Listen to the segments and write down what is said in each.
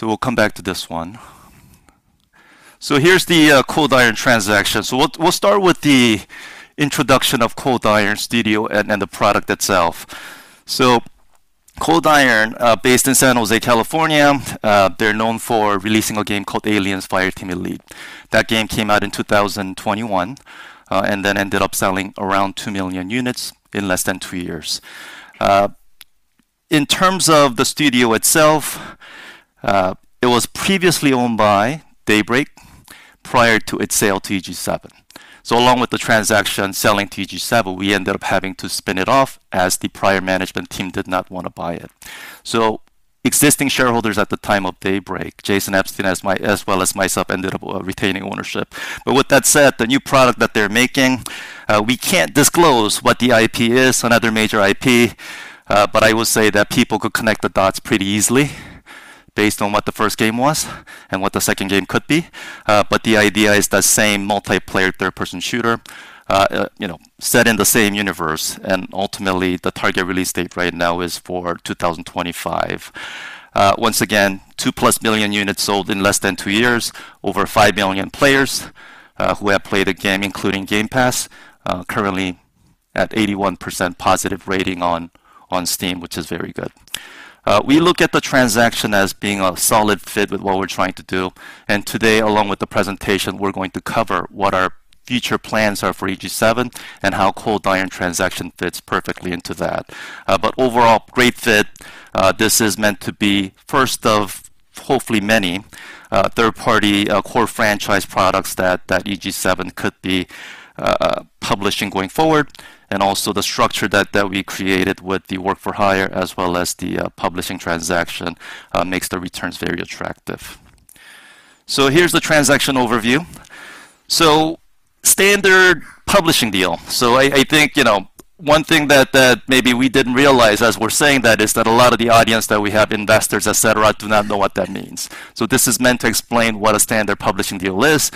So we'll come back to this one. So here's the Cold Iron transaction. So we'll start with the introduction of Cold Iron Studios and the product itself. So Cold Iron, based in San Jose, California. They're known for releasing a game called Aliens: Fireteam Elite. That game came out in 2021, and then ended up selling around 2 million units in less than two years. In terms of the studio itself, it was previously owned by Daybreak prior to its sale to EG7. So along with the transaction selling to EG7, we ended up having to spin it off as the prior management team did not want to buy it. So existing shareholders at the time of Daybreak, Jason Epstein, as well as myself, ended up retaining ownership. But with that said, the new product that they're making, we can't disclose what the IP is, another major IP, but I will say that people could connect the dots pretty easily based on what the first game was and what the second game could be. But the idea is the same multiplayer, third-person shooter, you know, set in the same universe, and ultimately the target release date right now is for 2025. Once again, 2+ million units sold in less than two years. Over 5 million players who have played the game, including Game Pass, currently at 81% positive rating on Steam, which is very good. We look at the transaction as being a solid fit with what we're trying to do, and today, along with the presentation, we're going to cover what our future plans are for EG7 and how Cold Iron transaction fits perfectly into that. But overall, great fit. This is meant to be first of hopefully many third-party core franchise products that EG7 could be publishing going forward. And also the structure that we created with the work for hire as well as the publishing transaction makes the returns very attractive. So here's the transaction overview. So standard publishing deal. So I think, you know, one thing that maybe we didn't realize, as we're saying that, is that a lot of the audience that we have, investors, et cetera, do not know what that means. So this is meant to explain what a standard publishing deal is.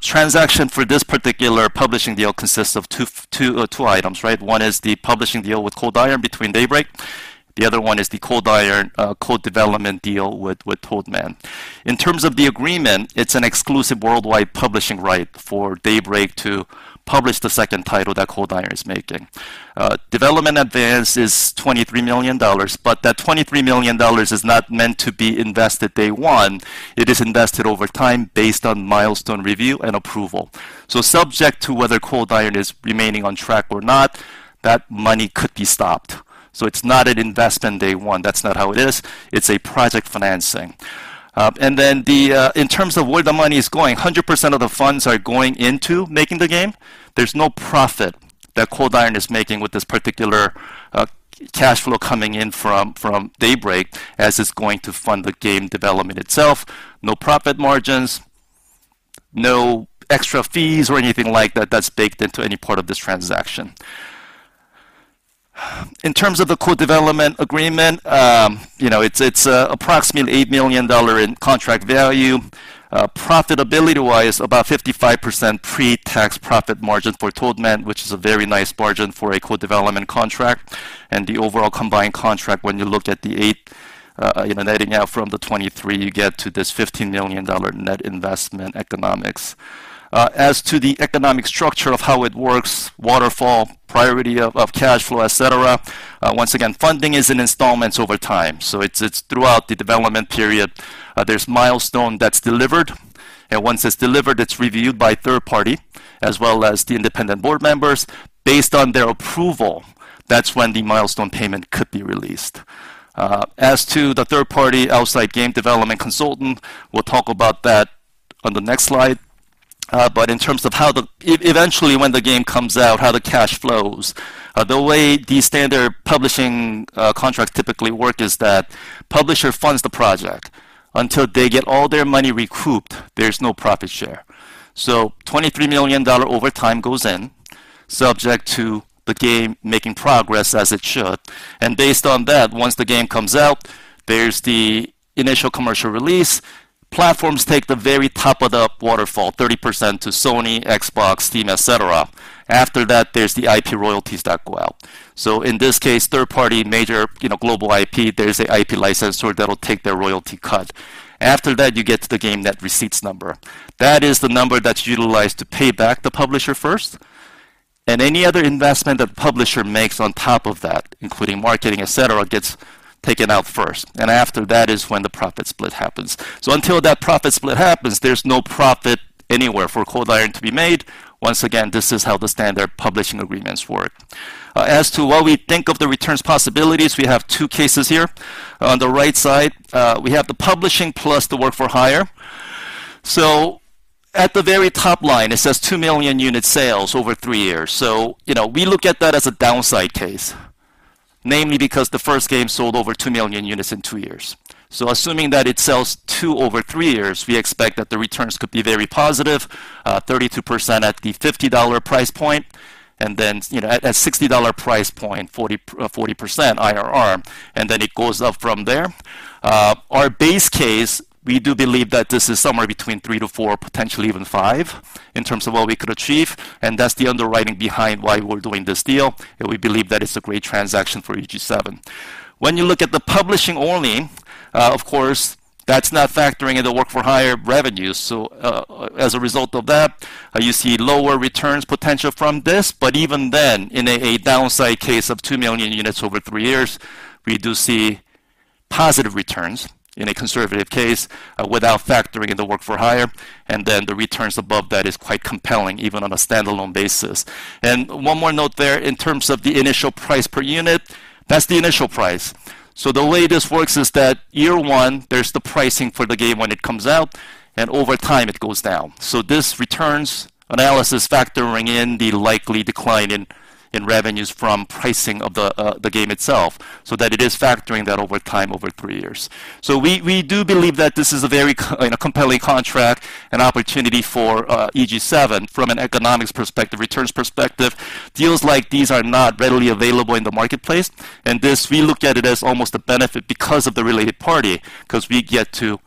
Transaction for this particular publishing deal consists of two items, right? One is the publishing deal with Cold Iron between Daybreak. The other one is the Cold Iron co-development deal with Toadman. In terms of the agreement, it's an exclusive worldwide publishing right for Daybreak to publish the second title that Cold Iron is making. Development advance is $23 million, but that $23 million is not meant to be invested day one. It is invested over time based on milestone review and approval. So subject to whether Cold Iron is remaining on track or not, that money could be stopped. So it's not an investment day one. That's not how it is. It's a project financing. In terms of where the money is going, 100% of the funds are going into making the game. There's no profit that Cold Iron is making with this particular, cash flow coming in from Daybreak, as it's going to fund the game development itself. No profit margins, no extra fees or anything like that that's baked into any part of this transaction. In terms of the co-development agreement, you know, it's approximately $8 million in contract value. Profitability-wise, about 55% pre-tax profit margin for Toadman, which is a very nice margin for a co-development contract. And the overall combined contract, when you look at the eight, you know, netting out from the 23, you get to this $15 million net investment economics. As to the economic structure of how it works, Waterfall, priority of cash flow, et cetera. Once again, funding is in installments over time. So it's throughout the development period. There's milestone that's delivered, and once it's delivered, it's reviewed by third-party as well as the independent board members. Based on their approval, that's when the milestone payment could be released. As to the third-party outside game development consultant, we'll talk about that on the next slide. But in terms of how the eventually, when the game comes out, how the cash flows, the way the standard publishing contracts typically work is that publisher funds the project. Until they get all their money recouped, there's no profit share. So $23 million over time goes in, subject to the game making progress as it should, and based on that, once the game comes out, there's the initial commercial release. Platforms take the very top of the waterfall, 30% to Sony, Xbox, Steam, etc. After that, there's the IP royalties that go out. So in this case, third-party, major, you know, global IP, there's a IP licensor that'll take their royalty cut. After that, you get to the game net receipts number. That is the number that's utilized to pay back the publisher first and any other investment the publisher makes on top of that, including marketing, etc., gets taken out first, and after that is when the profit split happens. So until that profit split happens, there's no profit anywhere for Cold Iron to be made. Once again, this is how the standard publishing agreements work. As to what we think of the returns possibilities, we have two cases here. On the right side, we have the publishing plus the work for hire. At the very top line, it says 2 million unit sales over three years. You know, we look at that as a downside case, namely because the first game sold over 2 million units in two years. Assuming that it sells two over three years, we expect that the returns could be very positive, 32% at the $50 price point, and then, you know, at, at $60 price point, 40% IRR, and then it goes up from there. Our base case, we do believe that this is somewhere between three to four, potentially even five, in terms of what we could achieve, and that's the underwriting behind why we're doing this deal, and we believe that it's a great transaction for EG7. When you look at the publishing only, of course, that's not factoring in the work-for-hire revenues. So, as a result of that, you see lower returns potential from this, but even then, in a downside case of 2 million units over three years, we do see positive returns in a conservative case without factoring in the work for hire, and then the returns above that is quite compelling, even on a standalone basis. One more note there, in terms of the initial price per unit, that's the initial price. So the way this works is that year one, there's the pricing for the game when it comes out, and over time it goes down. So this returns analysis factoring in the likely decline in revenues from pricing of the game itself, so that it is factoring that over time, over three years. So we do believe that this is a very, you know, compelling contract and opportunity for EG7 from an economics perspective, returns perspective. Deals like these are not readily available in the marketplace, and this, we look at it as almost a benefit because of the related party, 'cause we get to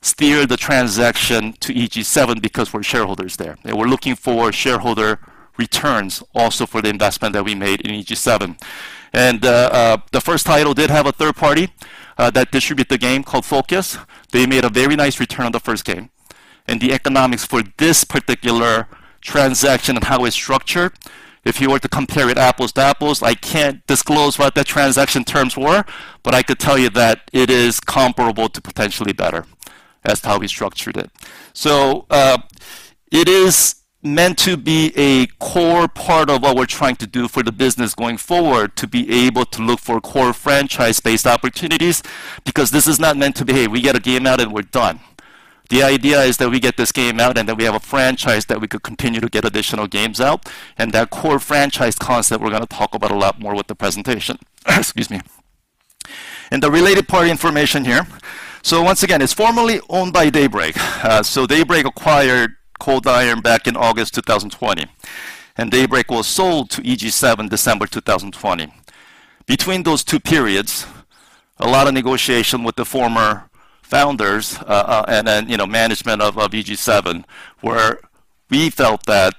steer the transaction to EG7 because we're shareholders there. And we're looking for shareholder returns also for the investment that we made in EG7. The first title did have a third-party that distribute the game called Focus. They made a very nice return on the first game. The economics for this particular transaction and how it's structured, if you were to compare it apples to apples, I can't disclose what the transaction terms were, but I could tell you that it is comparable to potentially better. That's how we structured it. So, it is meant to be a core part of what we're trying to do for the business going forward, to be able to look for core franchise-based opportunities, because this is not meant to be, "Hey, we get a game out, and we're done." The idea is that we get this game out, and then we have a franchise that we could continue to get additional games out, and that core franchise concept, we're gonna talk about a lot more with the presentation. Excuse me. The related party information here. So once again, it's formerly owned by Daybreak. So Daybreak acquired Cold Iron back in August 2020, and Daybreak was sold to EG7, December 2020. Between those two periods, a lot of negotiation with the former founders, and then, you know, management of EG7, where we felt that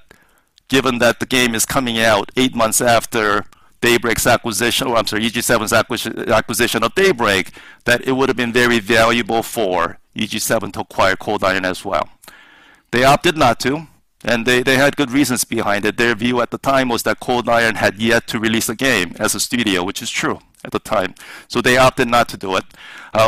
given that the game is coming out eight months after Daybreak's acquisition. Oh, I'm sorry, EG7's acquisition of Daybreak, that it would have been very valuable for EG7 to acquire Cold Iron as well. They opted not to, and they had good reasons behind it. Their view at the time was that Cold Iron had yet to release a game as a studio, which is true at the time, so they opted not to do it.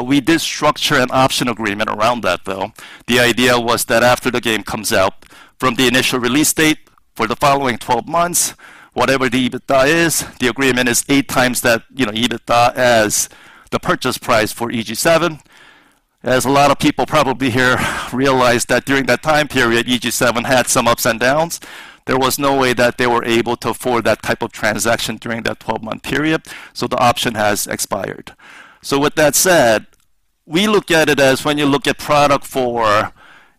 We did structure an option agreement around that, though. The idea was that after the game comes out, from the initial release date for the following 12 months, whatever the EBITDA is, the agreement is eight times that, you know, EBITDA, as the purchase price for EG7. As a lot of people probably here realize that during that time period, EG7 had some ups and downs. There was no way that they were able to afford that type of transaction during that 12-month period, so the option has expired. So with that said, we look at it as when you look at product for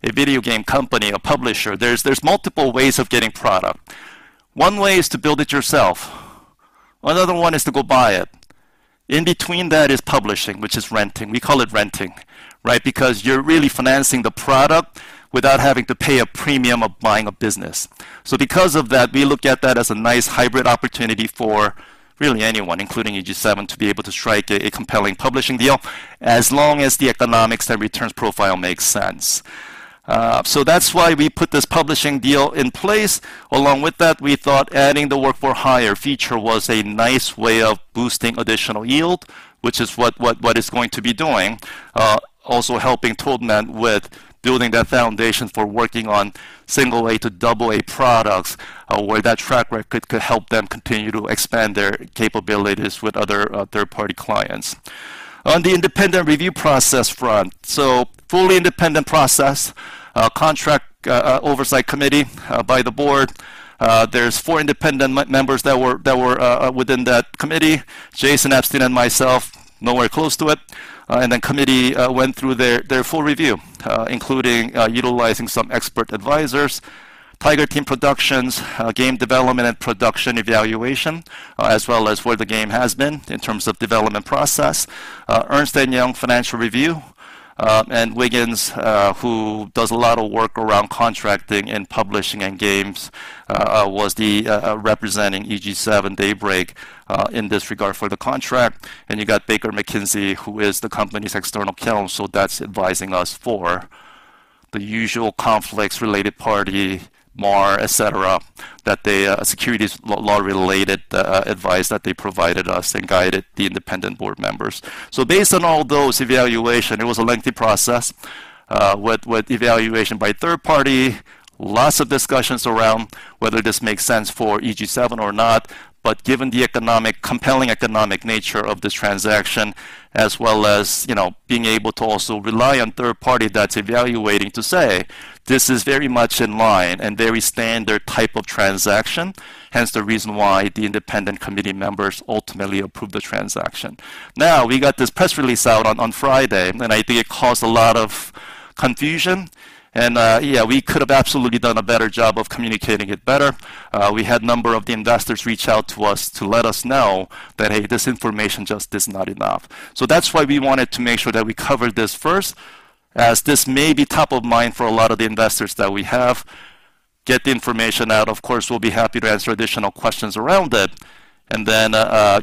a video game company or publisher, there's multiple ways of getting product. One way is to build it yourself. Another one is to go buy it. In between that is publishing, which is renting. We call it renting, right? Because you're really financing the product without having to pay a premium of buying a business. So because of that, we look at that as a nice hybrid opportunity for really anyone, including EG7, to be able to strike a, a compelling publishing deal, as long as the economics and returns profile makes sense. So that's why we put this publishing deal in place. Along with that, we thought adding the work-for-hire feature was a nice way of boosting additional yield, which is what, what, what it's going to be doing, also helping Toadman with building that foundation for working on Single-A to Double-A products, where that track record could help them continue to expand their capabilities with other, third-party clients. On the independent review process front, so fully independent process, contract, oversight committee, by the board. There are four independent members that were within that committee. Jason Epstein and myself, nowhere close to it. The committee went through their full review, including utilizing some expert advisors, Tiger Team Productions, game development and production evaluation, as well as where the game has been in terms of development process. Ernst & Young financial review, and Wiggins, who does a lot of work around contracting and publishing and games, was representing EG7 Daybreak in this regard for the contract. You got Baker McKenzie, who is the company's external counsel, that's advising us for the usual conflicts, related party, MAR, et cetera, that the securities law-related advice that they provided us and guided the independent board members. So based on all those evaluation, it was a lengthy process, with evaluation by third party, lots of discussions around whether this makes sense for EG7 or not, but given the economic compelling economic nature of this transaction, as well as, you know, being able to also rely on third party that's evaluating to say, "This is very much in line and very standard type of transaction." Hence, the reason why the independent committee members ultimately approved the transaction. Now, we got this press release out on Friday, and I think it caused a lot of confusion, and, yeah, we could have absolutely done a better job of communicating it better. We had a number of the investors reach out to us to let us know that, "Hey, this information just is not enough." So that's why we wanted to make sure that we covered this first, as this may be top of mind for a lot of the investors that we have. Get the information out, of course, we'll be happy to answer additional questions around it. And then,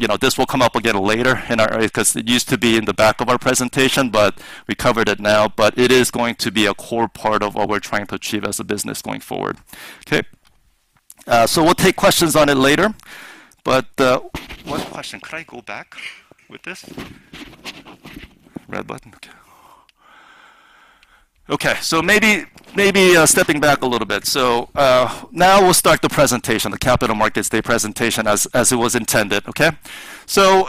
you know, this will come up again later in our. Because it used to be in the back of our presentation, but we covered it now, but it is going to be a core part of what we're trying to achieve as a business going forward. Okay? So we'll take questions on it later, but, one question, could I go back with this? Red button. Okay, so maybe, stepping back a little bit. So, now we'll start the presentation, the Capital Markets Day presentation, as it was intended, okay? So,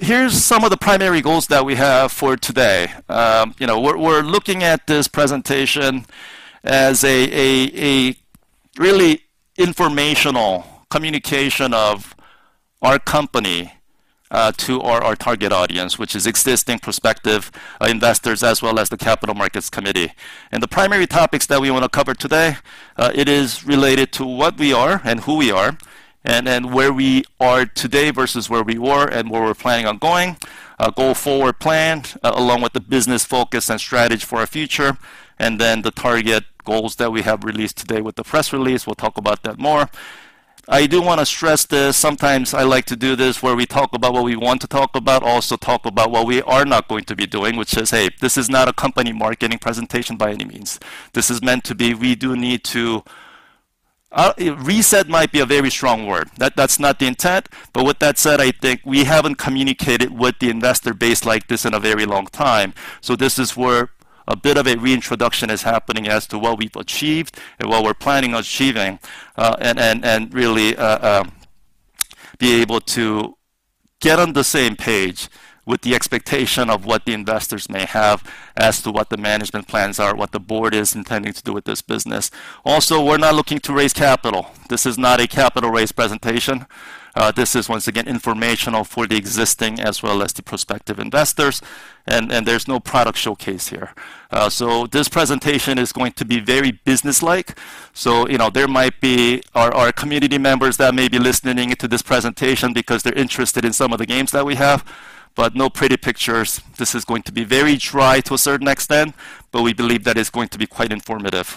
here's some of the primary goals that we have for today. You know, we're looking at this presentation as a really informational communication of our company to our target audience, which is existing prospective investors, as well as the Capital Markets Committee. And the primary topics that we wanna cover today, it is related to what we are and who we are, and then where we are today versus where we were and where we're planning on going. Our go-forward plan, along with the business focus and strategy for our future, and then the target goals that we have released today with the press release. We'll talk about that more. I do wanna stress this. Sometimes I like to do this where we talk about what we want to talk about, also talk about what we are not going to be doing, which is, hey, this is not a company marketing presentation by any means. This is meant to be. We do need to, reset might be a very strong word. That's not the intent. But with that said, I think we haven't communicated with the investor base like this in a very long time. So this is where a bit of a reintroduction is happening as to what we've achieved and what we're planning on achieving, and really, be able to get on the same page with the expectation of what the investors may have as to what the management plans are, what the board is intending to do with this business. Also, we're not looking to raise capital. This is not a capital raise presentation. This is, once again, informational for the existing as well as the prospective investors, and there's no product showcase here. So, this presentation is going to be very businesslike. So, you know, there might be our community members that may be listening to this presentation because they're interested in some of the games that we have, but no pretty pictures. This is going to be very dry to a certain extent, but we believe that it's going to be quite informative.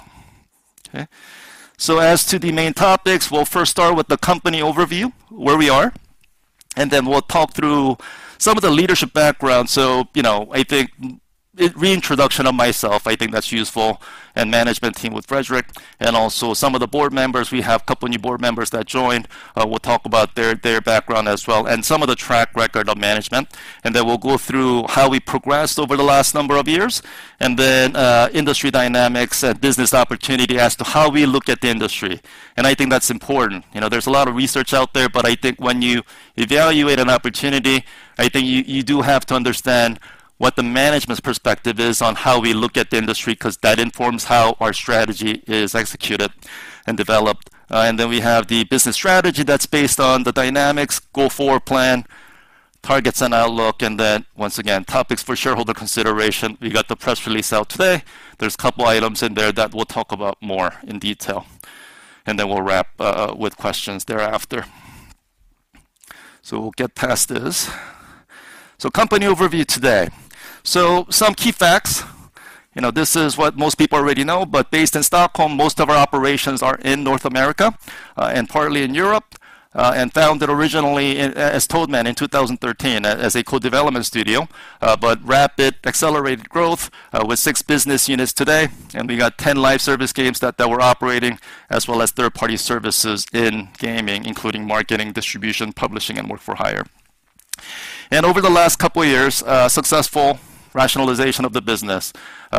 Okay? So as to the main topics, we'll first start with the company overview, where we are, and then we'll talk through some of the leadership background. So, you know, I think reintroduction of myself, I think that's useful, and management team with Fredrik and also some of the board members. We have a couple of new board members that joined. We'll talk about their, their background as well and some of the track record of management. And then we'll go through how we progressed over the last number of years, and then, industry dynamics and business opportunity as to how we look at the industry. And I think that's important. You know, there's a lot of research out there, but I think when you evaluate an opportunity, I think you, you do have to understand what the management's perspective is on how we look at the industry, because that informs how our strategy is executed and developed. And then we have the business strategy that's based on the dynamics, go-forward plan, targets and outlook, and then once again, topics for shareholder consideration. We got the press release out today. There's a couple items in there that we'll talk about more in detail, and then we'll wrap with questions thereafter. So we'll get past this. So company overview today. So some key facts. You know, this is what most people already know, but based in Stockholm, most of our operations are in North America and partly in Europe and founded originally as Toadman in 2013 as a co-development studio, but rapid, accelerated growth with 6 business units today, and we got 10 live service games that we're operating, as well as third-party services in gaming, including marketing, distribution, publishing, and work-for-hire. Over the last couple of years, successful rationalization of the business,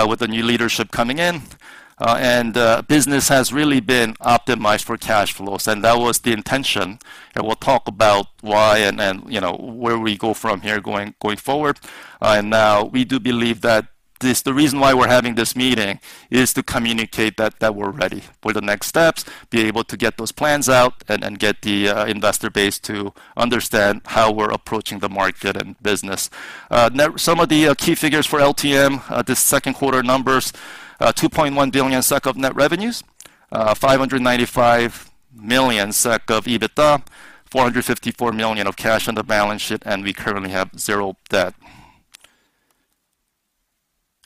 with the new leadership coming in, and business has really been optimized for cash flows, and that was the intention, and we'll talk about why, and then, you know, where we go from here going forward. Now we do believe that this, the reason why we're having this meeting is to communicate that we're ready for the next steps, be able to get those plans out and get the investor base to understand how we're approaching the market and business. Now, some of the key figures for LTM, the second quarter numbers, 2.1 billion SEK of net revenues, 595 million SEK of EBITDA, 454 million of cash on the balance sheet, and we currently have 0 debt.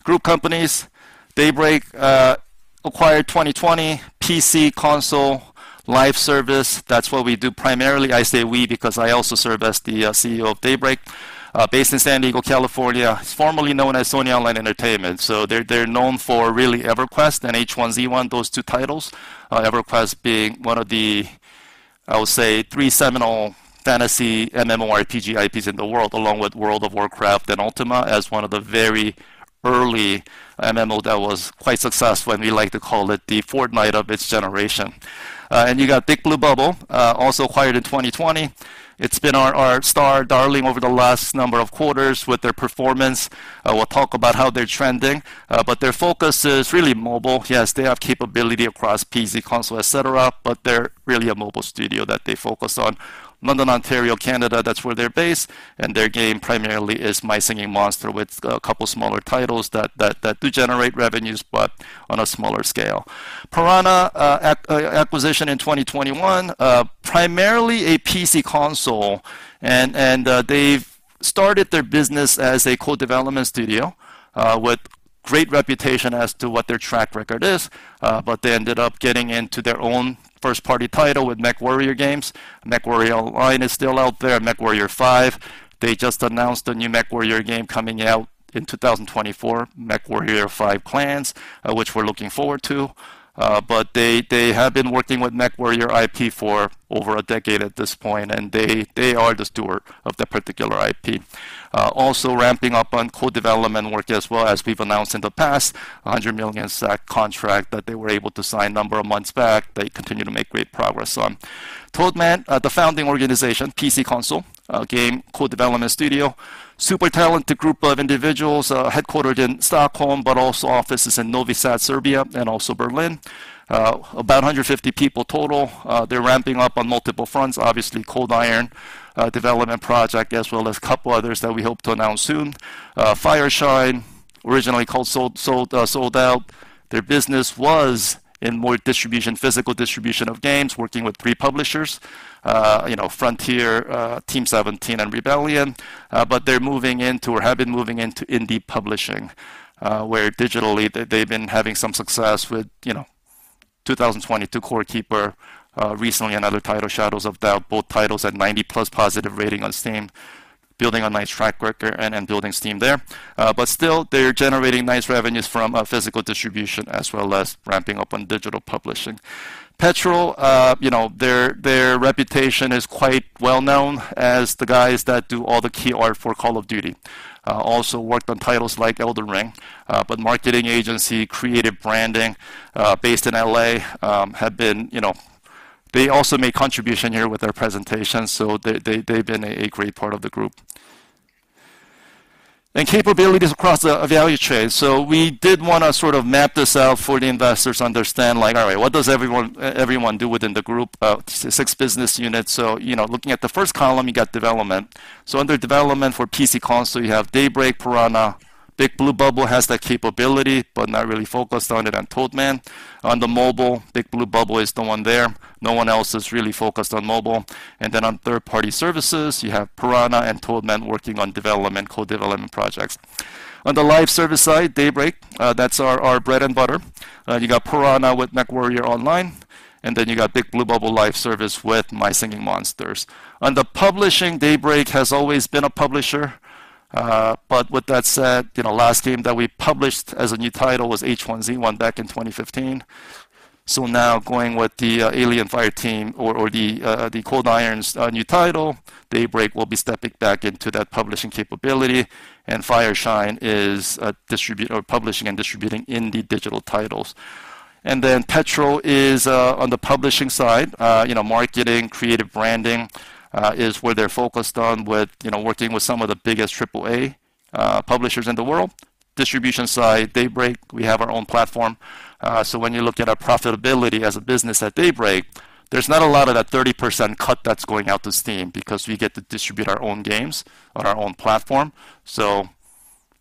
Group companies, Daybreak, acquired in 2020. PC, console, live service, that's what we do primarily. I say "we" because I also serve as the CEO of Daybreak, based in San Diego, California. It's formerly known as Sony Online Entertainment, so they're known for really EverQuest and H1Z1, those two titles. EverQuest being one of the, I would say, three seminal fantasy MMORPG IPs in the world, along with World of Warcraft and Ultima, as one of the very early MMO that was quite successful, and we like to call it the Fortnite of its generation. And you got Big Blue Bubble, also acquired in 2020. It's been our star darling over the last number of quarters with their performance. We'll talk about how they're trending, but their focus is really mobile. Yes, they have capability across PC, console, et cetera, but they're really a mobile studio that they focus on. London, Ontario, Canada, that's where they're based, and their game primarily is My Singing Monsters, with a couple smaller titles that do generate revenues, but on a smaller scale. Piranha acquisition in 2021, primarily a PC console, and they've started their business as a co-development studio. Great reputation as to what their track record is, but they ended up getting into their own first-party title with MechWarrior Games. MechWarrior line is still out there, MechWarrior 5. They just announced a new MechWarrior game coming out in 2024, MechWarrior 5: Clans, which we're looking forward to. But they have been working with MechWarrior IP for over a decade at this point, and they are the steward of that particular IP. Also ramping up on co-development work as well as we've announced in the past, a 100 million contract that they were able to sign a number of months back. They continue to make great progress on. Toadman, the founding organization, PC console game co-development studio. Super talented group of individuals, headquartered in Stockholm, but also offices in Novi Sad, Serbia, and also Berlin. About 150 people total. They're ramping up on multiple fronts, obviously, Cold Iron development project, as well as a couple others that we hope to announce soon. Fireshine, originally called Sold Out. Their business was in more distribution, physical distribution of games, working with three publishers, you know, Frontier, Team17, and Rebellion, but they're moving into or have been moving into indie publishing, where digitally they've been having some success with, you know, 2022 Core Keeper, recently another title, Shadows of Doubt, both titles at 90+ positive rating on Steam, building a nice track record and building steam there. But still, they're generating nice revenues from physical distribution as well as ramping up on digital publishing. Petrol, you know, their reputation is quite well known as the guys that do all the key art for Call of Duty. Also worked on titles like Elden Ring, but marketing agency, creative branding, based in L.A., have been. You know, they also make contribution here with their presentations, so they, they've been a great part of the group. Then capabilities across the value chain. So we did wanna sort of map this out for the investors to understand, like, alright, what does everyone do within the group, six business units? So, you know, looking at the first column, you got development. So under development for PC console, you have Daybreak, Piranha. Big Blue Bubble has that capability, but not really focused on it, and Toadman. On the mobile, Big Blue Bubble is the one there. No one else is really focused on mobile. And then on third-party services, you have Piranha and Toadman working on development, co-development projects. On the live service side, Daybreak, that's our, our bread and butter. You got Piranha with MechWarrior Online, and then you got Big Blue Bubble live service with My Singing Monsters. On the publishing, Daybreak has always been a publisher, but with that said, you know, last game that we published as a new title was H1Z1 back in 2015. So now going with the, Alien Fireteam or, or the, the Cold Iron's, new title, Daybreak will be stepping back into that publishing capability, and Fireshine is, distribute or publishing and distributing indie digital titles. Then Petrol is, on the publishing side, you know, marketing, creative branding, is where they're focused on with, you know, working with some of the biggest AAA, publishers in the world. Distribution side, Daybreak, we have our own platform. So when you look at our profitability as a business at Daybreak, there's not a lot of that 30% cut that's going out to Steam because we get to distribute our own games on our own platform. So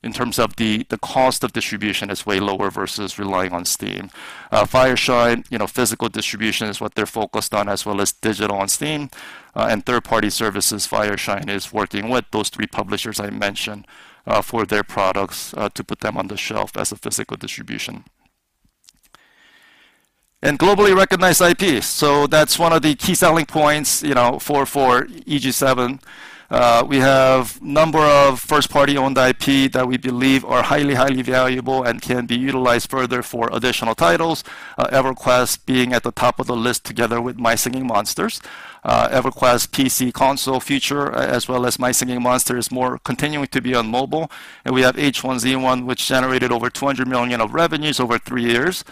in terms of the, the cost of distribution is way lower versus relying on Steam. Fireshine, you know, physical distribution is what they're focused on, as well as digital on Steam. And third-party services, Fireshine is working with those three publishers I mentioned, for their products, to put them on the shelf as a physical distribution. And globally recognized IP. So that's one of the key selling points, you know, for EG7. We have a number of first-party owned IP that we believe are highly, highly valuable and can be utilized further for additional titles, EverQuest being at the top of the list, together with My Singing Monsters. EverQuest PC/console feature, as well as My Singing Monsters, more continuing to be on mobile. And we have H1Z1, which generated over $200 million of revenues over three years,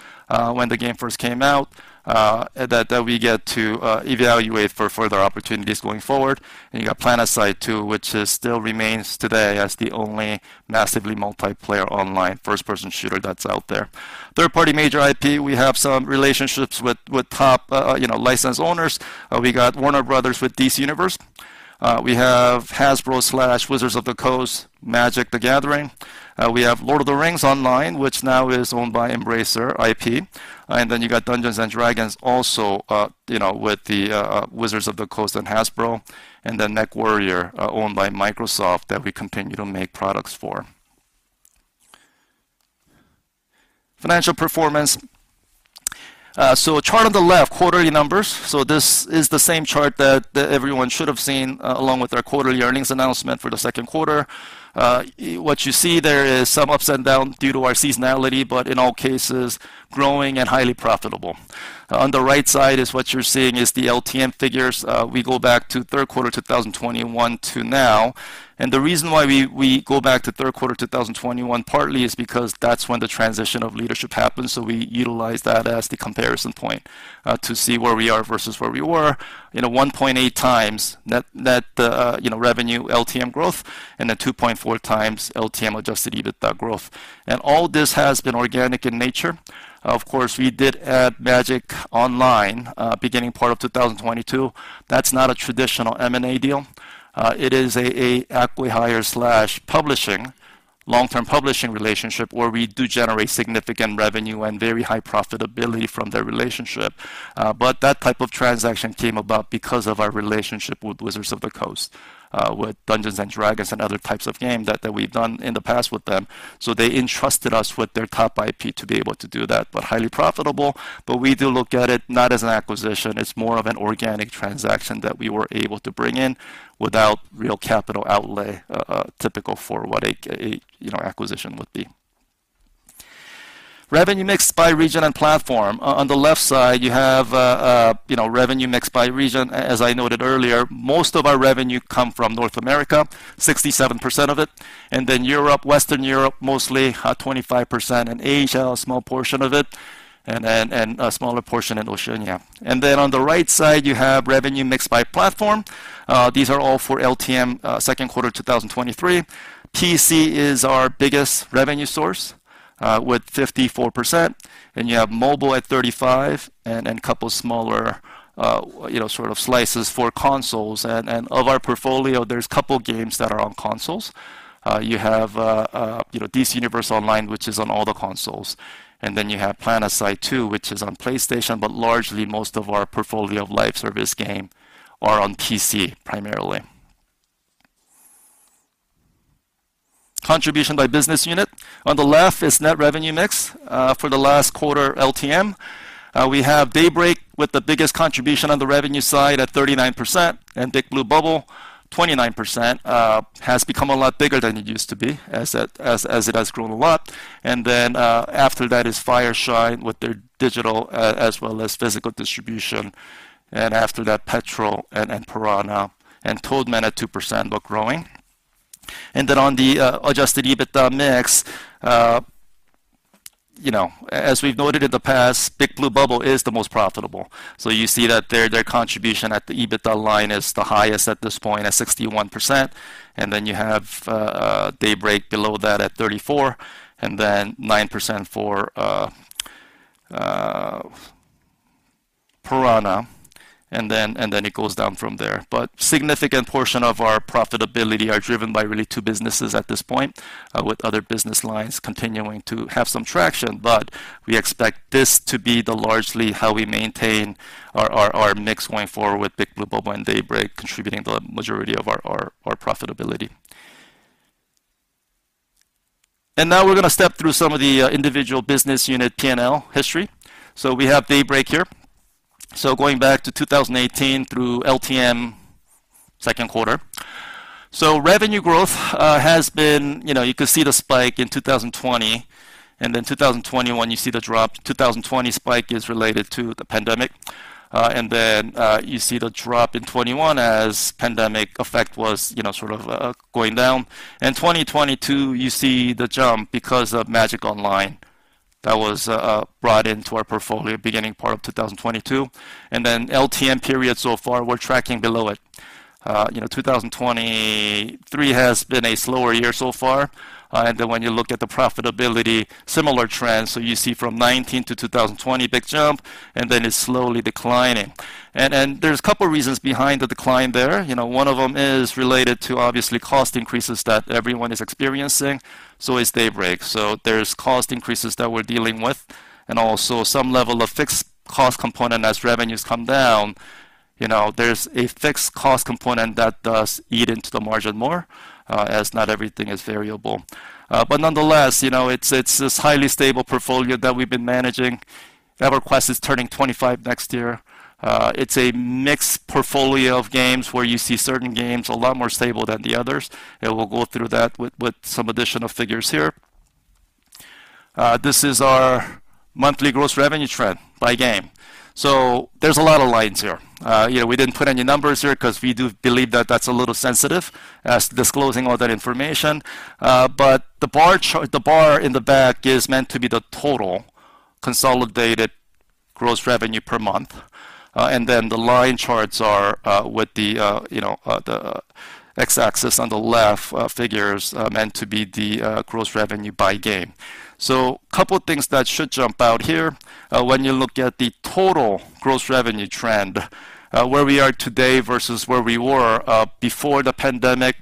when the game first came out, that we get to evaluate for further opportunities going forward. And you got PlanetSide 2, which still remains today as the only massively multiplayer online first-person shooter that's out there. Third-party major IP, we have some relationships with top, you know, license owners. We got Warner Brothers with DC Universe. We have Hasbro/Wizards of the Coast, Magic: The Gathering. We have Lord of the Rings Online, which now is owned by Embracer IP. And then you got Dungeons & Dragons also, you know, with the Wizards of the Coast and Hasbro, and then MechWarrior, owned by Microsoft, that we continue to make products for. Financial performance. So chart on the left, quarterly numbers. So this is the same chart that everyone should have seen, along with our quarterly earnings announcement for the second quarter. What you see there is some ups and downs due to our seasonality, but in all cases, growing and highly profitable. On the right side is what you're seeing is the LTM figures. We go back to third quarter 2021 to now. The reason why we go back to third quarter 2021, partly, is because that's when the transition of leadership happened. We utilize that as the comparison point, you know, 1.8x net, net, you know, revenue LTM growth, and then 2.4x LTM adjusted EBITDA growth. All this has been organic in nature. Of course, we did add Magic Online, beginning part of 2022. That's not a traditional M&A deal. It is a acqui-hire/publishing. long-term publishing relationship where we do generate significant revenue and very high profitability from the relationship. That type of transaction came about because of our relationship with Wizards of the Coast, with Dungeons & Dragons and other types of games that we've done in the past with them. So they entrusted us with their top IP to be able to do that, but highly profitable. But we do look at it not as an acquisition. It's more of an organic transaction that we were able to bring in without real capital outlay, typical for what a, you know, acquisition would be. Revenue mix by region and platform. On the left side, you have, you know, revenue mix by region. As I noted earlier, most of our revenue come from North America, 67% of it, and then Europe, Western Europe, mostly, 25%, and Asia, a small portion of it, and a smaller portion in Oceania. And then on the right side, you have revenue mix by platform. These are all for LTM, second quarter, 2023. PC is our biggest revenue source, with 54%, and you have mobile at 35% and a couple smaller, you know, sort of slices for consoles. And of our portfolio, there's a couple games that are on consoles. You have, you know, DC Universe Online, which is on all the consoles, and then you have PlanetSide 2, which is on PlayStation, but largely most of our portfolio of live service game are on PC, primarily. Contribution by business unit. On the left is net revenue mix. For the last quarter, LTM, we have Daybreak with the biggest contribution on the revenue side at 39%, and Big Blue Bubble, 29%, has become a lot bigger than it used to be as it has grown a lot. Then, after that is Fireshine with their digital, as well as physical distribution, and after that, Petrol and Piranha and Toadman at 2%, but growing. Then on the adjusted EBITDA mix, you know, as we've noted in the past, Big Blue Bubble is the most profitable. So you see that their contribution at the EBITDA line is the highest at this point, at 61%. Then you have Daybreak below that at 34%, and then 9% for Piranha, and then it goes down from there. Significant portion of our profitability are driven by really two businesses at this point, with other business lines continuing to have some traction. But we expect this to be the largely how we maintain our mix going forward with Big Blue Bubble and Daybreak contributing the majority of our profitability. And now we're going to step through some of the individual business unit P&L history. So we have Daybreak here. So going back to 2018 through LTM Q2. So revenue growth has been. You know, you could see the spike in 2020, and then 2021, you see the drop. 2020 spike is related to the pandemic. And then you see the drop in 21 as pandemic effect was, you know, sort of going down. In 2022, you see the jump because of Magic Online. That was, brought into our portfolio beginning part of 2022, and then LTM period so far, we're tracking below it. You know, 2023 has been a slower year so far. And then when you look at the profitability, similar trends, so you see from 2019 to 2020, big jump, and then it's slowly declining. And there's a couple of reasons behind the decline there. You know, one of them is related to obviously cost increases that everyone is experiencing. So is Daybreak. So there's cost increases that we're dealing with and also some level of fixed cost component as revenues come down. You know, there's a fixed cost component that does eat into the margin more, as not everything is variable. But nonetheless, you know, it's, it's this highly stable portfolio that we've been managing. EverQuest is turning 25 next year. It's a mixed portfolio of games where you see certain games a lot more stable than the others, and we'll go through that with some additional figures here. This is our monthly gross revenue trend by game. So there's a lot of lines here. You know, we didn't put any numbers here because we do believe that that's a little sensitive as to disclosing all that information. But the bar chart, the bar in the back is meant to be the total consolidated gross revenue per month. And then the line charts are with the x-axis on the left figures meant to be the gross revenue by game. Couple things that should jump out here, when you look at the total gross revenue trend, where we are today versus where we were, before the pandemic,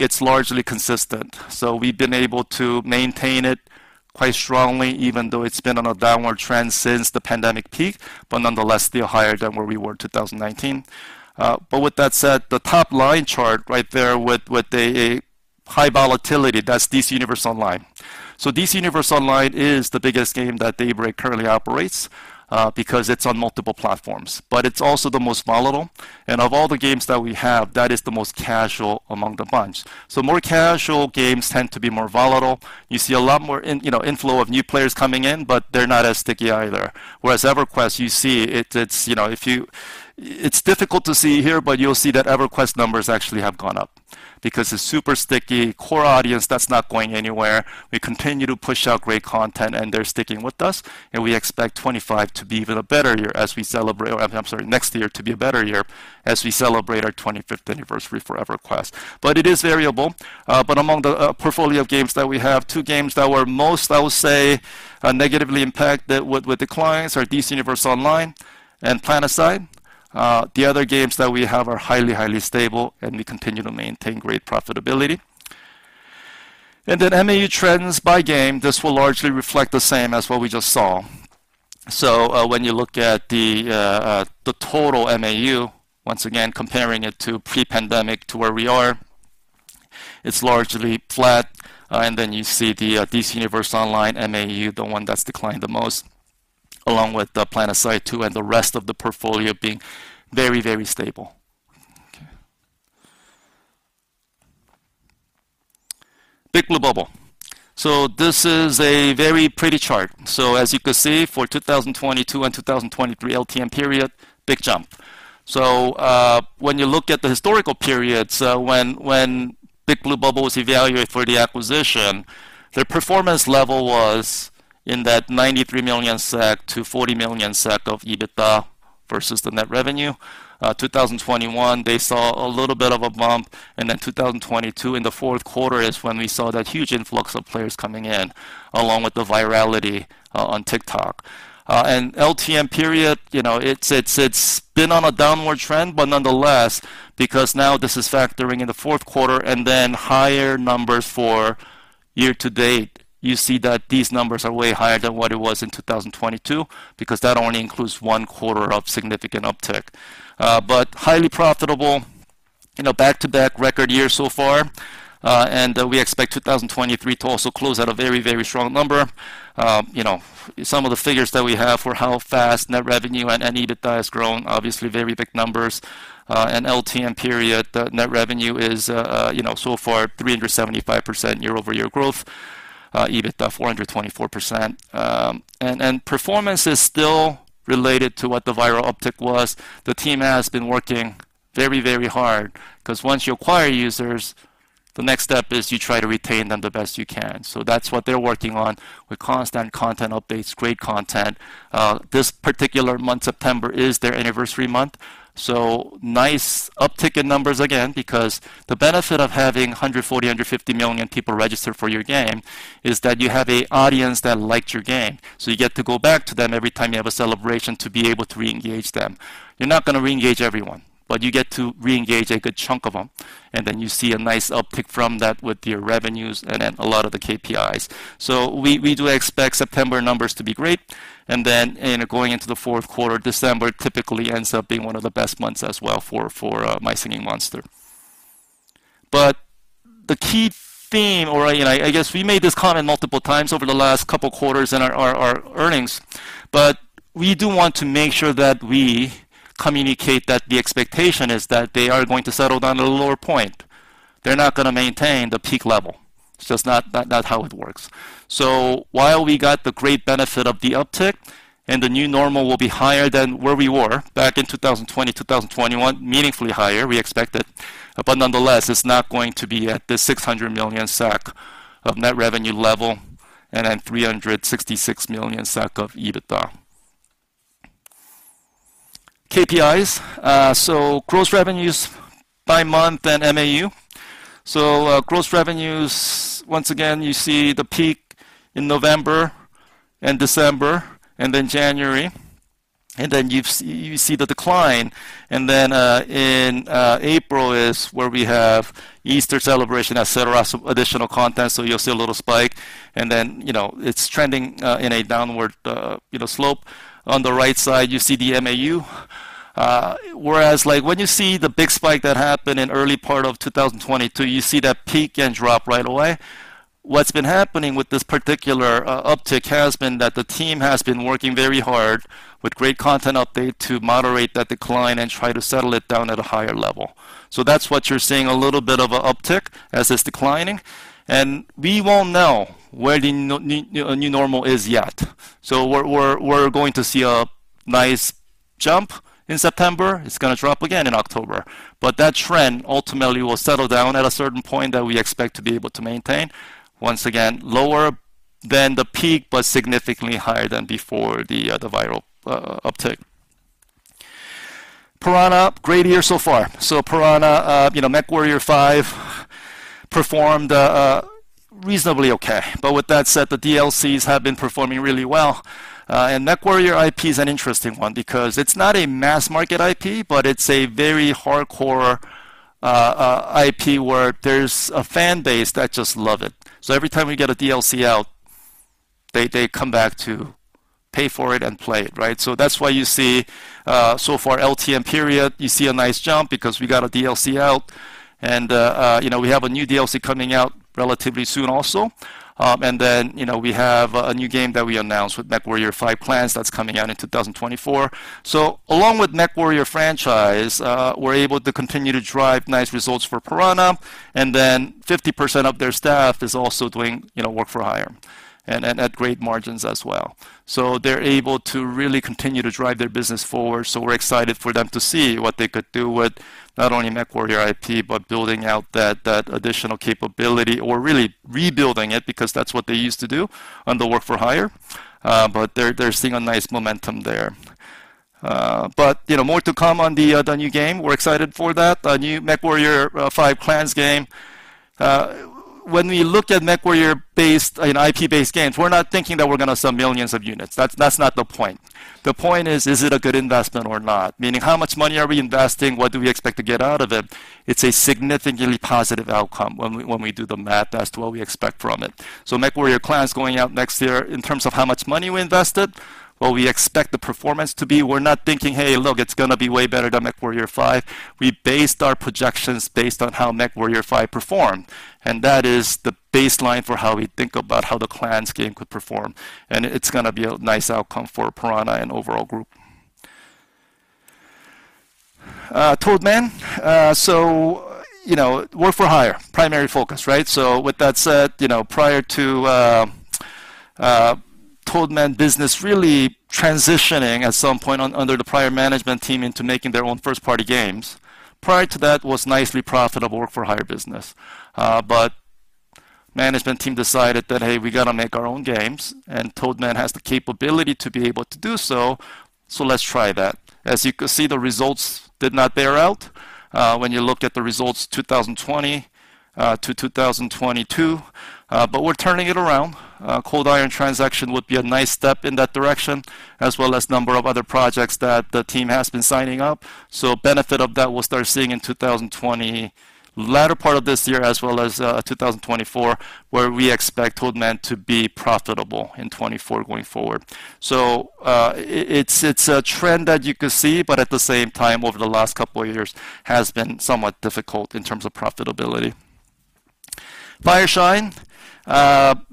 it's largely consistent. We've been able to maintain it quite strongly, even though it's been on a downward trend since the pandemic peak, but nonetheless, still higher than where we were in 2019. But with that said, the top line chart right there with a high volatility, that's DC Universe Online. DC Universe Online is the biggest game that Daybreak currently operates, because it's on multiple platforms, but it's also the most volatile. Of all the games that we have, that is the most casual among the bunch. More casual games tend to be more volatile. You see a lot more in, you know, inflow of new players coming in, but they're not as sticky either. Whereas EverQuest, you see it's, it's, you know, if you. It's difficult to see here, but you'll see that EverQuest numbers actually have gone up because it's super sticky core audience that's not going anywhere. We continue to push out great content, and they're sticking with us, and we expect 25 to be even a better year as we celebrate. I'm sorry, next year to be a better year as we celebrate our 25th anniversary for EverQuest. But it is variable. But among the portfolio of games that we have, two games that were most, I would say, negatively impacted with declines are DC Universe Online and PlanetSide. The other games that we have are highly, highly stable, and we continue to maintain great profitability. And then MAU Trends by Game, this will largely reflect the same as what we just saw. So, when you look at the total MAU, once again, comparing it to pre-pandemic to where we are, it's largely flat. And then you see the DC Universe Online MAU, the one that's declined the most, along with the PlanetSide 2 and the rest of the portfolio being very, very stable. Okay. Big Blue Bubble. So this is a very pretty chart. So as you can see, for 2022 and 2023 LTM period, big jump. When you look at the historical periods, when Big Blue Bubble was evaluated for the acquisition, their performance level was in that 93 million-40 million SEK of EBITDA versus the net revenue. 2021, they saw a little bit of a bump, and then 2022, in the fourth quarter, is when we saw that huge influx of players coming in, along with the virality on TikTok. And LTM period, you know, it's been on a downward trend, but nonetheless, because now this is factoring in the fourth quarter and then higher numbers for year to date, you see that these numbers are way higher than what it was in 2022, because that only includes one quarter of significant uptick. But highly profitable, you know, back-to-back record year so far. And we expect 2023 to also close at a very, very strong number. You know, some of the figures that we have for how fast net revenue and EBITDA has grown, obviously very big numbers. And LTM period, the net revenue is, you know, so far, 375% year-over-year growth, EBITDA, 424%. And performance is still related to what the viral uptick was. The team has been working very, very hard, 'cause once you acquire users, the next step is you try to retain them the best you can. So that's what they're working on with constant content updates, great content. This particular month, September, is their anniversary month, so nice uptick in numbers again, because the benefit of having 140-150 million people registered for your game is that you have an audience that likes your game. So you get to go back to them every time you have a celebration to be able to reengage them. You're not gonna reengage everyone, but you get to reengage a good chunk of them, and then you see a nice uptick from that with your revenues and then a lot of the KPIs. So we do expect September numbers to be great, and then, you know, going into the fourth quarter, December typically ends up being one of the best months as well for My Singing Monsters. But the key theme or, you know, I guess we made this comment multiple times over the last couple quarters in our earnings, but we do want to make sure that we communicate that the expectation is that they are going to settle down at a lower point. They're not gonna maintain the peak level. It's just not, not how it works. So while we got the great benefit of the uptick, and the new normal will be higher than where we were back in 2020, 2021, meaningfully higher, we expect it, but nonetheless, it's not going to be at the 600 million SAC of net revenue level and then 366 million SAC of EBITDA. KPIs. So gross revenues by month and MAU. So, gross revenues, once again, you see the peak in November and December and then January, and then you see the decline, and then, in April is where we have Easter celebration, et cetera, some additional content, so you'll see a little spike, and then, you know, it's trending, in a downward, you know, slope. On the right side, you see the MAU. Whereas, like, when you see the big spike that happened in early part of 2022, you see that peak and drop right away. What's been happening with this particular, uptick has been that the team has been working very hard with great content update to moderate that decline and try to settle it down at a higher level. So that's what you're seeing, a little bit of a uptick as it's declining, and we won't know where the new normal is yet. So we're, we're, we're going to see a nice jump in September. It's gonna drop again in October. But that trend ultimately will settle down at a certain point that we expect to be able to maintain. Once again, lower than the peak, but significantly higher than before the viral uptick. Piranha, great year so far. So Piranha, you know, MechWarrior five performed reasonably okay. But with that said, the DLCs have been performing really well. And MechWarrior IP is an interesting one because it's not a mass-market IP, but it's a very hardcore IP, where there's a fan base that just love it. So every time we get a DLC out, they, they come back to pay for it and play it, right? So that's why you see, so far LTM period, you see a nice jump because we got a DLC out, and, you know, we have a new DLC coming out relatively soon also. And then, you know, we have a new game that we announced with MechWarrior 5: Clans that's coming out in 2024. So along with MechWarrior franchise, we're able to continue to drive nice results for Piranha, and then 50% of their staff is also doing, you know, work for hire and at great margins as well. So they're able to really continue to drive their business forward. So we're excited for them to see what they could do with not only MechWarrior IP, but building out that additional capability or really rebuilding it, because that's what they used to do on the work for hire. But they're seeing a nice momentum there. But you know, more to come on the new game. We're excited for that, a new MechWarrior 5: Clans game. When we look at MechWarrior-based and IP-based games, we're not thinking that we're gonna sell millions of units. That's not the point. The point is, is it a good investment or not? Meaning, how much money are we investing? What do we expect to get out of it? It's a significantly positive outcome when we do the math as to what we expect from it. So MechWarrior 5: Clans is going out next year. In terms of how much money we invested. well, we expect the performance to be. We're not thinking, "Hey, look, it's gonna be way better than MechWarrior 5." We based our projections based on how MechWarrior 5 performed, and that is the baseline for how we think about how the Clans game could perform. And it's gonna be a nice outcome for Piranha and overall group. Toadman, so, you know, work-for-hire, primary focus, right? So with that said, you know, prior to Toadman business really transitioning at some point under the prior management team into making their own first-party games. Prior to that was nicely profitable work-for-hire business. Management team decided that, "Hey, we got to make our own games, and Toadman has the capability to be able to do so, so let's try that." As you can see, the results did not bear out, when you looked at the results 2020 to 2022. We're turning it around. Cold Iron transaction would be a nice step in that direction, as well as a number of other projects that the team has been signing up. Benefit of that, we'll start seeing in 2023, latter part of this year, as well as 2024, where we expect Toadman to be profitable in 2024 going forward. It's a trend that you can see, but at the same time, over the last couple of years, has been somewhat difficult in terms of profitability. Fireshine,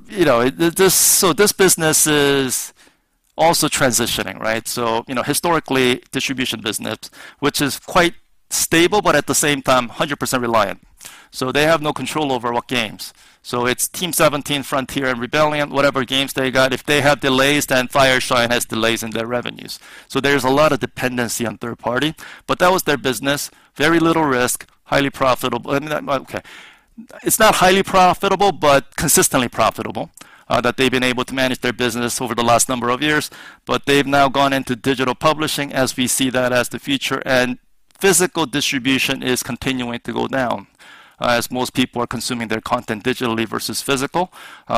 you know, this, so this business is also transitioning, right? So, you know, historically, distribution business, which is quite stable, but at the same time, 100% reliant. So they have no control over what games. So it's Team17, Frontier, and Rebellion, whatever games they got. If they have delays, then Fireshine has delays in their revenues. So there's a lot of dependency on third-party, but that was their business. Very little risk, highly profitable. Okay. It's not highly profitable, but consistently profitable, that they've been able to manage their business over the last number of years, but they've now gone into digital publishing as we see that as the future and physical distribution is continuing to go down, as most people are consuming their content digitally versus physical.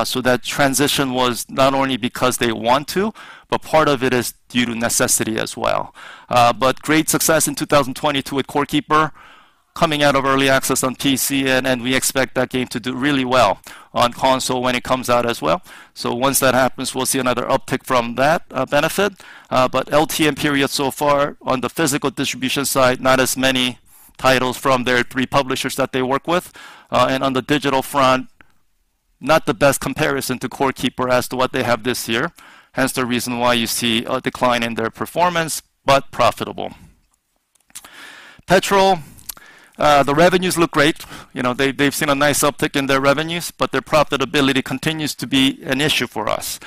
So that transition was not only because they want to, but part of it is due to necessity as well. But great success in 2022 with Core Keeper coming out of early access on PC, and then we expect that game to do really well on console when it comes out as well. So once that happens, we'll see another uptick from that, benefit. But LTM period so far on the physical distribution side, not as many titles from their three publishers that they work with. And on the digital front, not the best comparison to Core Keeper as to what they have this year, hence the reason why you see a decline in their performance, but profitable. Petrol, the revenues look great. You know, they, they've seen a nice uptick in their revenues, but their profitability continues to be an issue for us.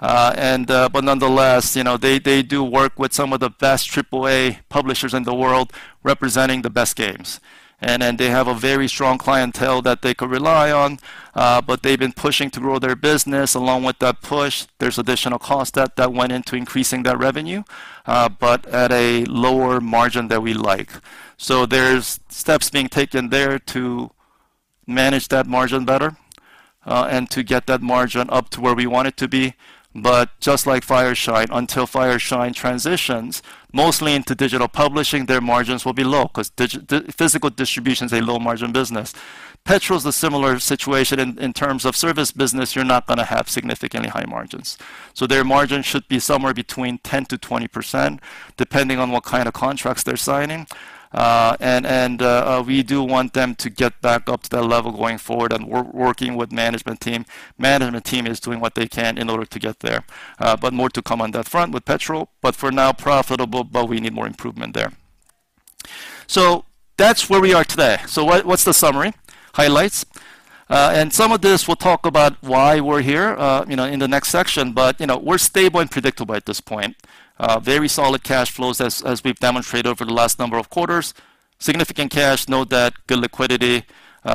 Nonetheless, you know, they, they do work with some of the best AAA publishers in the world, representing the best games. Then they have a very strong clientele that they could rely on, but they've been pushing to grow their business. Along with that push, there's additional cost that, that went into increasing that revenue, but at a lower margin than we like. So there's steps being taken there to manage that margin better, and to get that margin up to where we want it to be. But just like Fireshine, until Fireshine transitions mostly into digital publishing, their margins will be low 'cause physical distribution is a low-margin business. Petrol is a similar situation in, in terms of service business, you're not gonna have significantly high margins. So their margin should be somewhere between 10%-20%, depending on what kind of contracts they're signing. And we do want them to get back up to that level going forward, and we're working with management team. Management team is doing what they can in order to get there, but more to come on that front with Petrol. But for now, profitable, but we need more improvement there. So that's where we are today. So what, what's the summary? Highlights. And some of this, we'll talk about why we're here, you know, in the next section, but, you know, we're stable and predictable at this point. Very solid cash flows, as we've demonstrated over the last number of quarters. Significant cash, no debt, good liquidity.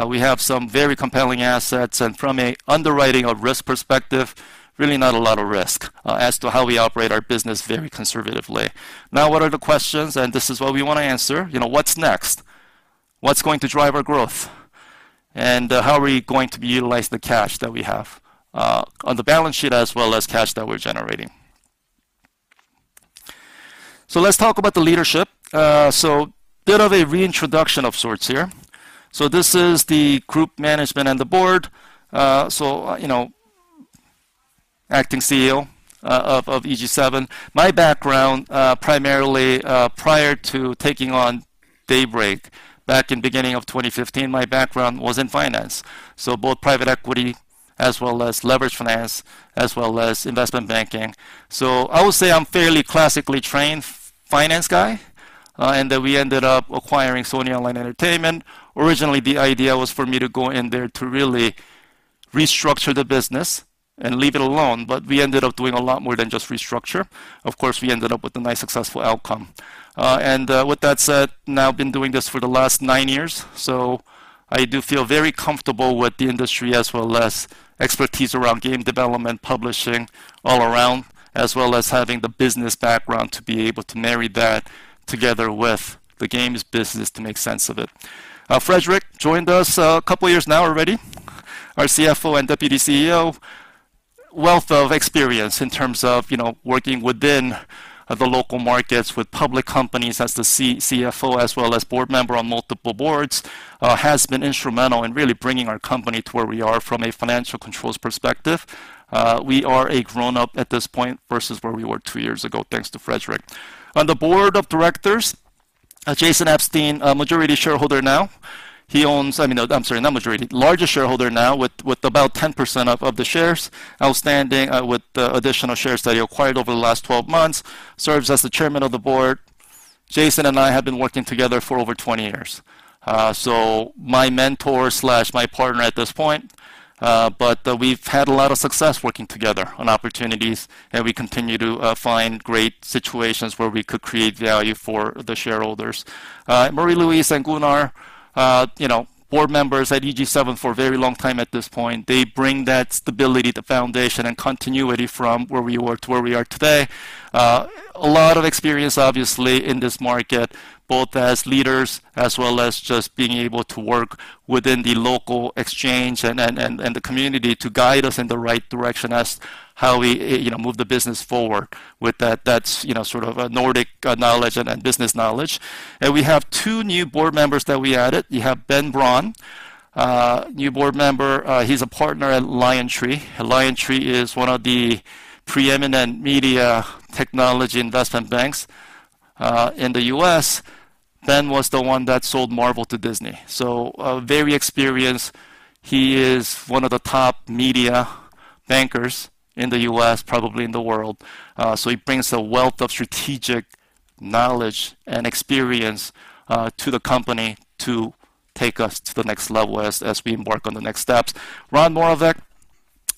We have some very compelling assets, and from a underwriting of risk perspective, really not a lot of risk, as to how we operate our business very conservatively. Now, what are the questions? And this is what we want to answer: You know, what's next? What's going to drive our growth? And, how are we going to be utilizing the cash that we have, on the balance sheet, as well as cash that we're generating? So let's talk about the leadership. So bit of a reintroduction of sorts here. So this is the group management and the board. So, you know, acting CEO of EG7. My background, primarily, prior to taking on Daybreak, back in beginning of 2015, my background was in finance, so both private equity as well as leverage finance, as well as investment banking. So I would say I'm fairly classically trained finance guy, and then we ended up acquiring Sony Online Entertainment. Originally, the idea was for me to go in there to really restructure the business and leave it alone, but we ended up doing a lot more than just restructure. Of course, we ended up with a nice, successful outcome. And with that said, now been doing this for the last nine years, so I do feel very comfortable with the industry, as well as expertise around game development, publishing, all around, as well as having the business background to be able to marry that together with the games business to make sense of it. Fredrik joined us a couple of years now already, our CFO and Deputy CEO. Wealth of experience in terms of, you know, working within the local markets with public companies as the CFO, as well as board member on multiple boards, has been instrumental in really bringing our company to where we are from a financial controls perspective. We are a grown-up at this point versus where we were two years ago, thanks to Fredrik. Jason Epstein, a majority shareholder now, he owns- I mean, I'm sorry, not majority. Largest shareholder now with, with about 10% of, of the shares outstanding, with the additional shares that he acquired over the last 12 months, serves as the Chairman of the Board. Jason and I have been working together for over 20 years. So my mentor/my partner at this point, but we've had a lot of success working together on opportunities, and we continue to find great situations where we could create value for the shareholders. Marie-Louise and Gunnar, you know, board members at EG7 for a very long time at this point. They bring that stability, the foundation and continuity from where we were to where we are today. A lot of experience, obviously, in this market, both as leaders as well as just being able to work within the local exchange and the community to guide us in the right direction as how we, you know, move the business forward with that. That's, you know, sort of a Nordic knowledge and business knowledge. And we have two new board members that we added. You have Ben Braun, new board member. He's a partner at Liontree. Liontree is one of the preeminent media technology investment banks in the US. Ben was the one that sold Marvel to Disney, so, very experienced. He is one of the top media bankers in the US, probably in the world. So he brings a wealth of strategic knowledge and experience to the company to take us to the next level as, as we work on the next steps. Ron Moravec.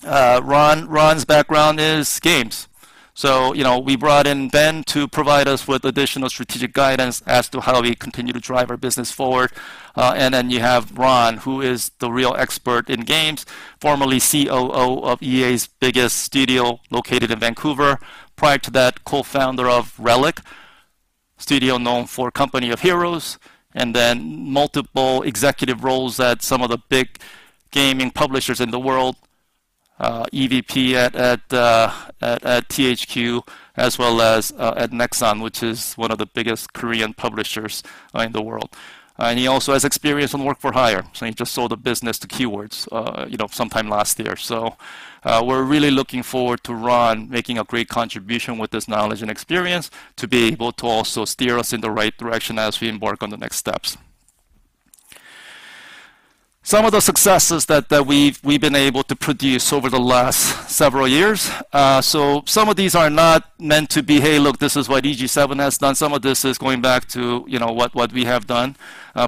Ron, Ron's background is games. So, you know, we brought in Ben to provide us with additional strategic guidance as to how do we continue to drive our business forward. And then you have Ron, who is the real expert in games, formerly COO of EA's biggest studio, located in Vancouver. Prior to that, co-founder of Relic, studio known for Company of Heroes, and then multiple executive roles at some of the big gaming publishers in the world. EVP at THQ, as well as at Nexon, which is one of the biggest Korean publishers in the world. And he also has experience on work for hire, so he just sold a business to Keywords, you know, sometime last year. So, we're really looking forward to Ron making a great contribution with his knowledge and experience to be able to also steer us in the right direction as we embark on the next steps. Some of the successes that we've been able to produce over the last several years. So some of these are not meant to be, "Hey, look, this is what EG7 has done." Some of this is going back to, you know, what we have done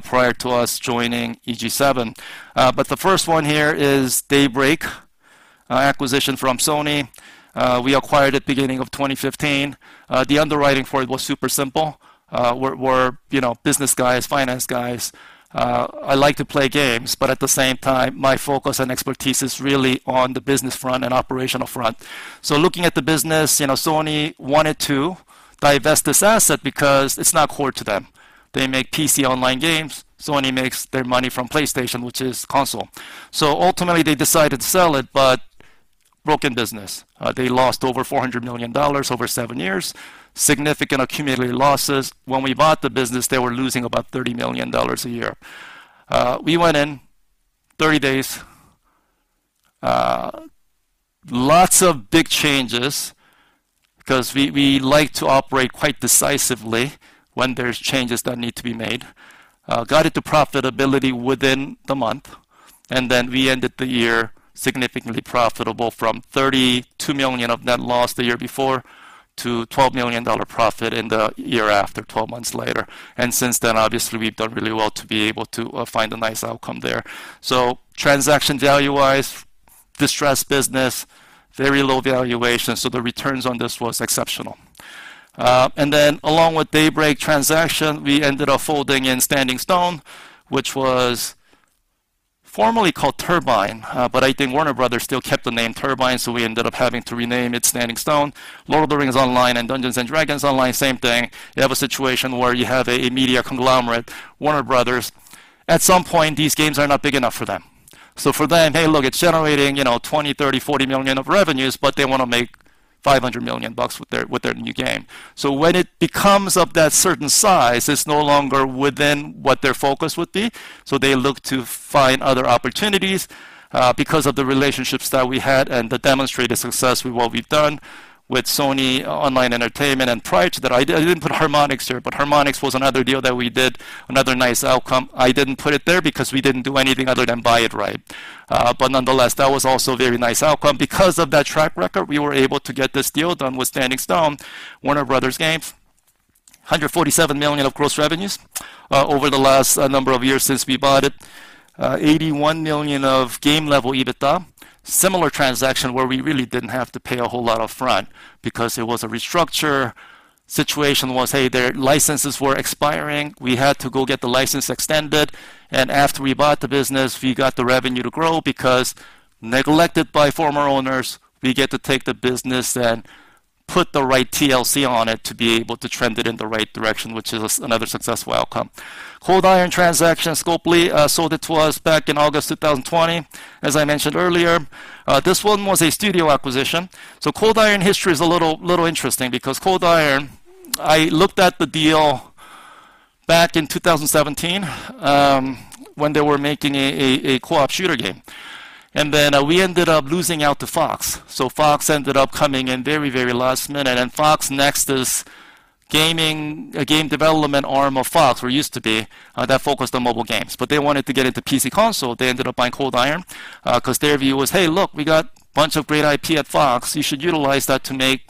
prior to us joining EG7. But the first one here is Daybreak acquisition from Sony. We acquired it beginning of 2015. The underwriting for it was super simple. We're, you know, business guys, finance guys. I like to play games, but at the same time, my focus and expertise is really on the business front and operational front. So looking at the business, you know, Sony wanted to divest this asset because it's not core to them. They make PC online games. Sony makes their money from PlayStation, which is console. So ultimately, they decided to sell it, but broken business. They lost over $400 million over seven years. Significant accumulated losses. When we bought the business, they were losing about $30 million a year. We went in 30 days, lots of big changes because we, we like to operate quite decisively when there's changes that need to be made. Got it to profitability within the month, and then we ended the year significantly profitable from $32 million of net loss the year before to $12 million dollar profit in the year after, 12 months later. And since then, obviously, we've done really well to be able to find a nice outcome there. So transaction value-wise, distressed business, very low valuation, so the returns on this was exceptional. And then along with Daybreak transaction, we ended up folding in Standing Stone, which was formerly called Turbine, but I think Warner Brothers. still kept the name Turbine, so we ended up having to rename it Standing Stone. Lord of the Rings Online and Dungeons and Dragons Online, same thing. You have a situation where you have a media conglomerate, Warner Brothers. At some point, these games are not big enough for them. So for them, "Hey, look, it's generating, you know, $20 million, $30 million, $40 million of revenues," but they want to make $500 million bucks with their new game. So when it becomes of that certain size, it's no longer within what their focus would be, so they look to find other opportunities. Because of the relationships that we had and the demonstrated success with what we've done with Sony Online Entertainment and prior to that. I didn't put Harmonix here, but Harmonix was another deal that we did, another nice outcome. I didn't put it there because we didn't do anything other than buy it right. But nonetheless, that was also a very nice outcome. Because of that track record, we were able to get this deal done with Standing Stone Games, Warner Brothers. Games. $147 million of gross revenues over the last number of years since we bought it. $81 million of game level EBITDA. Similar transaction where we really didn't have to pay a whole lot up front because it was a restructure. Situation was, hey, their licenses were expiring. We had to go get the license extended, and after we bought the business, we got the revenue to grow because neglected by former owners, we get to take the business and put the right TLC on it to be able to trend it in the right direction, which is another successful outcome. Cold Iron transaction, Scopely sold it to us back in August 2020. As I mentioned earlier, this one was a studio acquisition. So Cold Iron history is a little interesting because Cold Iron, I looked at the deal back in 2017, when they were making a co-op shooter game. And then, we ended up losing out to Fox. So Fox ended up coming in very, very last minute, and FoxNext is gaming, a game development arm of Fox, or used to be, that focused on mobile games. But they wanted to get into PC console. They ended up buying Cold Iron, 'cause their view was, "Hey, look, we got a bunch of great IP at Fox. You should utilize that to make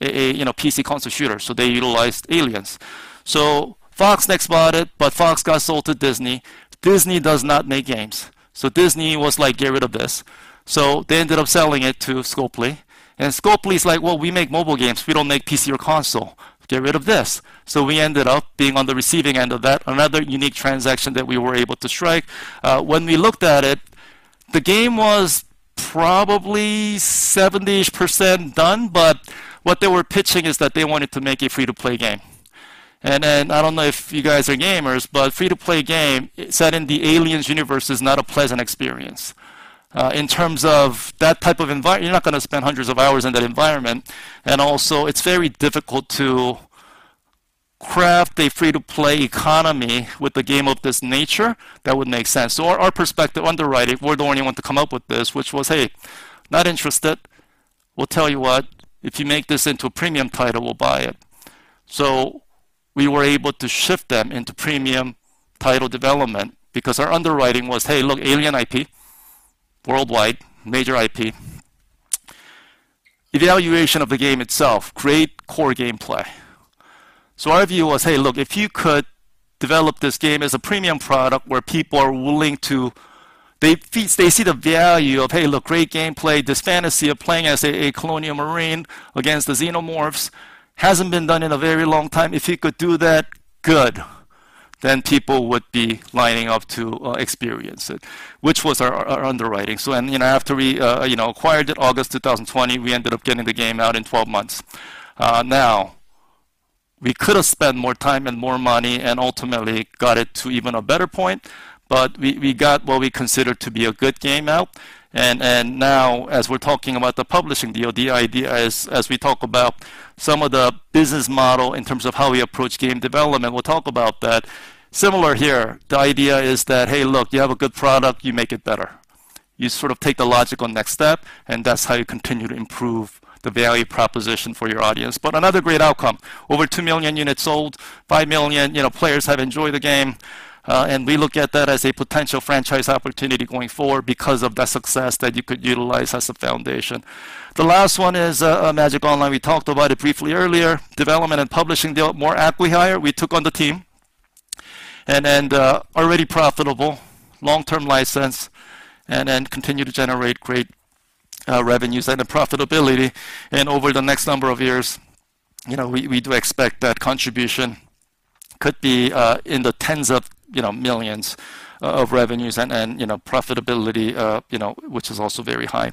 a, a, you know, PC console shooter." So they utilized Aliens. So FoxNext bought it, but Fox got sold to Disney. Disney does not make games, so Disney was like, "Get rid of this." So they ended up selling it to Scopely, and Scopely is like, "Well, we make mobile games. We don't make PC or console. Get rid of this." So we ended up being on the receiving end of that, another unique transaction that we were able to strike. When we looked at it, the game was probably 70%-ish done, but what they were pitching is that they wanted to make a free-to-play game. I don't know if you guys are gamers, but free-to-play game set in the Aliens universe is not a pleasant experience. In terms of that type of environment, you're not gonna spend hundreds of hours in that environment, and also it's very difficult to craft a free-to-play economy with a game of this nature that would make sense. So our perspective, underwriting, we're the only one to come up with this, which was, "Hey, not interested. We'll tell you what, if you make this into a premium title, we'll buy it." So we were able to shift them into premium title development because our underwriting was, "Hey, look, Alien IP, worldwide, major IP." Evaluation of the game itself, great core gameplay. So our view was, "Hey, look, if you could develop this game as a premium product where people are willing to. They see the value of, hey, look, great gameplay, this fantasy of playing as a colonial marine against the Xenomorphs hasn't been done in a very long time. If you could do that, good, then people would be lining up to experience it," which was our underwriting. So, you know, after we, you know, acquired it August 2020, we ended up getting the game out in 12 months. Now, we could have spent more time and more money and ultimately got it to even a better point, but we got what we considered to be a good game out. And now, as we're talking about the publishing deal, the idea is, as we talk about some of the business model in terms of how we approach game development, we'll talk about that. Similar here, the idea is that, "Hey, look, you have a good product, you make it better." You sort of take the logical next step, and that's how you continue to improve the value proposition for your audience. But another great outcome, over 2 million units sold, 5 million, you know, players have enjoyed the game, and we look at that as a potential franchise opportunity going forward because of that success that you could utilize as a foundation. The last one is, Magic Online. We talked about it briefly earlier. Development and publishing deal, more acqui-hire. We took on the team and already profitable, long-term license, and then continued to generate great revenues and the profitability. Over the next number of years, you know, we do expect that contribution could be in the tens of millions SEK of revenues and profitability, you know, which is also very high.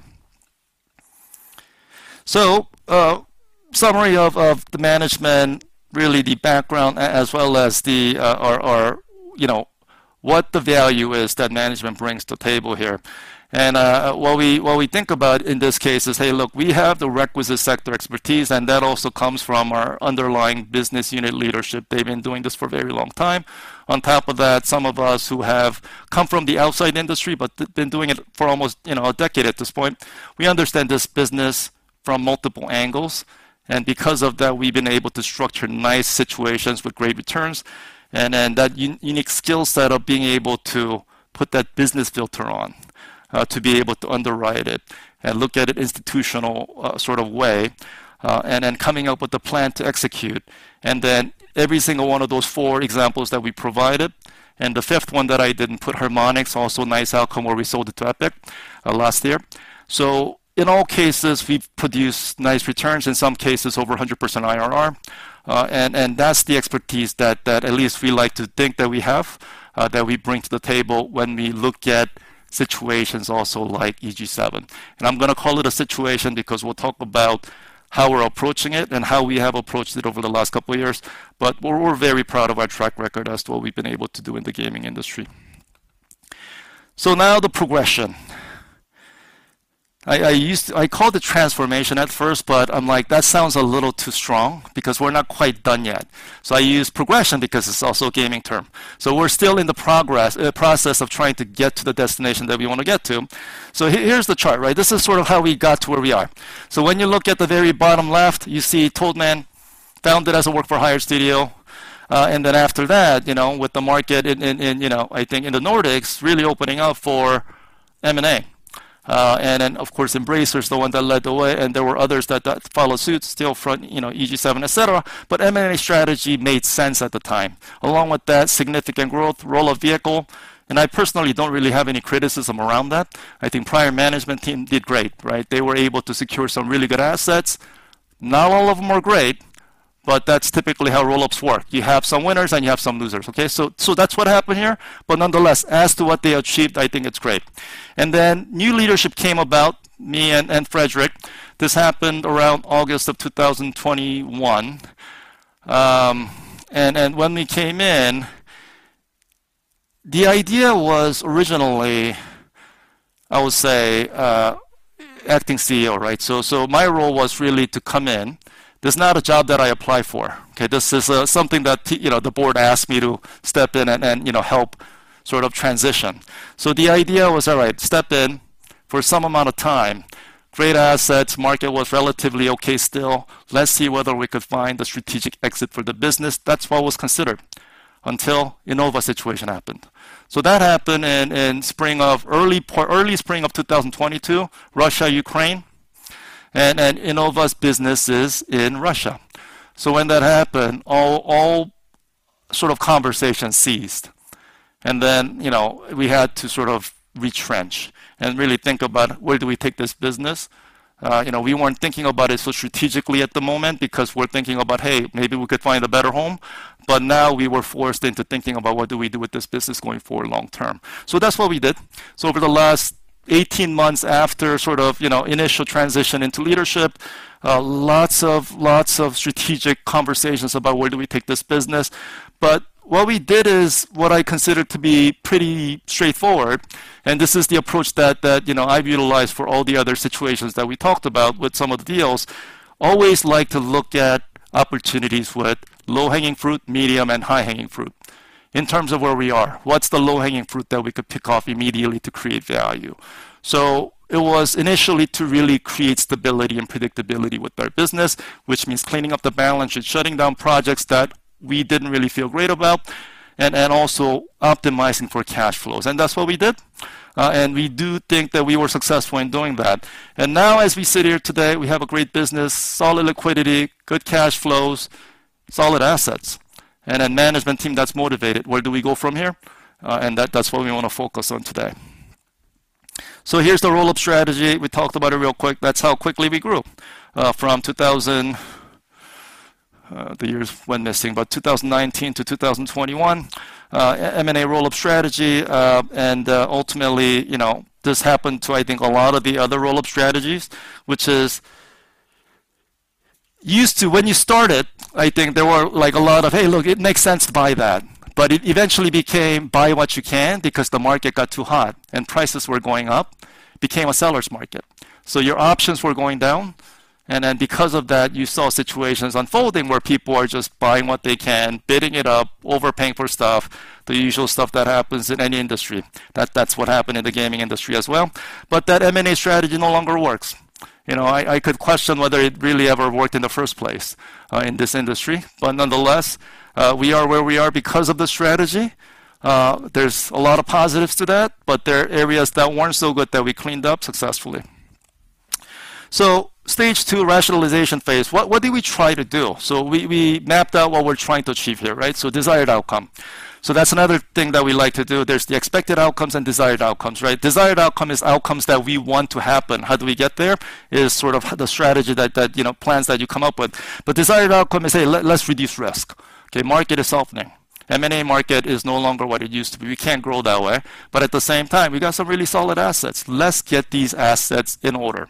Summary of the management, really the background as well as our, you know, what the value is that management brings to the table here. What we think about in this case is, hey, look, we have the requisite sector expertise, and that also comes from our underlying business unit leadership. They've been doing this for a very long time. On top of that, some of us who have come from the outside industry but been doing it for almost, you know, a decade at this point, we understand this business from multiple angles, and because of that, we've been able to structure nice situations with great returns, and then that unique skill set of being able to put that business filter on to be able to underwrite it and look at it institutional sort of way, and then coming up with a plan to execute. And then every single one of those four examples that we provided, and the fifth one that I didn't put, Harmonix, also a nice outcome where we sold it to Epic last year. So in all cases, we've produced nice returns, in some cases over 100% IRR, and that's the expertise that at least we like to think that we have, that we bring to the table when we look at situations also like EG7. And I'm gonna call it a situation because we'll talk about how we're approaching it and how we have approached it over the last couple of years, but we're very proud of our track record as to what we've been able to do in the gaming industry. So now the progression. I used. I called it transformation at first, but I'm like, that sounds a little too strong because we're not quite done yet. So I use progression because it's also a gaming term. So we're still in the process of trying to get to the destination that we want to get to. So here, here's the chart, right? This is sort of how we got to where we are. So when you look at the very bottom left, you see Toadman founded as a work-for-hire studio. And then after that, you know, with the market, you know, I think in the Nordics, really opening up for M&A. And then, of course, Embracer is the one that led the way, and there were others that followed suit, Steelfront, you know, EG7, et cetera. But M&A strategy made sense at the time, along with that, significant growth, roll-up vehicle, and I personally don't really have any criticism around that. I think prior management team did great, right? They were able to secure some really good assets. Not all of them are great, but that's typically how roll-ups work. You have some winners, and you have some losers, okay? So that's what happened here, but nonetheless, as to what they achieved, I think it's great. And then new leadership came about, me and Fredrik. This happened around August of 2021. And when we came in, the idea was originally, I would say, acting CEO, right? So my role was really to come in. This is not a job that I applied for, okay? This is something that, you know, the board asked me to step in and, you know, help sort of transition. So the idea was, all right, step in for some amount of time. Great assets, market was relatively okay still. Let's see whether we could find a strategic exit for the business. That's what was considered until Innova situation happened. So that happened in early spring of 2022, Russia, Ukraine, and Innova's business is in Russia. So when that happened, all sort of conversations ceased, and then, you know, we had to sort of retrench and really think about where do we take this business. You know, we weren't thinking about it so strategically at the moment because we're thinking about, "Hey, maybe we could find a better home." But now we were forced into thinking about what do we do with this business going forward long term. So that's what we did. So over the last 18 months, after sort of, you know, initial transition into leadership, lots of strategic conversations about where do we take this business. What we did is what I consider to be pretty straightforward, and this is the approach that, you know, I've utilized for all the other situations that we talked about with some of the deals. Always like to look at opportunities with low-hanging fruit, medium, and high-hanging fruit. In terms of where we are, what's the low-hanging fruit that we could pick off immediately to create value? So it was initially to really create stability and predictability with our business, which means cleaning up the balance and shutting down projects that we didn't really feel great about, and also optimizing for cash flows. That's what we did. We do think that we were successful in doing that. Now, as we sit here today, we have a great business, solid liquidity, good cash flows, solid assets, and a management team that's motivated. Where do we go from here? And that's what we want to focus on today. So here's the roll-up strategy. We talked about it real quick. That's how quickly we grew from 2000. the years went missing, but 2019 to 2021. M&A roll-up strategy, and ultimately, you know, this happened to I think a lot of the other roll-up strategies, which is used to when you started, I think there were like a lot of, "Hey, look, it makes sense to buy that." But it eventually became buy what you can because the market got too hot and prices were going up, became a seller's market. So your options were going down, and then because of that, you saw situations unfolding where people are just buying what they can, bidding it up, overpaying for stuff, the usual stuff that happens in any industry. That, that's what happened in the gaming industry as well. But that M&A strategy no longer works. You know, I could question whether it really ever worked in the first place in this industry. But nonetheless, we are where we are because of the strategy. There's a lot of positives to that, but there are areas that weren't so good that we cleaned up successfully. So stage two, rationalization phase. What did we try to do? So we mapped out what we're trying to achieve here, right? So that's another thing that we like to do. There's the expected outcomes and desired outcomes, right? Desired outcome is outcomes that we want to happen. How do we get there is sort of the strategy that, you know, plans that you come up with. But desired outcome is, say, let's reduce risk, okay? Market is opening. M&A market is no longer what it used to be. We can't grow that way, but at the same time, we got some really solid assets. Let's get these assets in order,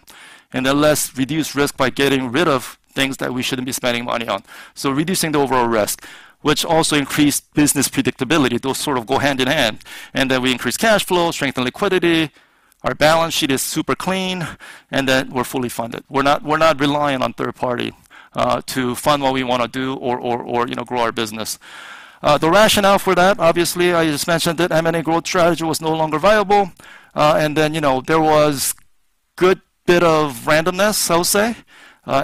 and then let's reduce risk by getting rid of things that we shouldn't be spending money on. So reducing the overall risk, which also increased business predictability, those sort of go hand in hand. And then we increase cash flow, strengthen liquidity, our balance sheet is super clean, and then we're fully funded. We're not relying on third-party to fund what we want to do or, you know, grow our business. The rationale for that, obviously, I just mentioned that M&A growth strategy was no longer viable. And then, you know, there was good bit of randomness, I would say,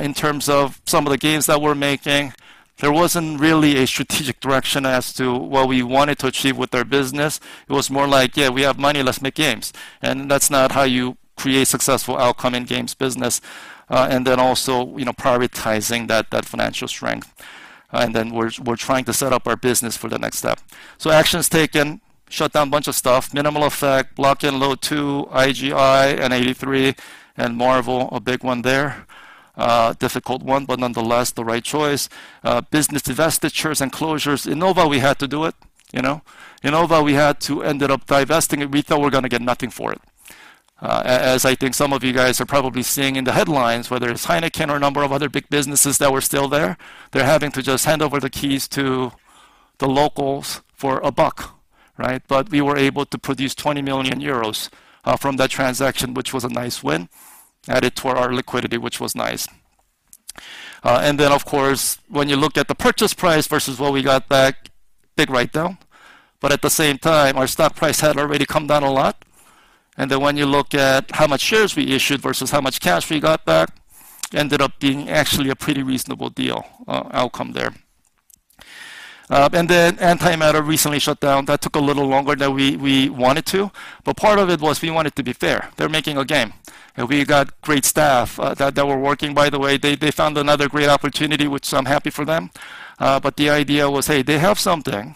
in terms of some of the games that we're making. There wasn't really a strategic direction as to what we wanted to achieve with our business. It was more like, "Yeah, we have money, let's make games." And that's not how you create successful outcome in games business. And then also, you know, prioritizing that, that financial strength, and then we're, we're trying to set up our business for the next step. So actions taken, shut down a bunch of stuff, minimal effect, Blockin' Load 2, IGI, N83, and Marvel, a big one there. Difficult one, but nonetheless, the right choice. Business divestitures and closures. Innova, we had to do it, you know? Innova, we had to ended up divesting it. We thought we're gonna get nothing for it. As I think some of you guys are probably seeing in the headlines, whether it's Heineken or a number of other big businesses that were still there, they're having to just hand over the keys to the locals for a buck, right? But we were able to produce 20 million euros from that transaction, which was a nice win. Added to our liquidity, which was nice. And then, of course, when you looked at the purchase price versus what we got back, big write-down, but at the same time, our stock price had already come down a lot. And then when you look at how much shares we issued versus how much cash we got back, ended up being actually a pretty reasonable deal, outcome there. And then Antimatter recently shut down. That took a little longer than we want it to, but part of it was we want it to be fair. They're making a game, and we got great staff that were working, by the way. They found another great opportunity, which I'm happy for them. But the idea was, hey, they have something,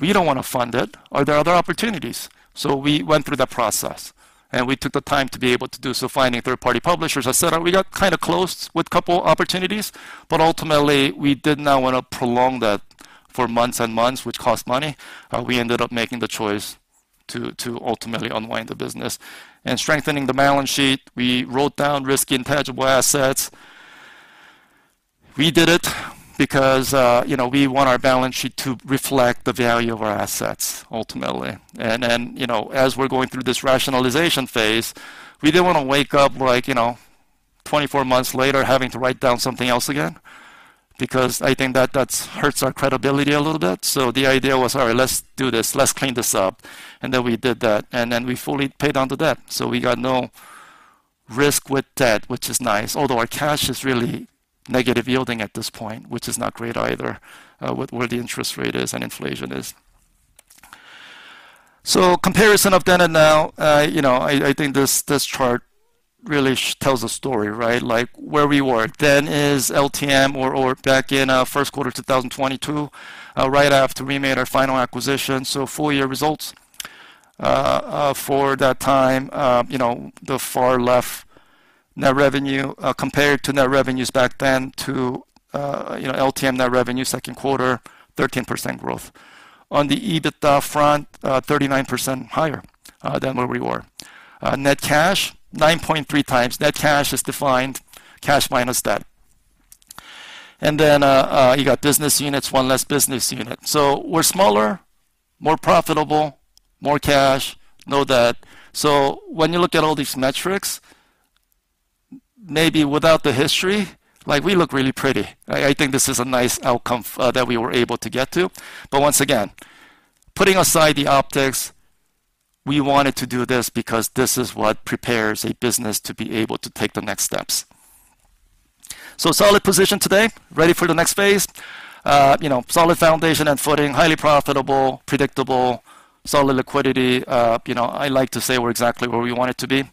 we don't want to fund it. Are there other opportunities? So we went through that process, and we took the time to be able to do so, finding third-party publishers, et cetera. We got kind of close with a couple opportunities, but ultimately, we did not want to prolong that for months and months, which cost money. We ended up making the choice to ultimately unwind the business. Strengthening the balance sheet, we wrote down risky intangible assets. We did it because, you know, we want our balance sheet to reflect the value of our assets ultimately. And, you know, as we're going through this rationalization phase, we didn't want to wake up like, you know, 24 months later, having to write down something else again, because I think that that hurts our credibility a little bit. So the idea was, all right, let's do this, let's clean this up, and then we did that, and then we fully paid down the debt, so we got no risk with debt, which is nice. Although our cash is really negative yielding at this point, which is not great either, with where the interest rate is and inflation is. So comparison of then and now, you know, I think this chart really tells a story, right? Like, where we were then is LTM or back in first quarter 2022, right after we made our final acquisition. So full year results for that time, you know, the far left net revenue compared to net revenues back then to, you know, LTM net revenue, second quarter, 13% growth. On the EBITDA front, 39% higher than where we were. Net cash, 9.3 times. Net cash is defined cash minus debt. And then you got business units, one less business unit. So we're smaller, more profitable, more cash, no debt. So when you look at all these metrics, maybe without the history, like, we look really pretty. I think this is a nice outcome that we were able to get to. But once again, putting aside the optics, we wanted to do this because this is what prepares a business to be able to take the next steps. So solid position today, ready for the next phase. You know, solid foundation and footing, highly profitable, predictable, solid liquidity. You know, I like to say we're exactly where we want it to be.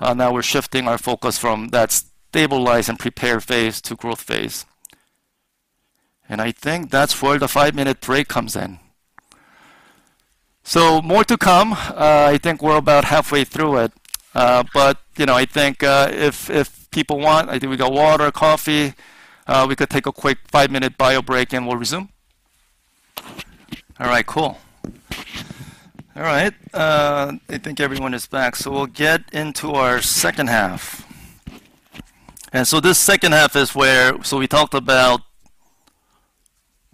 Now we're shifting our focus from that stabilize and prepare phase to growth phase. And I think that's where the five-minute break comes in. So more to come. I think we're about halfway through it, but you know, I think if people want, I think we got water, coffee, we could take a quick five-minute bio break, and we'll resume. All right, cool. All right, I think everyone is back, so we'll get into our second half. And so this second half is where. So we talked about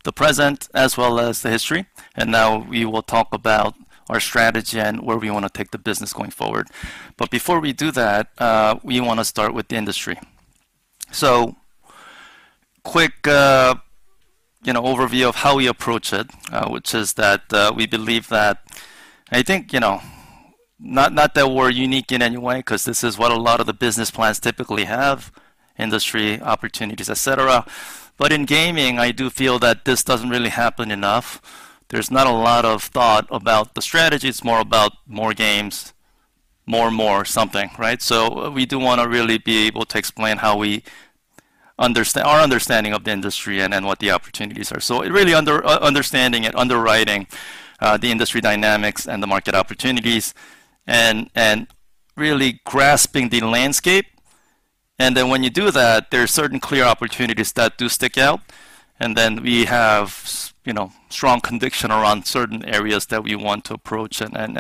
the present as well as the history, and now we will talk about our strategy and where we want to take the business going forward. But before we do that, we want to start with the industry. So quick, you know, overview of how we approach it, which is that, we believe that. I think, you know, not, not that we're unique in any way, because this is what a lot of the business plans typically have, industry, opportunities, etc. But in gaming, I do feel that this doesn't really happen enough. There's not a lot of thought about the strategy. It's more about more games, more and more something, right? So we do want to really be able to explain how we understand our understanding of the industry and then what the opportunities are. So really understanding and underwriting the industry dynamics and the market opportunities and really grasping the landscape. And then when you do that, there are certain clear opportunities that do stick out, and then we have you know strong conviction around certain areas that we want to approach and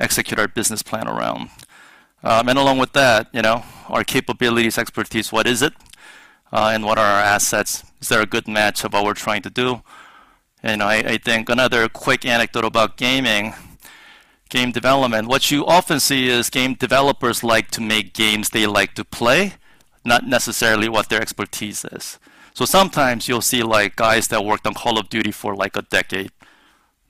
execute our business plan around. And along with that, you know, our capabilities, expertise, what is it? and what are our assets? Is there a good match of what we're trying to do? And I think another quick anecdote about gaming, game development, what you often see is game developers like to make games they like to play, not necessarily what their expertise is. So sometimes you'll see, like, guys that worked on Call of Duty for, like, a decade,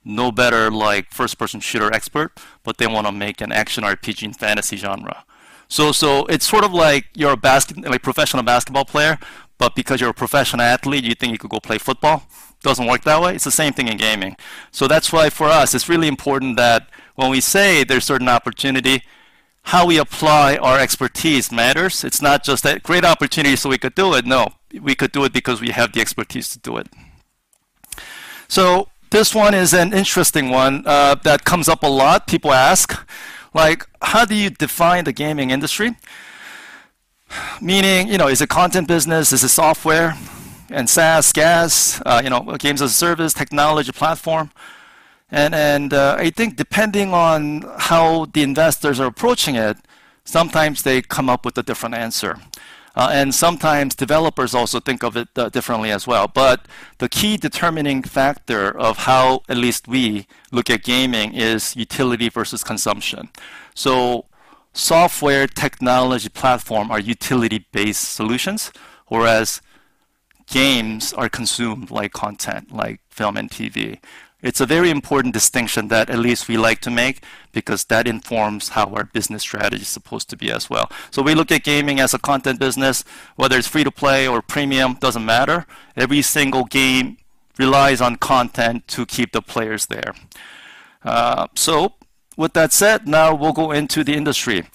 no better, like, first-person shooter expert, but they want to make an action RPG and fantasy genre. So it's sort of like you're a basketball player, but because you're a professional athlete, you think you could go play football. Doesn't work that way. It's the same thing in gaming. So that's why, for us, it's really important that when we say there's certain opportunity, how we apply our expertise matters. It's not just a great opportunity, so we could do it. No, we could do it because we have the expertise to do it. So this one is an interesting one that comes up a lot. People ask, like, "How do you define the gaming industry?" Meaning, you know, is it content business? Is it software and SaaS, GaaS, you know, games as a service, technology platform? And, I think depending on how the investors are approaching it, sometimes they come up with a different answer, and sometimes developers also think of it, differently as well. But the key determining factor of how, at least we look at gaming, is utility versus consumption. So software technology platform are utility-based solutions, whereas games are consumed like content, like film and TV. It's a very important distinction that at least we like to make, because that informs how our business strategy is supposed to be as well. So we look at gaming as a content business. Whether it's free-to-play or premium, doesn't matter. Every single game relies on content to keep the players there. So with that said, now we'll go into the industry.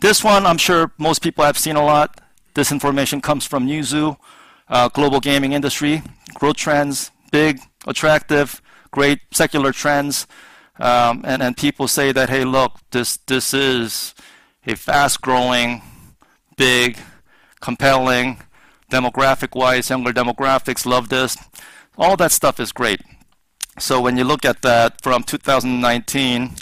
This one, I'm sure most people have seen a lot. This information comes from Newzoo, global gaming industry, growth trends, big, attractive, great secular trends, and, and people say that, "Hey, look, this, this is a fast-growing, big, compelling, demographic-wise, similar demographics love this." All that stuff is great. So when you look at that from 2019,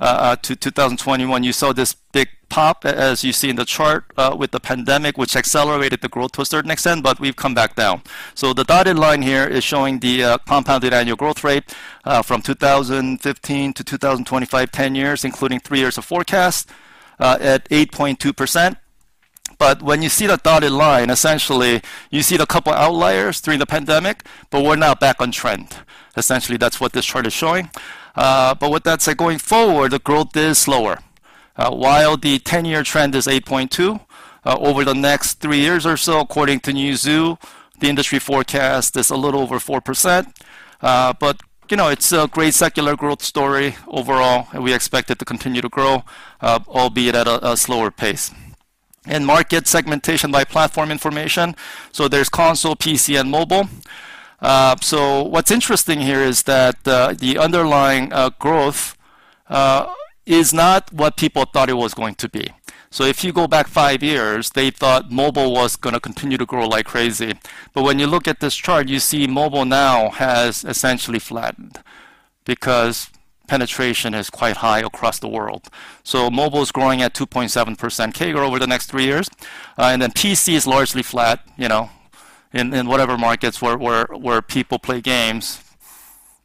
to 2021, you saw this big pop, as you see in the chart, with the pandemic, which accelerated the growth to a certain extent, but we've come back down. So the dotted line here is showing the, compounded annual growth rate, from 2015 to 2025, 10 years, including three years of forecast, at 8.2%. But when you see the dotted line, essentially, you see the couple outliers during the pandemic, but we're now back on trend. Essentially, that's what this chart is showing. But with that said, going forward, the growth is slower. While the 10-year trend is 8.2, over the next three years or so, according to Newzoo, the industry forecast is a little over 4%. But, you know, it's a great secular growth story overall, and we expect it to continue to grow, albeit at a slower pace. And market segmentation by platform information. So there's console, PC, and mobile. So what's interesting here is that the underlying growth is not what people thought it was going to be. So if you go back five years, they thought mobile was gonna continue to grow like crazy. But when you look at this chart, you see mobile now has essentially flattened because penetration is quite high across the world. So mobile is growing at 2.7% CAGR over the next three years. And then PC is largely flat, you know, in, in, whatever markets where, where, where people play games.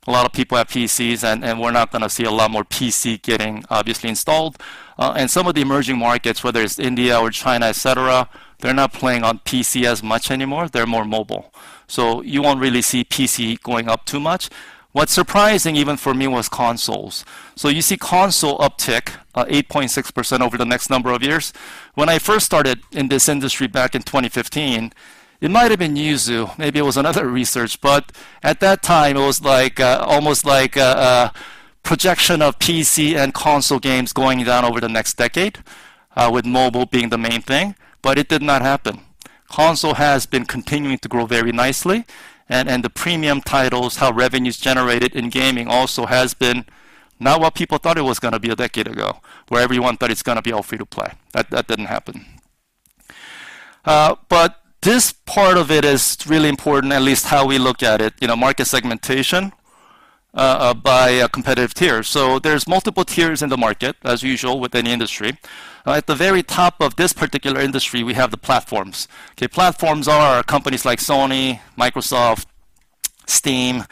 A lot of people have PCs, and, and we're not gonna see a lot more PC getting obviously installed. And some of the emerging markets, whether it's India or China, et cetera, they're not playing on PC as much anymore, they're more mobile. So you won't really see PC going up too much. What's surprising, even for me, was consoles. So you see console uptick, 8.6% over the next number of years. When I first started in this industry back in 2015, it might have been Newzoo, maybe it was another research, but at that time, it was like, almost like a projection of PC and console games going down over the next decade, with mobile being the main thing, but it did not happen. Console has been continuing to grow very nicely, and the premium titles, how revenue is generated in gaming also has been not what people thought it was gonna be a decade ago, where everyone thought it's gonna be all free to play. That didn't happen. But this part of it is really important, at least how we look at it, you know, market segmentation by competitive tier. So there's multiple tiers in the market, as usual, with any industry. At the very top of this particular industry, we have the platforms. Okay, platforms are companies like Sony, Microsoft, Steam,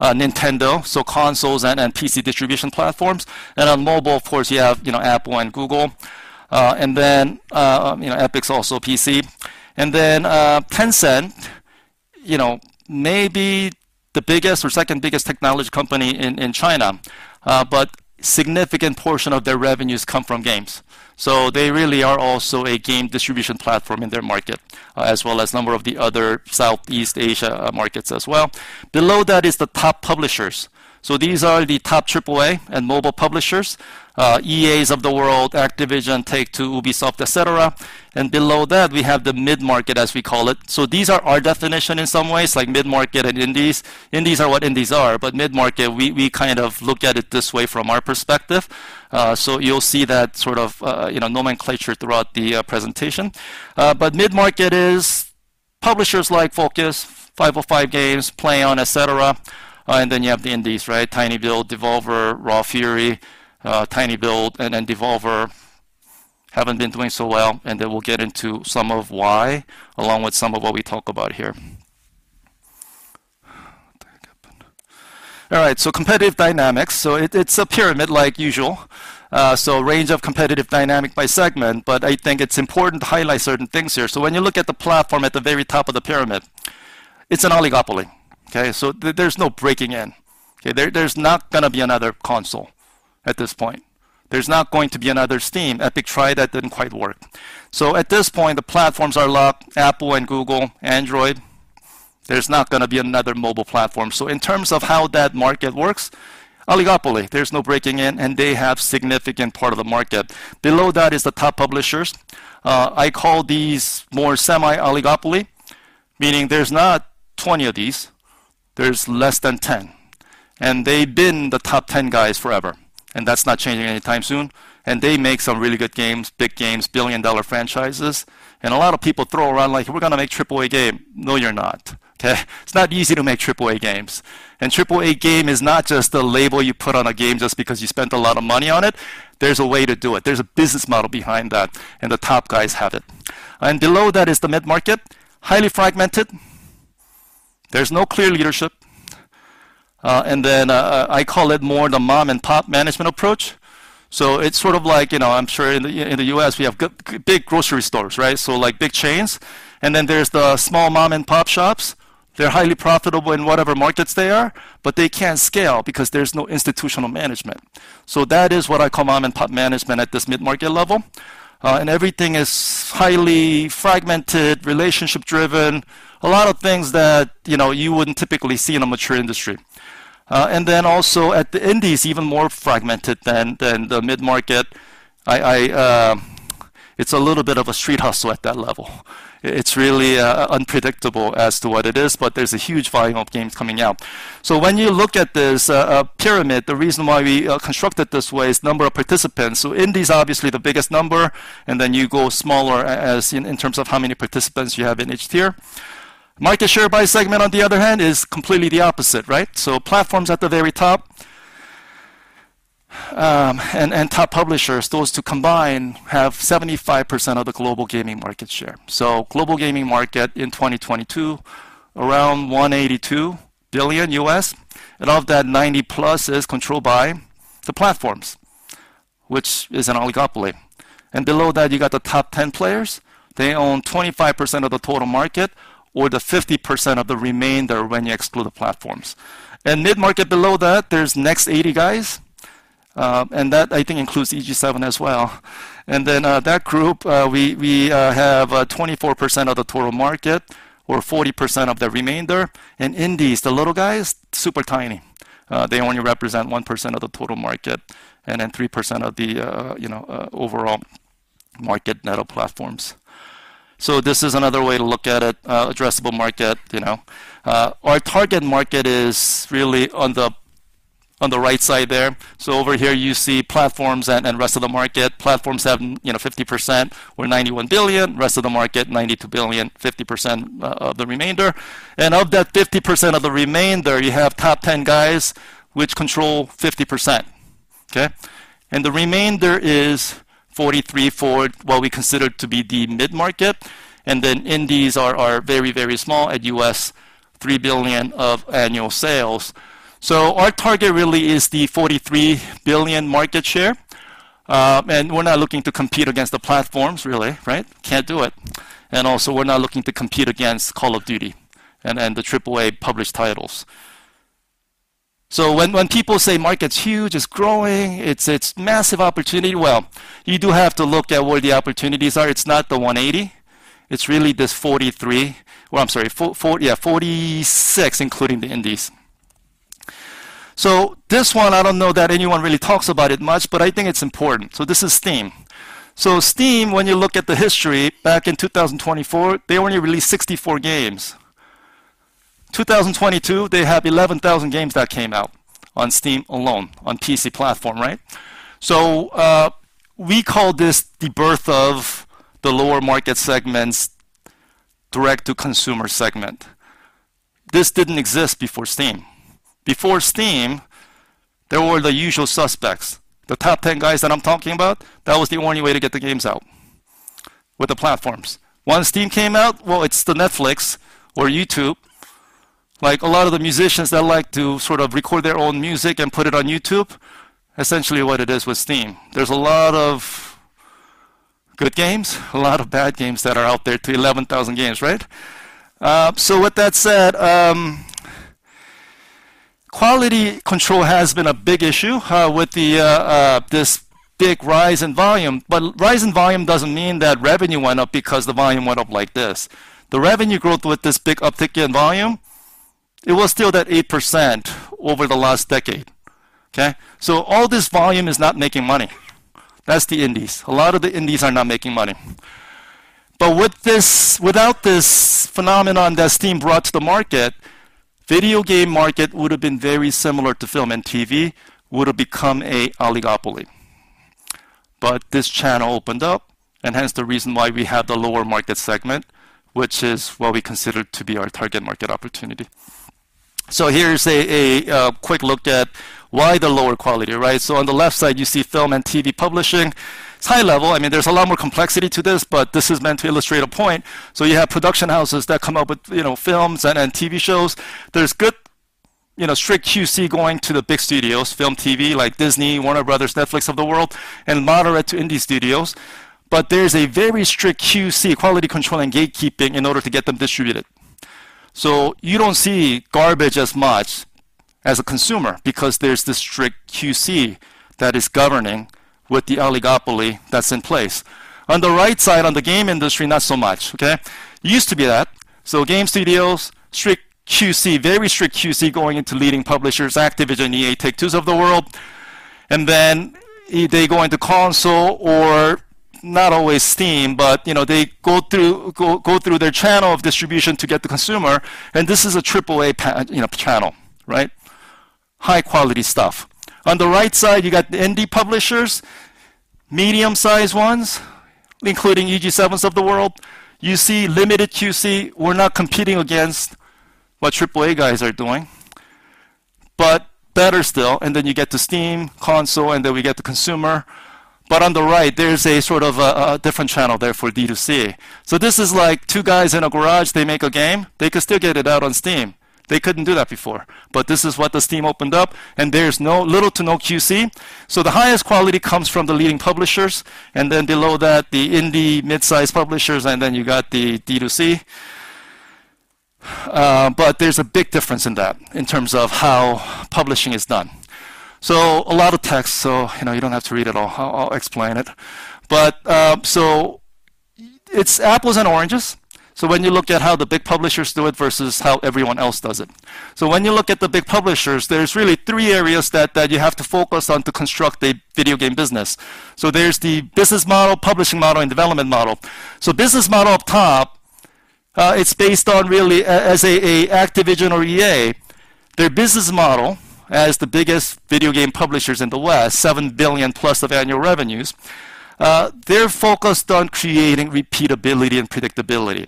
Nintendo, so consoles and PC distribution platforms. And on mobile, of course, you have, you know, Apple and Google, and then, you know, Epic's also PC. And then, Tencent, you know, may be the biggest or second biggest technology company in China, but significant portion of their revenues come from games. So they really are also a game distribution platform in their market, as well as a number of the other Southeast Asia markets as well. Below that is the top publishers. So these are the top AAA and mobile publishers, EAs of the world, Activision, Take-Two, Ubisoft, et cetera. And below that, we have the mid-market, as we call it. These are our definition in some ways, like mid-market and indies. Indies are what indies are, but mid-market, we kind of look at it this way from our perspective. You'll see that sort of, you know, nomenclature throughout the presentation. Mid-market is publishers like Focus, Five Oh Five Games, PlayOn, et cetera. Then you have the indies, right? tinyBuild, Devolver, Raw Fury, tinyBuild, and then Devolver haven't been doing so well, and then we'll get into some of why, along with some of what we talk about here. All right, competitive dynamics. It's a pyramid like usual, so range of competitive dynamic by segment, but I think it's important to highlight certain things here. When you look at the platform at the very top of the pyramid, it's an oligopoly, okay? So, there's no breaking in, okay? There's not gonna be another console at this point. There's not going to be another Steam. Epic tried, that didn't quite work. So at this point, the platforms are locked. Apple and Google, Android, there's not gonna be another mobile platform. So in terms of how that market works, oligopoly, there's no breaking in, and they have significant part of the market. Below that is the top publishers. I call these more semi-oligopoly, meaning there's not 20 of these, there's less than 10, and they've been the top 10 guys forever, and that's not changing anytime soon. And they make some really good games, big games, billion-dollar franchises, and a lot of people throw around like, "We're gonna make AAA game." No, you're not, okay? It's not easy to make AAA games. AAA game is not just a label you put on a game just because you spent a lot of money on it. There's a way to do it. There's a business model behind that, and the top guys have it. And below that is the mid-market. Highly fragmented. There's no clear leadership, and then I call it more the mom-and-pop management approach. So it's sort of like, you know, I'm sure in the, in the US, we have big grocery stores, right? So like big chains, and then there's the small mom-and-pop shops. They're highly profitable in whatever markets they are, but they can't scale because there's no institutional management. So that is what I call mom-and-pop management at this mid-market level. And everything is highly fragmented, relationship-driven, a lot of things that, you know, you wouldn't typically see in a mature industry. And then also at the indies, even more fragmented than the mid-market. It's a little bit of a street hustle at that level. It's really unpredictable as to what it is, but there's a huge volume of games coming out. So when you look at this pyramid, the reason why we construct it this way is number of participants. So indies are obviously the biggest number, and then you go smaller as in, in terms of how many participants you have in each tier. Market share by segment, on the other hand, is completely the opposite, right? So platforms at the very top and top publishers, those two combined have 75% of the global gaming market share. So global gaming market in 2022, around $182 billion, and of that, 90+ is controlled by the platforms, which is an oligopoly. And below that, you got the top 10 players. They own 25% of the total market or the 50% of the remainder when you exclude the platforms. And mid-market below that, there's next 80 guys, and that I think includes EG7 as well. And then, that group, we have 24% of the total market or 40% of the remainder. And indies, the little guys, super tiny. They only represent 1% of the total market and then 3% of the, you know, overall market net of platforms. So this is another way to look at it, addressable market, you know. Our target market is really on the, on the right side there. So over here you see platforms and, and rest of the market. Platforms have, you know, 50% or $91 billion, rest of the market, $92 billion, 50% of the remainder. And of that 50% of the remainder, you have top ten guys, which control 50%, okay? And the remainder is $43 billion, what we consider to be the mid-market. And then indies are, are very, very small at $3 billion of annual sales. So our target really is the $43 billion market share. And we're not looking to compete against the platforms really, right? Can't do it. And also, we're not looking to compete against Call of Duty and, and the AAA published titles. So when, when people say market's huge, it's growing, it's, it's massive opportunity, well, you do have to look at where the opportunities are. It's not the 180, it's really this 43. Well, I'm sorry, yeah, 46, including the indies. So this one, I don't know that anyone really talks about it much, but I think it's important. So this is Steam. So Steam, when you look at the history, back in 2024, they only released 64 games. 2022, they have 11,000 games that came out on Steam alone, on PC platform, right? So, we call this the birth of the lower market segments, direct to consumer segment. This didn't exist before Steam. Before Steam, there were the usual suspects, the top ten guys that I'm talking about. That was the only way to get the games out, with the platforms. Once Steam came out, well, it's the Netflix or YouTube. Like, a lot of the musicians that like to sort of record their own music and put it on YouTube, essentially what it is with Steam. There's a lot of good games, a lot of bad games that are out there, to 11,000 games, right? So with that said, quality control has been a big issue, with the, this big rise in volume. But rise in volume doesn't mean that revenue went up because the volume went up like this. The revenue growth with this big uptick in volume, it was still that 8% over the last decade, okay? So all this volume is not making money. That's the indies. A lot of the indies are not making money. But with this, without this phenomenon that Steam brought to the market, video game market would have been very similar to film and TV, would have become an oligopoly. But this channel opened up, and hence the reason why we have the lower market segment, which is what we consider to be our target market opportunity. So here's a quick look at why the lower quality, right? So on the left side, you see film and TV publishing. It's high level. I mean, there's a lot more complexity to this, but this is meant to illustrate a point. So you have production houses that come up with, you know, films and TV shows. There's good, you know, strict QC going to the big studios, film, TV, like Disney, Warner Brothers., Netflix of the world, and moderate to indie studios. There's a very strict QC, quality control and gatekeeping in order to get them distributed. You don't see garbage as much as a consumer because there's this strict QC that is governing with the oligopoly that's in place. On the right side, on the game industry, not so much, okay? It used to be that. Game studios, strict QC, very strict QC, going into leading publishers, Activision, EA, Take-Twos of the world, and then they go into console or not always Steam, but, you know, they go through, go, go through their channel of distribution to get the consumer, `and this is a AAA channel, right? High-quality stuff. On the right side, you got the indie publishers, medium-sized ones, including EG7s of the world. You see limited QC. We're not competing against what AAA guys are doing, but better still. Then you get to Steam, console, and then we get the consumer. On the right, there's a sort of a, a different channel there for D2C. This is like two guys in a garage, they make a game, they can still get it out on Steam. They couldn't do that before, but this is what Steam opened up, and there's little to no QC. The highest quality comes from the leading publishers, and then below that, the indie mid-sized publishers, and then you got the D2C. There's a big difference in that in terms of how publishing is done. A lot of text, so, you know, you don't have to read it all. I'll explain it. It's apples and oranges. When you look at how the big publishers do it versus how everyone else does it. So when you look at the big publishers, there's really three areas that you have to focus on to construct a video game business. So there's the business model, publishing model, and development model. So business model up top, it's based on really, as Activision or EA, their business model, as the biggest video game publishers in the West, $7 billion+ of annual revenues, they're focused on creating repeatability and predictability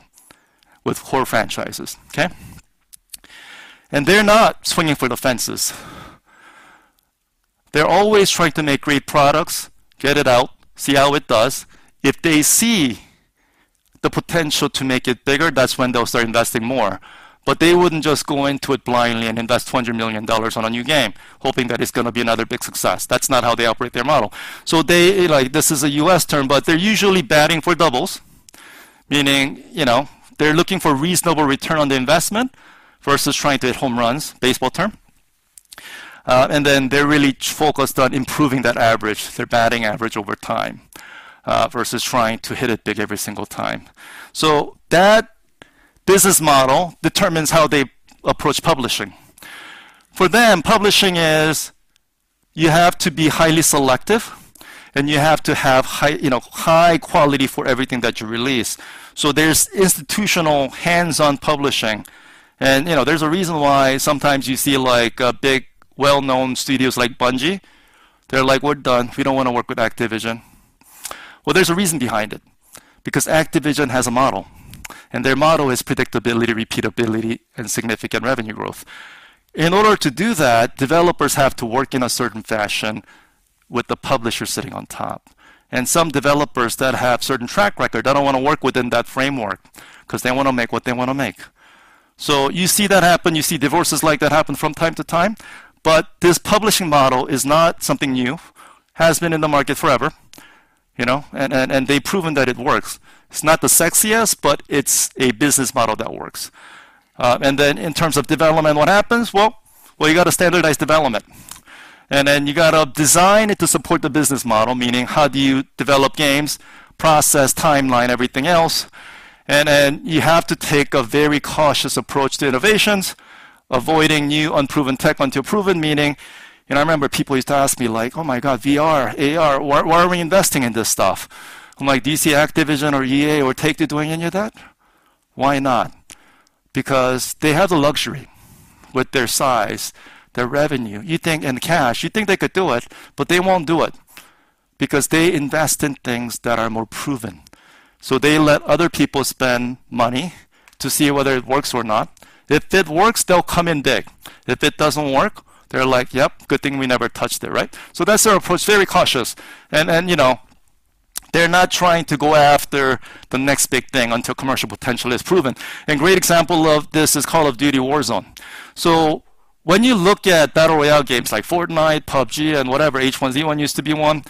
with core franchises, okay? And they're not swinging for the fences. They're always trying to make great products, get it out, see how it does. If they see the potential to make it bigger, that's when they'll start investing more. But they wouldn't just go into it blindly and invest $200 million on a new game, hoping that it's gonna be another big success. That's not how they operate their model. They, like, this is a U.S. term, but they're usually batting for doubles, meaning, you know, they're looking for reasonable return on the investment versus trying to hit home runs, baseball term. You know, they're really focused on improving that average, their batting average over time, versus trying to hit it big every single time. That business model determines how they approach publishing. For them, publishing is you have to be highly selective, and you have to have high, you know, high quality for everything that you release. There's institutional hands-on publishing. You know, there's a reason why sometimes you see, like, big, well-known studios like Bungie, they're like, "We're done. We don't want to work with Activision." Well, there's a reason behind it: because Activision has a model, and their model is predictability, repeatability, and significant revenue growth. In order to do that, developers have to work in a certain fashion with the publisher sitting on top, and some developers that have certain track record, they don't want to work within that framework because they want to make what they want to make. So you see that happen, you see divorces like that happen from time to time, but this publishing model is not something new. Has been in the market forever, you know, and, and, and they've proven that it works. It's not the sexiest, but it's a business model that works. And then in terms of development, what happens? Well, well, you got to standardize development, and then you got to design it to support the business model, meaning how do you develop games, process, timeline, everything else, and then you have to take a very cautious approach to innovations, avoiding new unproven tech until proven, meaning. And I remember people used to ask me, like, "Oh, my God, VR, AR, why, why aren't we investing in this stuff?" I'm like, "Do you see Activision or EA or Take-Two doing any of that? Why not?" Because they have the luxury with their size, their revenue, you think, and cash. You think they could do it, but they won't do it because they invest in things that are more proven. So they let other people spend money to see whether it works or not. If it works, they'll come and dig. If it doesn't work, they're like, "Yep, good thing we never touched it," right? So that's their approach, very cautious. And, and, you know, they're not trying to go after the next big thing until commercial potential is proven. And great example of this is Call of Duty: Warzone. So when you look at battle royale games like Fortnite, PUBG, and whatever, H1Z1 used to be one,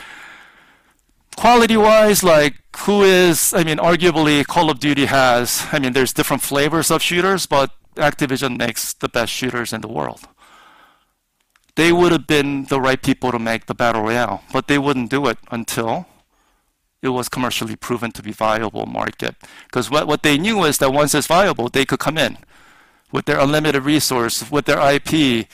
quality-wise, like, who is-- I mean, arguably, Call of Duty has. I mean, there's different flavors of shooters, but Activision makes the best shooters in the world. They would have been the right people to make the battle royale, but they wouldn't do it until it was commercially proven to be viable market. Because what they knew was that once it's viable, they could come in with their unlimited resource, with their IP,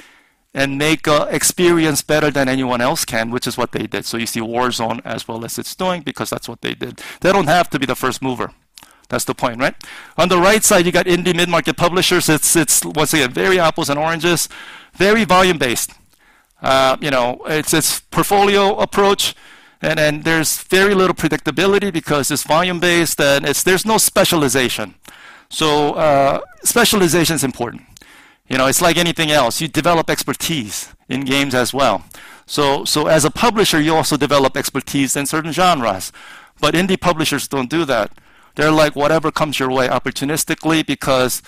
and make a experience better than anyone else can, which is what they did. So you see Warzone as well as it's doing, because that's what they did. They don't have to be the first mover. That's the point, right? On the right side, you got indie mid-market publishers. It's, once again, very apples and oranges, very volume-based. You know, it's portfolio approach, and then there's very little predictability because it's volume-based, and it's, there's no specialization. So, specialization is important. You know, it's like anything else. You develop expertise in games as well. So, as a publisher, you also develop expertise in certain genres, but indie publishers don't do that. They're like, whatever comes your way opportunistically, because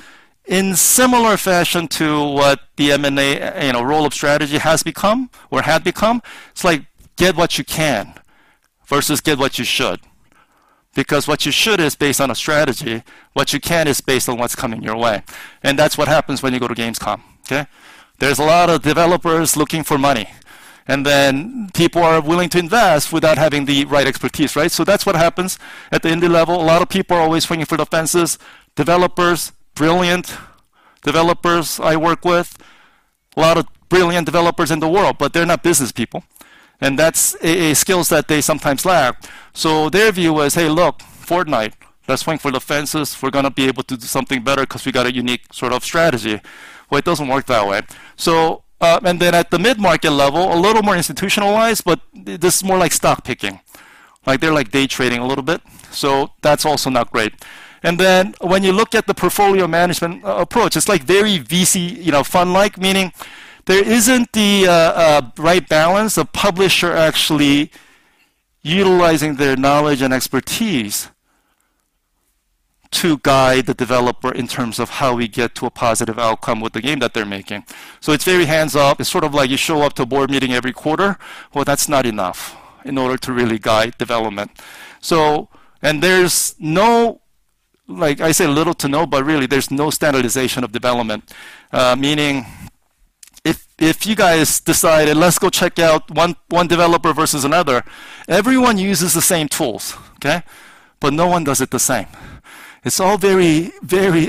in similar fashion to what the M&A, you know, role of strategy has become or had become, it's like, get what you can versus get what you should. Because what you should is based on a strategy, what you can is based on what's coming your way, and that's what happens when you go to Gamescom, okay? There's a lot of developers looking for money, and then people are willing to invest without having the right expertise, right? So that's what happens at the indie level. A lot of people are always swinging for the fences. Developers, brilliant developers I work with, a lot of brilliant developers in the world, but they're not business people, and that's a skill that they sometimes lack. So their view is, "Hey, look, Fortnite, let's swing for the fences. We're gonna be able to do something better because we got a unique sort of strategy." Well, it doesn't work that way. So, and then at the mid-market level, a little more institutionalized, but this is more like stock picking. Like, they're like day trading a little bit, so that's also not great. And then when you look at the portfolio management approach, it's like very VC, you know, fund-like, meaning there isn't the right balance of publisher actually utilizing their knowledge and expertise to guide the developer in terms of how we get to a positive outcome with the game that they're making. So it's very hands-off. It's sort of like you show up to a board meeting every quarter. Well, that's not enough in order to really guide development. So, and there's no, like I said, little to no, but really, there's no standardization of development. Meaning, if you guys decided, let's go check out one developer versus another, everyone uses the same tools, okay? But no one does it the same. It's all very, very.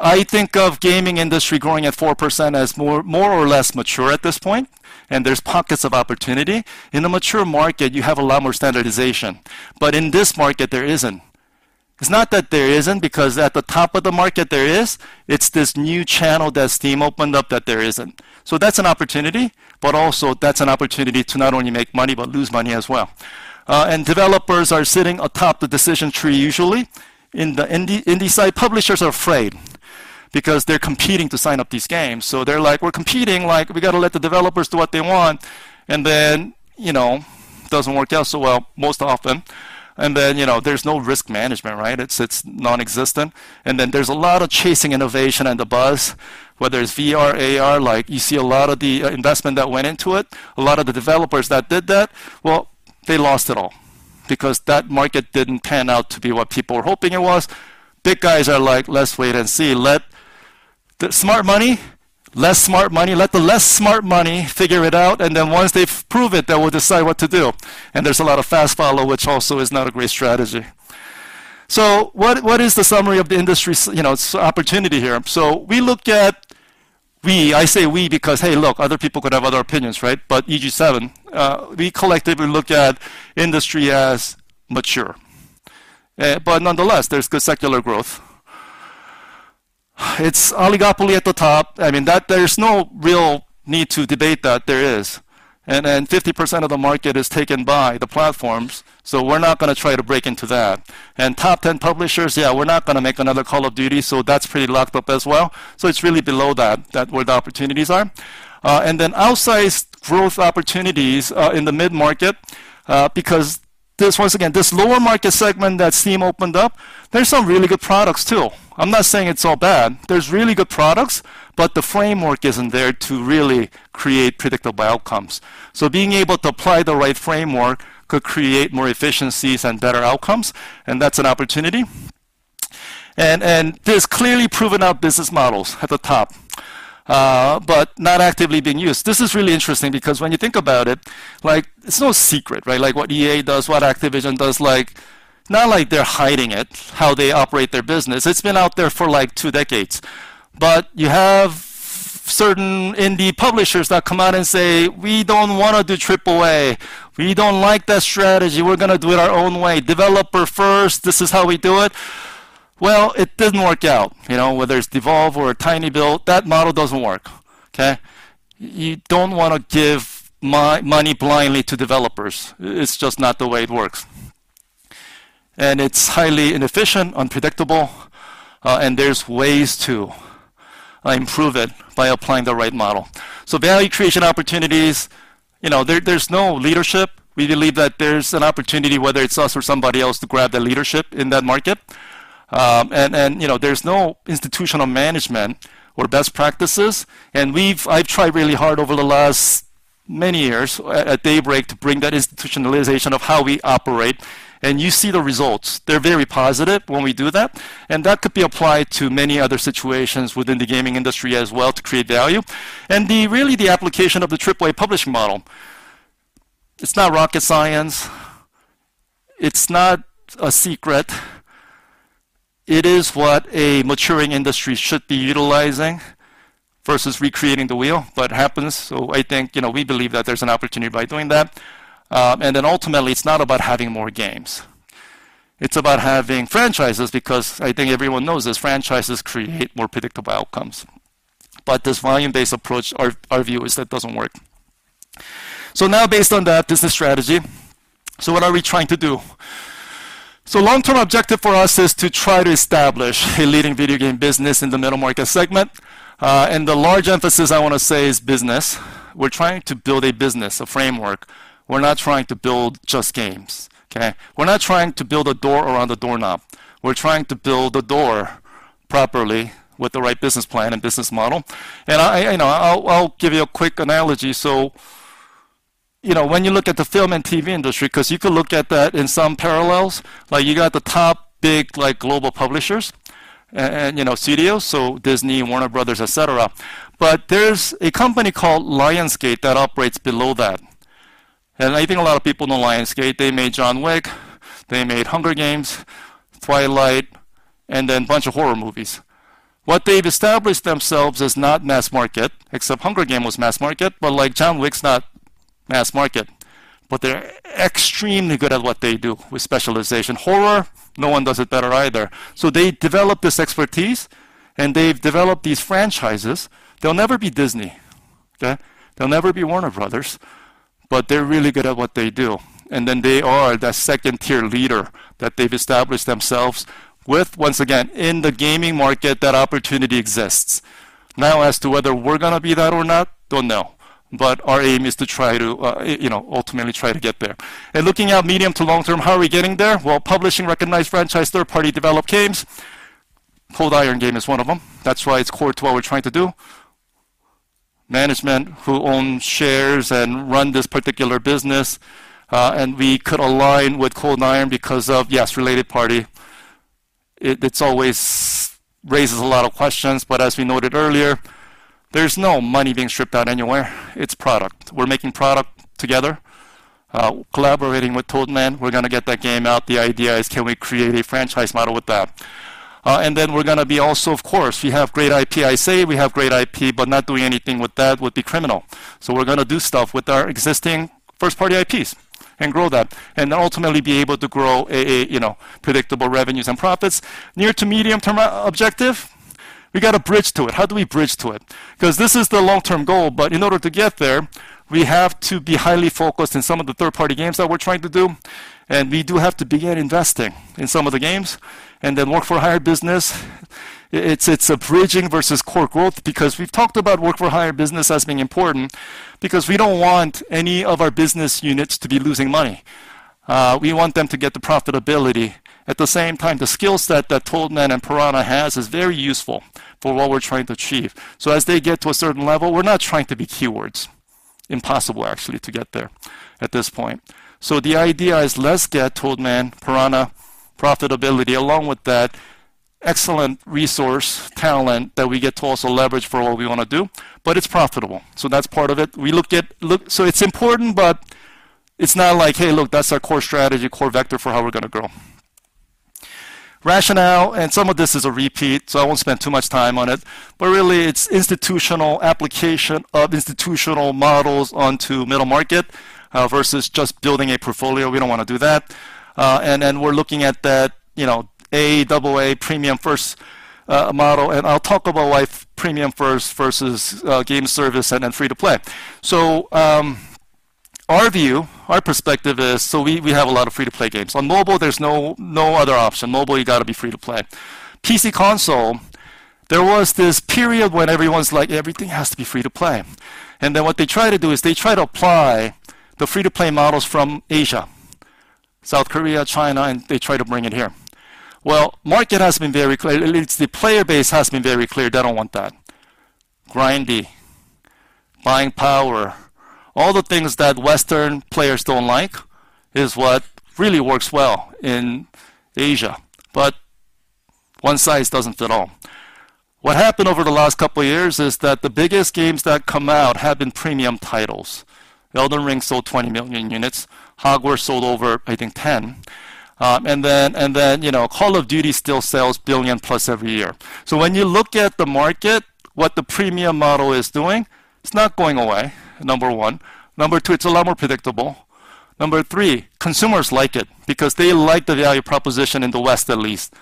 I think of gaming industry growing at 4% as more, more or less mature at this point, and there's pockets of opportunity. In a mature market, you have a lot more standardization, but in this market, there isn't. It's not that there isn't, because at the top of the market, there is. It's this new channel that Steam opened up that there isn't. So that's an opportunity, but also that's an opportunity to not only make money, but lose money as well. And developers are sitting atop the decision tree usually. In the indie side, publishers are afraid. because they're competing to sign up these games. So they're like, "We're competing, like, we got to let the developers do what they want." And then, you know, doesn't work out so well most often. And then, you know, there's no risk management, right? It's nonexistent. And then there's a lot of chasing innovation and the buzz, whether it's VR, AR, like, you see a lot of the investment that went into it. A lot of the developers that did that, well, they lost it all because that market didn't pan out to be what people were hoping it was. Big guys are like, "Let's wait and see. Let the smart money, less smart money. Let the less smart money figure it out, and then once they've proved it, then we'll decide what to do." And there's a lot of fast follow, which also is not a great strategy. So what is the summary of the industry's, you know, opportunity here? So we looked at. We, I say "we" because, hey, look, other people could have other opinions, right? But EG7, we collectively look at industry as mature. But nonetheless, there's good secular growth. It's oligopoly at the top. I mean, that there's no real need to debate that there is. And then 50% of the market is taken by the platforms, so we're not gonna try to break into that. And top 10 publishers, yeah, we're not gonna make another Call of Duty, so that's pretty locked up as well. It's really below that, where the opportunities are. And then outsized growth opportunities in the mid-market, because this, once again, this lower market segment that Steam opened up, there's some really good products, too. I'm not saying it's all bad. There's really good products, but the framework isn't there to really create predictable outcomes. Being able to apply the right framework could create more efficiencies and better outcomes, and that's an opportunity. There's clearly proven out business models at the top, but not actively being used. This is really interesting because when you think about it, like, it's no secret, right? Like what EA does, what Activision does, like, not like they're hiding it, how they operate their business. It's been out there for, like, two decades. But you have certain indie publishers that come out and say, "We don't wanna do AAA. We don't like that strategy. We're gonna do it our own way. Developer first, this is how we do it." Well, it didn't work out. You know, whether it's Devolver or tinyBuild, that model doesn't work, okay? You don't want to give money blindly to developers. It's just not the way it works. And it's highly inefficient, unpredictable, and there's ways to improve it by applying the right model. So value creation opportunities, you know, there, there's no leadership. We believe that there's an opportunity, whether it's us or somebody else, to grab the leadership in that market. And you know, there's no institutional management or best practices, and I've tried really hard over the last many years at Daybreak to bring that institutionalization of how we operate, and you see the results. They're very positive when we do that, and that could be applied to many other situations within the gaming industry as well to create value. And really, the application of the AAA publishing model, it's not rocket science, it's not a secret. It is what a maturing industry should be utilizing versus recreating the wheel, but it happens. So I think, you know, we believe that there's an opportunity by doing that. And then ultimately, it's not about having more games. It's about having franchises because I think everyone knows this, franchises create more predictable outcomes. But this volume-based approach, our view is that doesn't work. So now, based on that business strategy, so what are we trying to do? So long-term objective for us is to try to establish a leading video game business in the middle market segment. And the large emphasis I want to say is business. We're trying to build a business, a framework. We're not trying to build just games, okay? We're not trying to build a door around a doorknob. We're trying to build a door properly with the right business plan and business model. And I, you know, I'll give you a quick analogy. So, you know, when you look at the film and TV industry, 'cause you could look at that in some parallels, like you got the top big, like, global publishers and, and, you know, studios, so Disney, Warner Brothers., et cetera. But there's a company called Lionsgate that operates below that. I think a lot of people know Lionsgate. They made John Wick, they made Hunger Games, Twilight, and then bunch of horror movies. What they've established themselves is not mass market, except Hunger Games was mass market, but, like, John Wick's not mass market. But they're extremely good at what they do with specialization. Horror, no one does it better either. So they developed this expertise, and they've developed these franchises. They'll never be Disney, okay? They'll never be Warner Brothers., but they're really good at what they do. And then they are that second-tier leader that they've established themselves with. Once again, in the gaming market, that opportunity exists. Now, as to whether we're gonna be that or not, don't know. But our aim is to try to, you know, ultimately try to get there. And looking at medium to long term, how are we getting there? Well, publishing recognized franchise, third-party developed games. Cold Iron Studios is one of them. That's why it's core to what we're trying to do. Management who own shares and run this particular business, and we could align with Cold Iron Studios because of, yes, related party. It's always raises a lot of questions, but as we noted earlier, there's no money being stripped out anywhere. It's product. We're making product together, collaborating with Toadman. We're gonna get that game out. The idea is: can we create a franchise model with that? And then we're gonna be also, of course, we have great IP. I say we have great IP, but not doing anything with that would be criminal. So we're gonna do stuff with our existing first-party IPs and grow that, and ultimately be able to grow a you know predictable revenues and profits. Near- to medium-term objective, we got to bridge to it. How do we bridge to it? 'Cause this is the long-term goal, but in order to get there, we have to be highly focused in some of the third-party games that we're trying to do, and we do have to begin investing in some of the games, and then work-for-hire business. It's a bridging versus core growth, because we've talked about work-for-hire business as being important, because we don't want any of our business units to be losing money. We want them to get the profitability. At the same time, the skill set that Toadman and Piranha has is very useful for what we're trying to achieve. So as they get to a certain level, we're not trying to be Keywords. Impossible, actually, to get there at this point. So the idea is let's get Toadman, Piranha profitability, along with that excellent resource, talent that we get to also leverage for what we want to do, but it's profitable. So that's part of it. Look, so it's important, but it's not like, "Hey, look, that's our core strategy, core vector for how we're going to grow." Rationale, and some of this is a repeat, so I won't spend too much time on it, but really, it's institutional application of institutional models onto middle market, versus just building a portfolio. We don't want to do that. And, and we're looking at that, you know, A, AA, Premium First, model, and I'll talk about why Premium First versus, game service and then free-to-play. So, our view, our perspective is, so we, we have a lot of free-to-play games. On mobile, there's no other option. Mobile, you got to be free to play. PC console, there was this period when everyone's like, "Everything has to be free to play." And then what they try to do is they try to apply the free-to-play models from Asia, South Korea, China, and they try to bring it here. Well, market has been very clear. At least the player base has been very clear they don't want that. Grindy, buying power, all the things that Western players don't like is what really works well in Asia, but one size doesn't fit all. What happened over the last couple of years is that the biggest games that come out have been premium titles. Elden Ring sold 20 million units, Hogwarts sold over, I think, 10. And then, you know, Call of Duty still sells $1 billion-plus every year. So when you look at the market, what the premium model is doing, it's not going away, number one. Number two, it's a lot more predictable. Number three, consumers like it because they like the value proposition in the West, at least.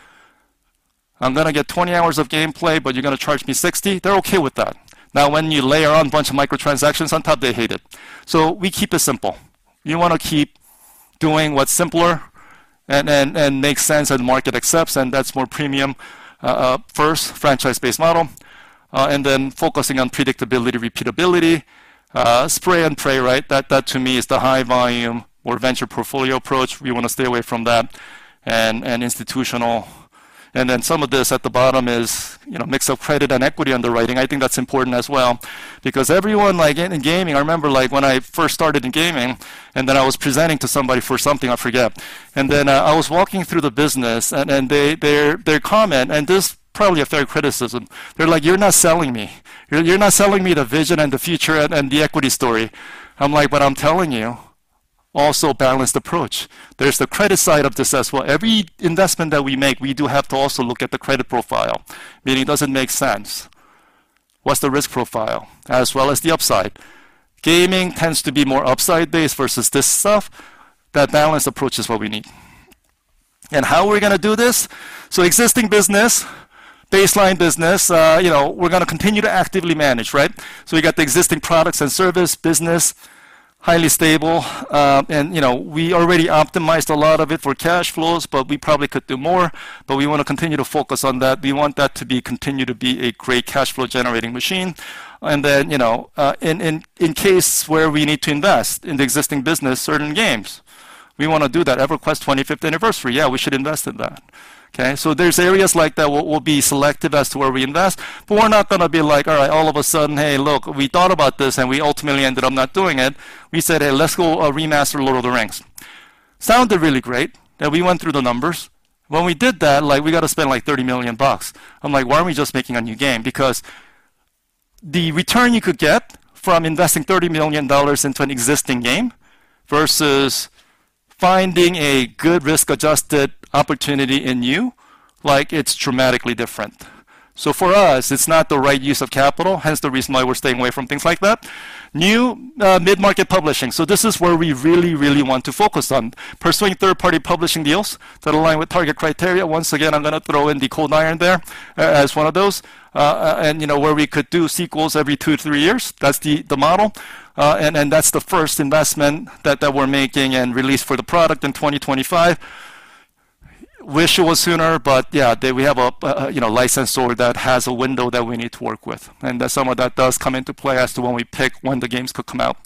I'm gonna get 20 hours of gameplay, but you're gonna charge me $60? They're okay with that. Now, when you layer on a bunch of microtransactions on top, they hate it. So we keep it simple. You want to keep doing what's simpler and makes sense, and the market accepts, and that's more premium, first, franchise-based model, and then focusing on predictability, repeatability, spray, and pray, right? That, that, to me, is the high volume or venture portfolio approach. We want to stay away from that and institutional. And then some of this at the bottom is, you know, mix of credit and equity underwriting. I think that's important as well, because everyone like in, in gaming. I remember, like, when I first started in gaming, and then I was presenting to somebody for something, I forget. And then, I was walking through the business, and their comment, and this is probably a fair criticism, they're like, "You're not selling me. You're, you're not selling me the vision and the future and, and the equity story." I'm like, "But I'm telling you." Also a balanced approach. There's the credit side of this as well. Every investment that we make, we do have to also look at the credit profile, meaning, does it make sense? What's the risk profile as well as the upside? Gaming tends to be more upside-based versus this stuff. That balanced approach is what we need. How are we gonna do this? Existing business, baseline business, you know, we're gonna continue to actively manage, right? We got the existing products and service business, highly stable, and, you know, we already optimized a lot of it for cash flows, but we probably could do more, but we want to continue to focus on that. We want that to be, continue to be a great cash flow-generating machine. Then, you know, in case where we need to invest in the existing business, certain games, we want to do that. EverQuest 25th anniversary, yeah, we should invest in that. Okay? So there's areas like that where we'll be selective as to where we invest, but we're not gonna be like, "All right," all of a sudden, "Hey, look, we thought about this, and we ultimately ended up not doing it." We said, "Hey, let's go, remaster Lord of the Rings." Sounded really great, and we went through the numbers. When we did that, like, we got to spend, like, $30 million. I'm like: Why aren't we just making a new game? Because the return you could get from investing $30 million into an existing game versus finding a good risk-adjusted opportunity in new, like, it's dramatically different. So for us, it's not the right use of capital, hence the reason why we're staying away from things like that. New, mid-market publishing. So this is where we really, really want to focus on. Pursuing Third-Party publishing deals that align with target criteria. Once again, I'm gonna throw in the Cold Iron there as one of those. And, you know, where we could do sequels every 2-3 years, that's the model. And that's the first investment that we're making and release for the product in 2025. Wish it was sooner, but yeah, they. We have a, you know, license holder that has a window that we need to work with, and that, some of that does come into play as to when we pick when the games could come out.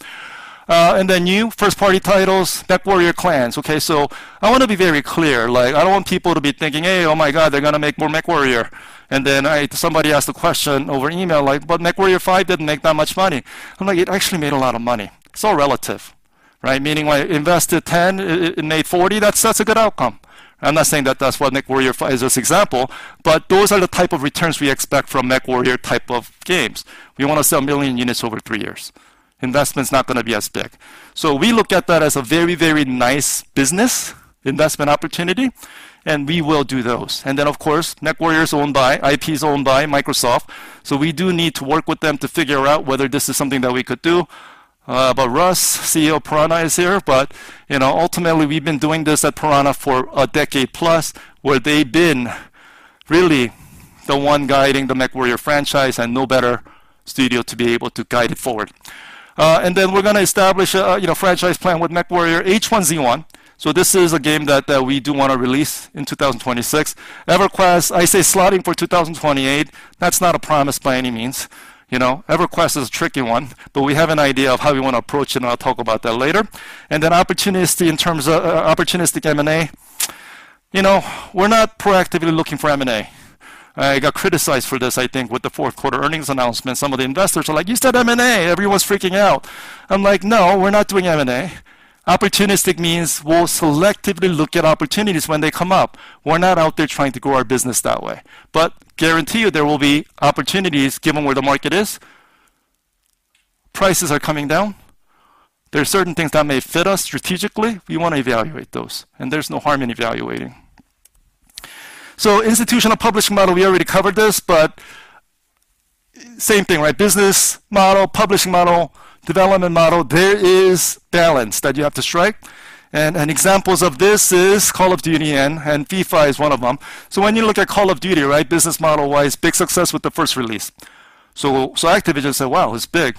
And then new First-Party titles, MechWarrior Clans. Okay, so I want to be very clear, like, I don't want people to be thinking, "Hey, oh, my God, they're going to make more MechWarrior." And then I, somebody asked a question over email, like: "But MechWarrior 5 didn't make that much money." I'm like, "It actually made a lot of money." It's all relative, right? Meaning I invested $10, it made $40, that's a good outcome. I'm not saying that that's what MechWarrior 5 is as example, but those are the type of returns we expect from MechWarrior type of games. We want to sell 1 million units over three years. Investment's not gonna be as big. So we look at that as a very, very nice business investment opportunity, and we will do those. And then, of course, MechWarrior is owned by—IP is owned by Microsoft, so we do need to work with them to figure out whether this is something that we could do. But Russ, CEO of Piranha, is here, but, you know, ultimately, we've been doing this at Piranha for a decade plus, where they've been really the one guiding the MechWarrior franchise, and no better studio to be able to guide it forward. And then we're gonna establish a, you know, franchise plan with MechWarrior H1Z1. So this is a game that we do want to release in 2026. EverQuest, I say slotting for 2028. That's not a promise by any means, you know? EverQuest is a tricky one, but we have an idea of how we want to approach it, and I'll talk about that later. And then opportunity in terms of opportunistic M&A. You know, we're not proactively looking for M&A. I got criticized for this, I think, with the fourth quarter earnings announcement. Some of the investors are like, "You said M&A!" Everyone's freaking out. I'm like, "No, we're not doing M&A." Opportunistic means we'll selectively look at opportunities when they come up. We're not out there trying to grow our business that way, but guarantee you, there will be opportunities given where the market is. Prices are coming down. There are certain things that may fit us strategically. We want to evaluate those, and there's no harm in evaluating. So institutional publishing model, we already covered this, but same thing, right? Business model, publishing model, development model. There is balance that you have to strike, and examples of this is Call of Duty and FIFA is one of them. So when you look at Call of Duty, right, business model-wise, big success with the first release. So Activision said, "Wow, it's big.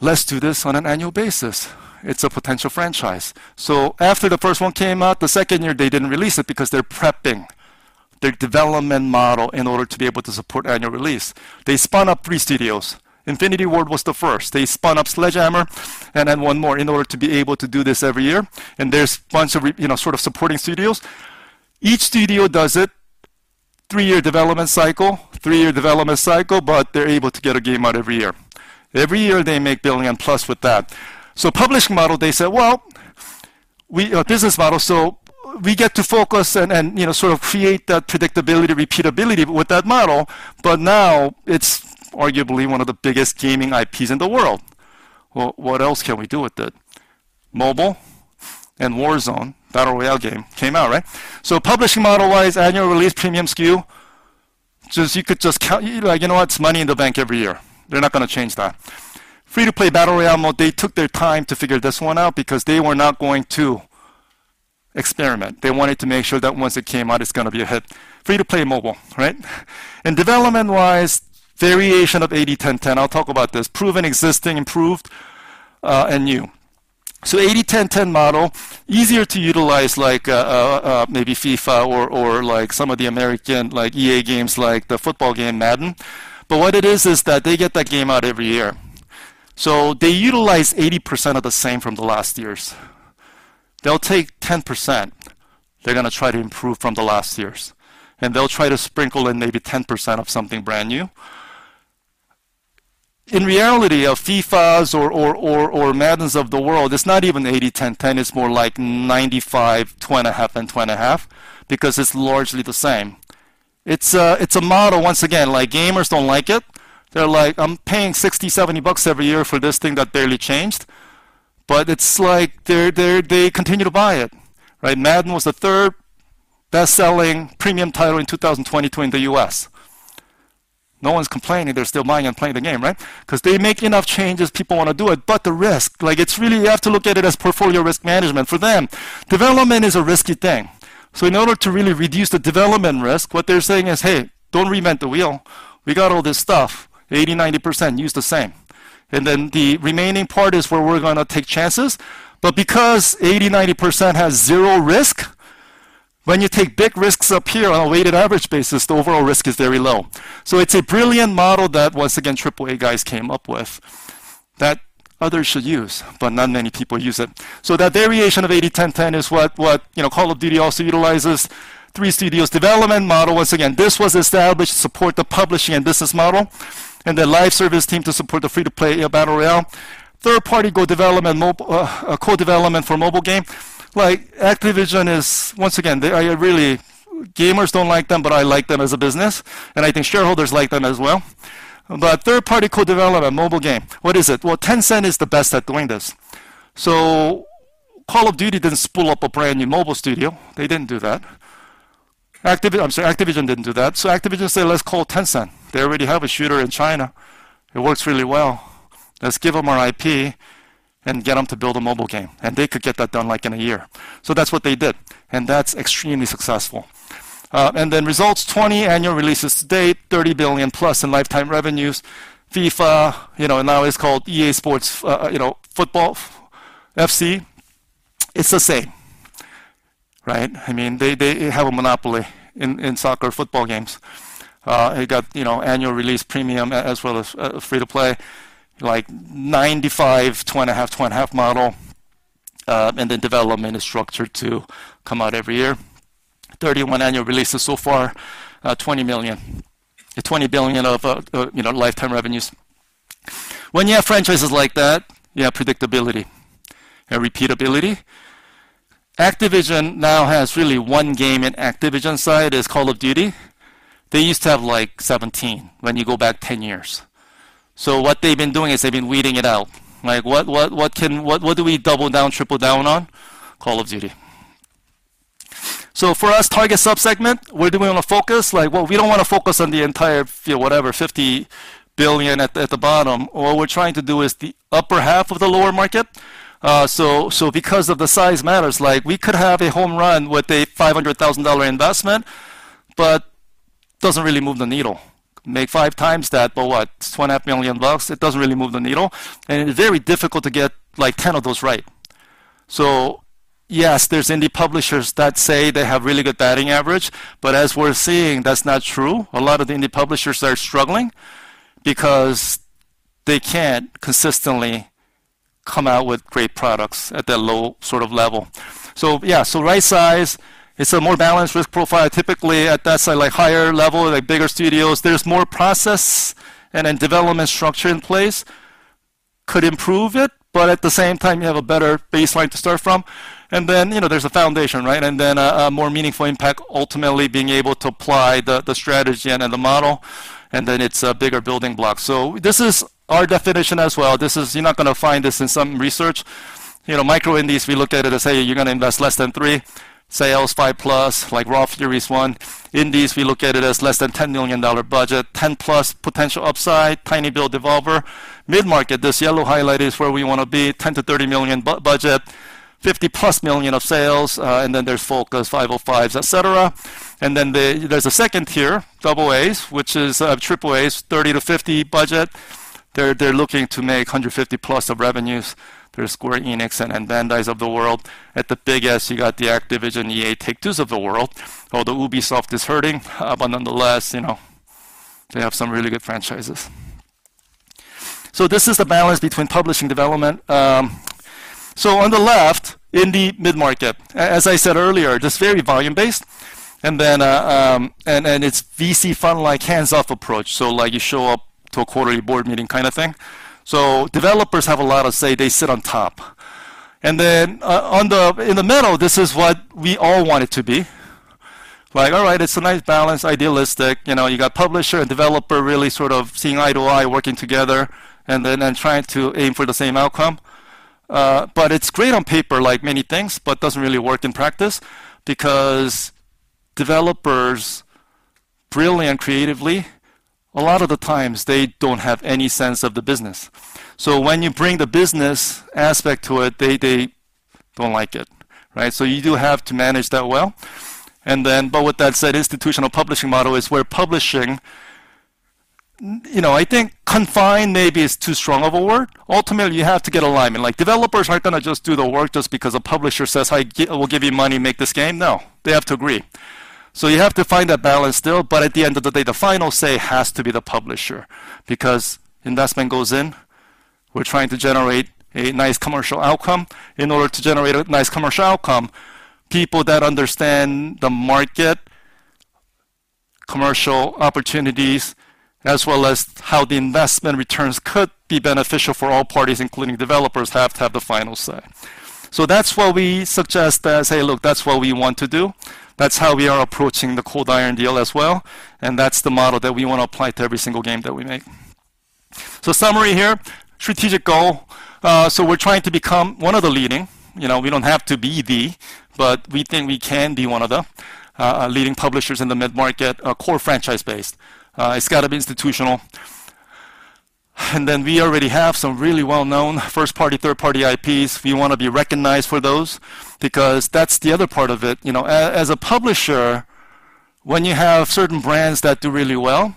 Let's do this on an annual basis. It's a potential franchise." So after the first one came out, the second year, they didn't release it because they're prepping their development model in order to be able to support annual release. They spun up three studios. Infinity Ward was the first. They spun up Sledgehammer and then one more in order to be able to do this every year. And there's a bunch of you know, sort of supporting studios. Each studio does it, three-year development cycle, three-year development cycle, but they're able to get a game out every year. Every year, they make $1 billion+ with that. So publishing model, they said, "Well, we business model, so we get to focus and, you know, sort of create that predictability, repeatability with that model." But now it's arguably one of the biggest gaming IPs in the world. Well, what else can we do with it? Mobile and Warzone, battle royale game, came out, right? So publishing model-wise, annual release, premium SKU. So you could just count, like, you know what? It's money in the bank every year. They're not gonna change that. Free-to-play battle royale mode, they took their time to figure this one out because they were not going to experiment. They wanted to make sure that once it came out, it's gonna be a hit. Free-to-play mobile, right? And development-wise, variation of 80-10-10. I'll talk about this. Proven, existing, improved, and new. So 80-10-10 model, easier to utilize, like, maybe FIFA or like some of the American, like EA games, like the football game, Madden. But what it is, is that they get that game out every year. So they utilize 80% of the same from the last years. They'll take 10%, they're gonna try to improve from the last years, and they'll try to sprinkle in maybe 10% of something brand new. In reality, a FIFAs or Maddens of the world, it's not even 80-10-10. It's more like 95, two-and-a-half, and two-and-a-half, because it's largely the same. It's a model, once again, like, gamers don't like it. They're like, "I'm paying $60-$70 every year for this thing that barely changed." But it's like they're, they continue to buy it, right? Madden was the third best-selling premium title in 2022 in the U.S. No one's complaining. They're still buying and playing the game, right? Because they make enough changes, people wanna do it. But the risk, like, it's really. you have to look at it as portfolio risk management. For them, development is a risky thing. So in order to really reduce the development risk, what they're saying is, "Hey, don't reinvent the wheel. We got all this stuff, 80, 90%, use the same. And then the remaining part is where we're gonna take chances." But because 80, 90% has zero risk, when you take big risks up here on a weighted average basis, the overall risk is very low. So it's a brilliant model that, once again, AAA guys came up with that others should use, but not many people use it. So that variation of 80-10-10 is what, you know, Call of Duty also utilizes. Three studios development model, once again, this was established to support the publishing and business model, and the live service team to support the free-to-play battle royale. Third-party co-development for mobile game. Like, Activision is once again, they are really. Gamers don't like them, but I like them as a business, and I think shareholders like them as well. But third-party co-development mobile game, what is it? Well, Tencent is the best at doing this. So Call of Duty didn't spool up a brand-new mobile studio. They didn't do that. Activision didn't do that. So Activision said, "Let's call Tencent. They already have a shooter in China. It works really well. Let's give them our IP and get them to build a mobile game, and they could get that done, like, in a year." So that's what they did, and that's extremely successful. And then results, 20 annual releases to date, $30 billion+ in lifetime revenues. FIFA, you know, now it's called EA Sports FC. It's the same, right? I mean, they, they have a monopoly in, in soccer football games. It got, you know, annual release premium as well as, free to play, like 95/20/20 model, and the development is structured to come out every year. 31 annual releases so far, 20 billion. 20 billion of, you know, lifetime revenues. When you have franchises like that, you have predictability and repeatability. Activision now has really one game in Activision side, is Call of Duty. They used to have, like, 17 when you go back 10 years. What they've been doing is they've been weeding it out. Like, what, what, what can-- what, what do we double down, triple down on? Call of Duty. For us, target sub-segment, where do we wanna focus? Like, well, we don't wanna focus on the entire field, whatever, $50 billion at the, at the bottom. What we're trying to do is the upper half of the lower market. Because size matters, like, we could have a home run with a $500,000 investment, but doesn't really move the needle. Make 5 times that, but what? It's $2.5 million. It doesn't really move the needle, and it's very difficult to get, like, 10 of those right. So yes, there's indie publishers that say they have really good batting average, but as we're seeing, that's not true. A lot of the indie publishers are struggling because they can't consistently come out with great products at that low sort of level. So yeah, so right size, it's a more balanced risk profile. Typically, at that side, like, higher level, like bigger studios, there's more process and then development structure in place. Could improve it, but at the same time, you have a better baseline to start from. And then, you know, there's a foundation, right? And then a more meaningful impact, ultimately being able to apply the strategy and then the model, and then it's a bigger building block. So this is our definition as well. This is—you're not gonna find this in some research. You know, micro indies, we look at it as, hey, you're gonna invest less than $3, sales $5+, like Raw Fury is one. Indies, we look at it as less than $10 million budget, 10+ potential upside, tinyBuild, Devolver. Mid-market, this yellow highlight, is where we wanna be, $10-$30 million budget, $50+ million of sales, and then there's Focus, Five Oh Five, etc. And then the, there's a second tier, double-A's, which is, AAA's, $30-$50 budget. They're, they're looking to make $150+ of revenues. There's Square Enix and, and Bandais of the world. At the big S, you got the Activision, EA, Take-Twos of the world, although Ubisoft is hurting, but nonetheless, you know, they have some really good franchises. So this is the balance between publishing development. So on the left, indie mid-market, as I said earlier, just very volume-based, and then it's VC fund, like, hands-off approach. So, like, you show up to a quarterly board meeting kind of thing. So developers have a lot of say, they sit on top. And then in the middle, this is what we all want it to be. Like, all right, it's a nice balance, idealistic. You know, you got publisher and developer really sort of seeing eye to eye, working together, and trying to aim for the same outcome. But it's great on paper, like many things, but doesn't really work in practice because developers, brilliant creatively, a lot of the times they don't have any sense of the business. So when you bring the business aspect to it, they don't like it, right? So you do have to manage that well. But with that said, institutional publishing model is where publishing. You know, I think confined maybe is too strong of a word. Ultimately, you have to get alignment. Like, developers aren't gonna just do the work just because a publisher says, "I will give you money, make this game." No, they have to agree. So you have to find that balance still, but at the end of the day, the final say has to be the publisher because investment goes in. We're trying to generate a nice commercial outcome. In order to generate a nice commercial outcome, people that understand the market, commercial opportunities, as well as how the investment returns could be beneficial for all parties, including developers, have to have the final say. So that's why we suggest that, say, "Look, that's what we want to do." That's how we are approaching the Cold Iron deal as well, and that's the model that we want to apply to every single game that we make. So summary here, strategic goal. So we're trying to become one of the leading, you know, we don't have to be the, but we think we can be one of the, leading publishers in the mid-market, core franchise base. It's got to be institutional. And then we already have some really well-known first-party, third-party IPs. We wanna be recognized for those, because that's the other part of it. You know, as a publisher, when you have certain brands that do really well,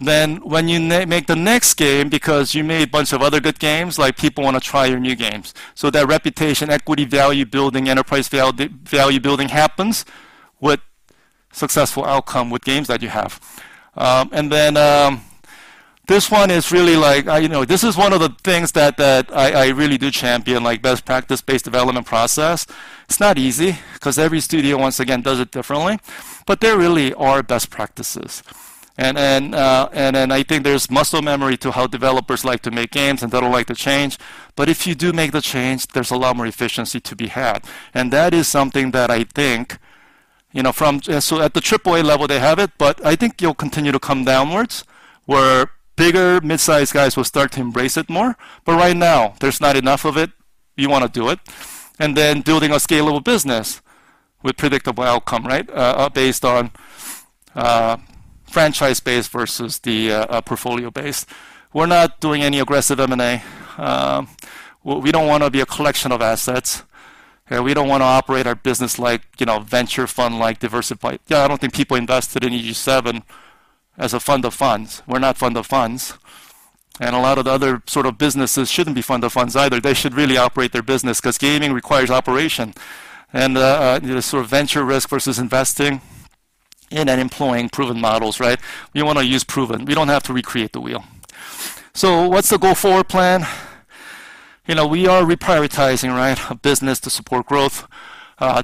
then when you make the next game, because you made a bunch of other good games, like, people wanna try your new games. So that reputation, equity, value building, enterprise val-- value building happens with successful outcome with games that you have. And then, this one is really like. you know, this is one of the things that, that I, I really do champion, like best practice-based development process. It's not easy, 'cause every studio, once again, does it differently, but there really are best practices. And I think there's muscle memory to how developers like to make games, and they don't like to change. But if you do make the change, there's a lot more efficiency to be had. And that is something that I think, you know, from. So at the AAA level, they have it, but I think you'll continue to come downwards, where bigger, mid-sized guys will start to embrace it more. But right now, there's not enough of it. You wanna do it. And then building a scalable business with predictable outcome, right? Based on franchise base versus the portfolio base. We're not doing any aggressive M&A. We don't wanna be a collection of assets, okay? We don't wanna operate our business like, you know, venture fund, like diversified. Yeah, I don't think people invested in EG7 as a fund of funds. We're not fund of funds, and a lot of the other sort of businesses shouldn't be fund of funds either. They should really operate their business 'cause gaming requires operation, and sort of venture risk versus investing in and employing proven models, right? We wanna use proven. We don't have to recreate the wheel. So what's the go-forward plan? You know, we are reprioritizing, right, business to support growth.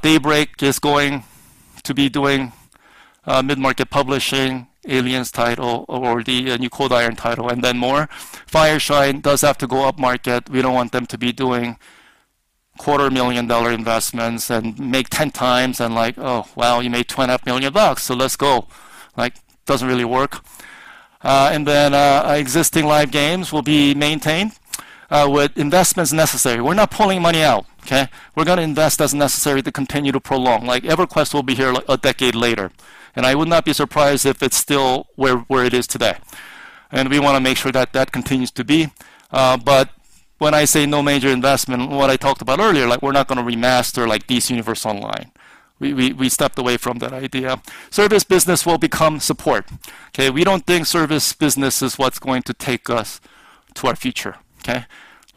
Daybreak is going to be doing mid-market publishing, Aliens title or the new Cold Iron title, and then more. Fireshine does have to go up market. We don't want them to be doing $250,000 investments and make 10 times and like, "Oh, wow, you made $25 million bucks, so let's go." Like, doesn't really work. And then, existing live games will be maintained with investments necessary. We're not pulling money out, okay? We're gonna invest as necessary to continue to prolong. Like, EverQuest will be here a decade later, and I would not be surprised if it's still where it is today. And we wanna make sure that that continues to be, but when I say no major investment, what I talked about earlier, like, we're not gonna remaster like DC Universe Online. We stepped away from that idea. Service business will become support, okay? We don't think service business is what's going to take us to our future, okay?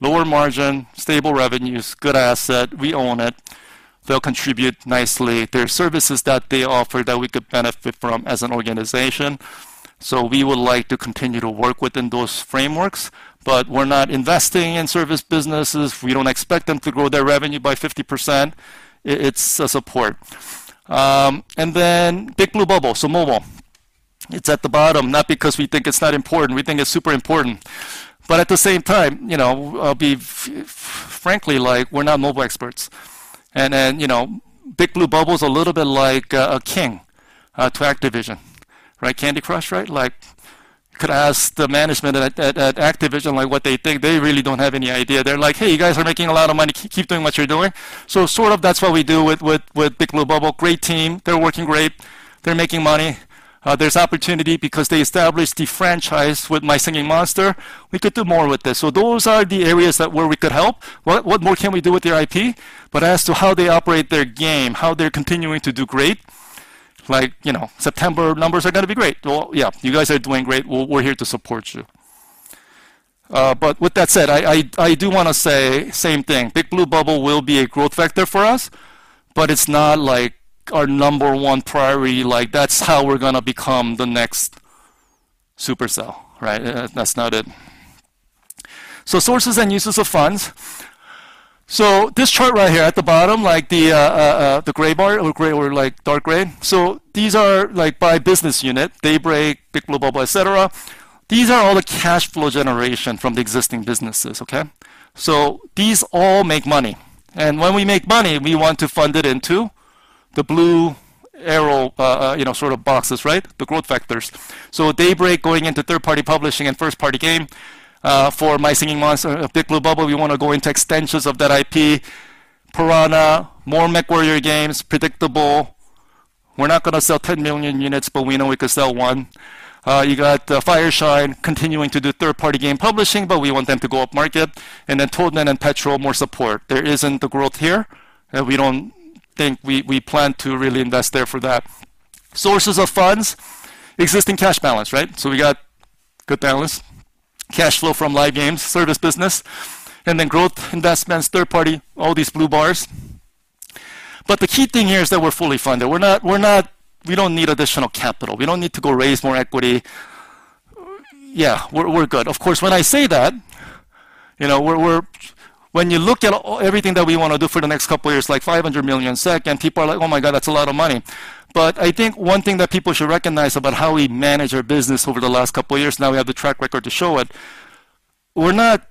Lower margin, stable revenues, good asset, we own it. They'll contribute nicely. There are services that they offer that we could benefit from as an organization, so we would like to continue to work within those frameworks, but we're not investing in service businesses. We don't expect them to grow their revenue by 50%. It's a support. And then Big Blue Bubble, so mobile. It's at the bottom, not because we think it's not important. We think it's super important, but at the same time, you know, I'll be frankly, like, we're not mobile experts. And then, you know, Big Blue Bubble is a little bit like, King, to Activision, right? Candy Crush, right? Like, could ask the management at Activision, like, what they think. They really don't have any idea. They're like, "Hey, you guys are making a lot of money. Keep doing what you're doing." So sort of that's what we do with Big Blue Bubble. Great team, they're working great, they're making money. There's opportunity because they established the franchise with My Singing Monsters. We could do more with this. So those are the areas that where we could help. What more can we do with their IP? But as to how they operate their game, how they're continuing to do great, like, you know, September numbers are gonna be great. Well, yeah, you guys are doing great. We're here to support you. But with that said, I do wanna say same thing. Big Blue Bubble will be a growth vector for us, but it's not like our number one priority, like, that's how we're gonna become the next Supercell, right? That's not it. So sources and uses of funds. So this chart right here at the bottom, like the gray bar or, like, dark gray, so these are, like, by business unit, Daybreak, Big Blue Bubble, et cetera. These are all the cash flow generation from the existing businesses, okay? So these all make money, and when we make money, we want to fund it into the blue arrow, you know, sort of boxes, right? The growth vectors. So Daybreak going into third-party publishing and first-party game for My Singing Monsters. Big Blue Bubble, we wanna go into extensions of that IP. Piranha, more MechWarrior games, predictable. We're not gonna sell 10 million units, but we know we could sell one. You got Fireshine continuing to do third-party game publishing, but we want them to go up market. And then Toadman and Petrol, more support. There isn't the growth here, and we don't think we plan to really invest there for that. Sources of funds, existing cash balance, right? So we got good balance, cash flow from live games, service business, and then growth investments, third party, all these blue bars. But the key thing here is that we're fully funded. We're not-- We don't need additional capital. We don't need to go raise more equity. Yeah, we're good. Of course, when I say that, you know, we're. When you look at everything that we wanna do for the next couple of years, like 500 million SEK, and people are like, "Oh, my God, that's a lot of money." But I think one thing that people should recognize about how we manage our business over the last couple of years, now we have the track record to show it. We're not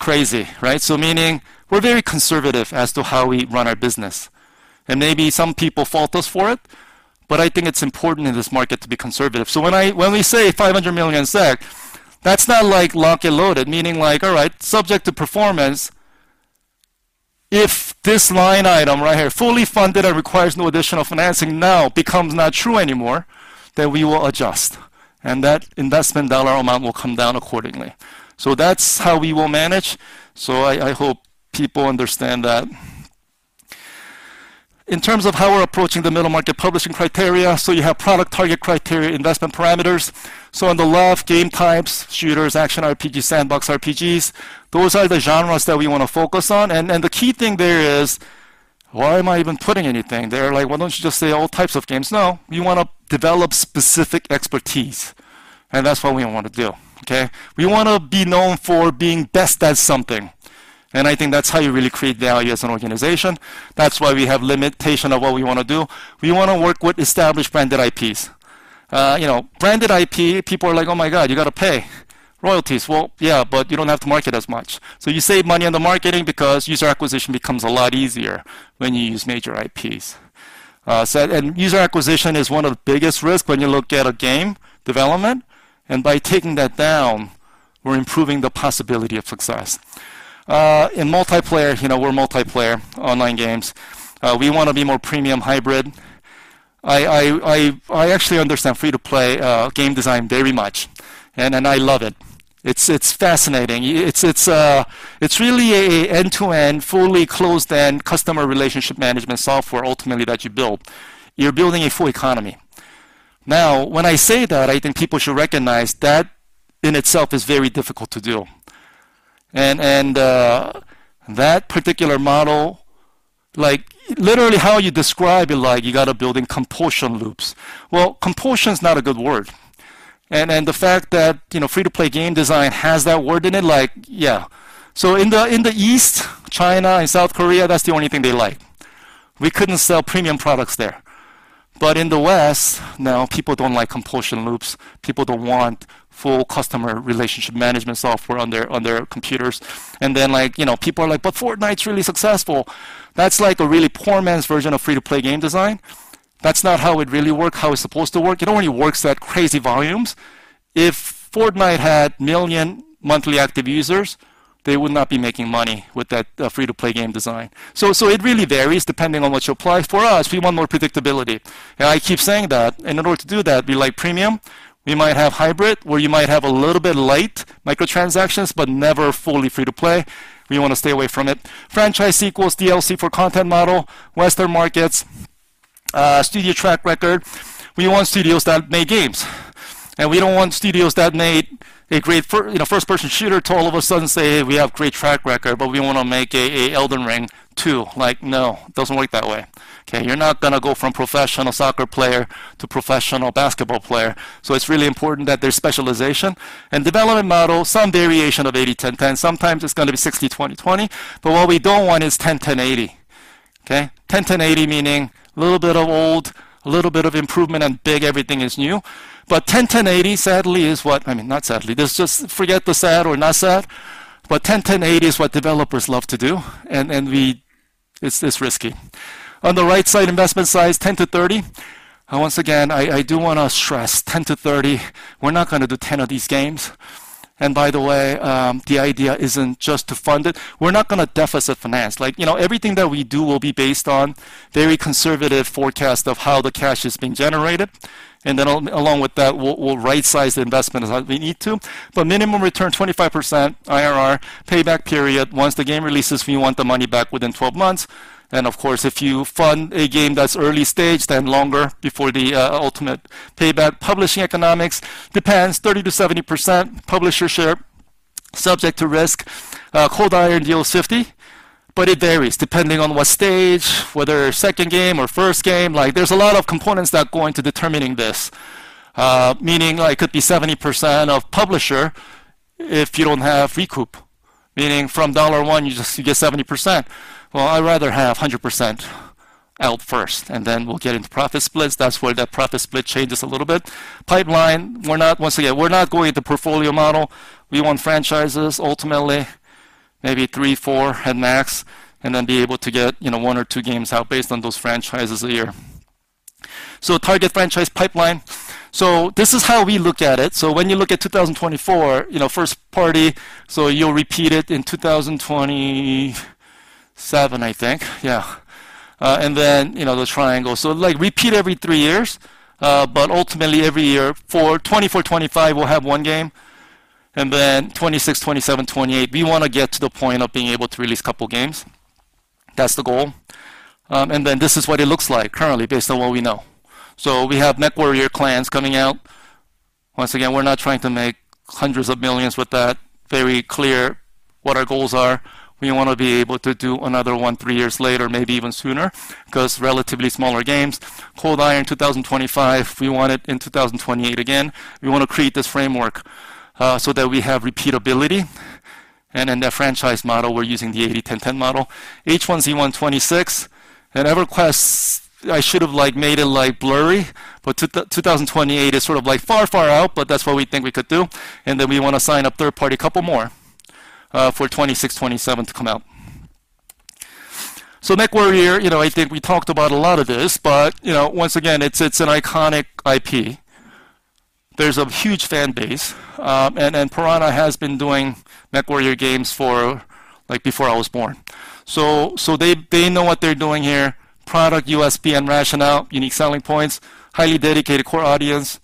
crazy, right? So meaning, we're very conservative as to how we run our business, and maybe some people fault us for it, but I think it's important in this market to be conservative. So when we say 500 million SEK, that's not like locked and loaded, meaning like, all right, subject to performance, if this line item right here, fully funded and requires no additional financing, now becomes not true anymore, then we will adjust, and that investment dollar amount will come down accordingly. So that's how we will manage. So I hope people understand that. In terms of how we're approaching the middle market publishing criteria, so you have product target criteria, investment parameters. So on the left, game types, shooters, action RPG, sandbox RPGs, those are the genres that we wanna focus on. And the key thing there is, why am I even putting anything there? Like, why don't you just say all types of games? No, we wanna develop specific expertise, and that's what we wanna do, okay? We wanna be known for being best at something, and I think that's how you really create value as an organization. That's why we have limitation of what we wanna do. We wanna work with established branded IPs. You know, branded IP, people are like, "Oh, my God, you gotta pay royalties." Well, yeah, but you don't have to market as much. So you save money on the marketing because user acquisition becomes a lot easier when you use major IPs. So and user acquisition is one of the biggest risk when you look at a game development, and by taking that down, we're improving the possibility of success. In multiplayer, you know, we're multiplayer online games. We wanna be more premium hybrid. I actually understand free-to-play game design very much, and I love it. It's fascinating. It's really an end-to-end, fully closed-end customer relationship management software ultimately that you build. You're building a full economy. Now, when I say that, I think people should recognize that in itself is very difficult to do. And that particular model, like, literally how you describe it, like, you got to build in compulsion loops. Well, compulsion is not a good word, and the fact that, you know, free-to-play game design has that word in it, like, yeah. So in the East, China and South Korea, that's the only thing they like. We couldn't sell premium products there. But in the West, now, people don't like compulsion loops. People don't want full customer relationship management software on their computers. And then, like, you know, people are like: "But Fortnite's really successful." That's like a really poor man's version of free-to-play game design. That's not how it really work, how it's supposed to work. It only works at crazy volumes. If Fortnite had million monthly active users, they would not be making money with that free-to-play game design. So, so it really varies depending on what you apply. For us, we want more predictability, and I keep saying that. In order to do that, it'd be like premium. We might have hybrid, where you might have a little bit light microtransactions, but never fully free to play. We wanna stay away from it. Franchise sequels, DLC for content model, Western markets, studio track record. We want studios that make games, and we don't want studios that make a great first-person shooter, you know, to all of a sudden say, "We have great track record, but we wanna make a Elden Ring 2." Like, no, it doesn't work that way. Okay, you're not gonna go from professional soccer player to professional basketball player. So it's really important that there's specialization. And development model, some variation of 80-10-10. Sometimes it's gonna be 60-20-20, but what we don't want is 10-10-80. Okay? 10-10-80, meaning little bit of old, a little bit of improvement, and big everything is new. But 10-10-80, sadly, is what. I mean, not sadly. Just, just forget the sad or not sad, but 10-10-80 is what developers love to do, and it's risky. On the right side, investment size, $10-$30 million. Once again, I do wanna stress, 10-30, we're not gonna do 10 of these games. By the way, the idea isn't just to fund it. We're not gonna deficit finance. Like, you know, everything that we do will be based on very conservative forecast of how the cash is being generated, and then along with that, we'll right-size the investment as we need to. But minimum return, 25% IRR. Payback period, once the game releases, we want the money back within 12 months. Then, of course, if you fund a game that's early stage, then longer before the ultimate payback. Publishing economics, depends, 30%-70% publisher share, subject to risk. Cold Iron deal is 50, but it varies depending on what stage, whether a second game or first game. Like, there's a lot of components that go into determining this. Meaning it could be 70% of publisher if you don't have recoup, meaning from dollar one, you just, you get 70%. Well, I'd rather have 100% out first, and then we'll get into profit splits. That's where that profit split changes a little bit. Pipeline, we're not. Once again, we're not going with the portfolio model. We want franchises, ultimately, maybe three, four at max, and then be able to get, you know, one or two games out based on those franchises a year. So target franchise pipeline. So this is how we look at it. So when you look at 2024, you know, first-party, so you'll repeat it in 2027, I think. Yeah. And then, you know, the triangle. So, like, repeat every three years, but ultimately every year. For 2024, 2025, we'll have one game, and then 2026, 2027, 2028, we wanna get to the point of being able to release a couple games. That's the goal. And then this is what it looks like currently, based on what we know. So we have MechWarrior 5: Clans coming out. Once again, we're not trying to make $hundreds of millions with that. Very clear what our goals are. We wanna be able to do another one three years later, maybe even sooner, 'cause relatively smaller games. Cold Iron in 2025, we want it in 2028 again. We wanna create this framework, so that we have repeatability. And in that franchise model, we're using the 80-10-10 model. H1Z1, 2026. And EverQuest, I should have, like, made it, like, blurry, but 2028 is sort of, like, far, far out, but that's what we think we could do. Then we wanna sign up third-party, a couple more, for 2026, 2027 to come out. So MechWarrior, you know, I think we talked about a lot of this, but, you know, once again, it's, it's an iconic IP. There's a huge fan base, and, and Piranha has been doing MechWarrior games for, like, before I was born. So, so they, they know what they're doing here. Product USP and rationale, unique selling points, highly dedicated core audience,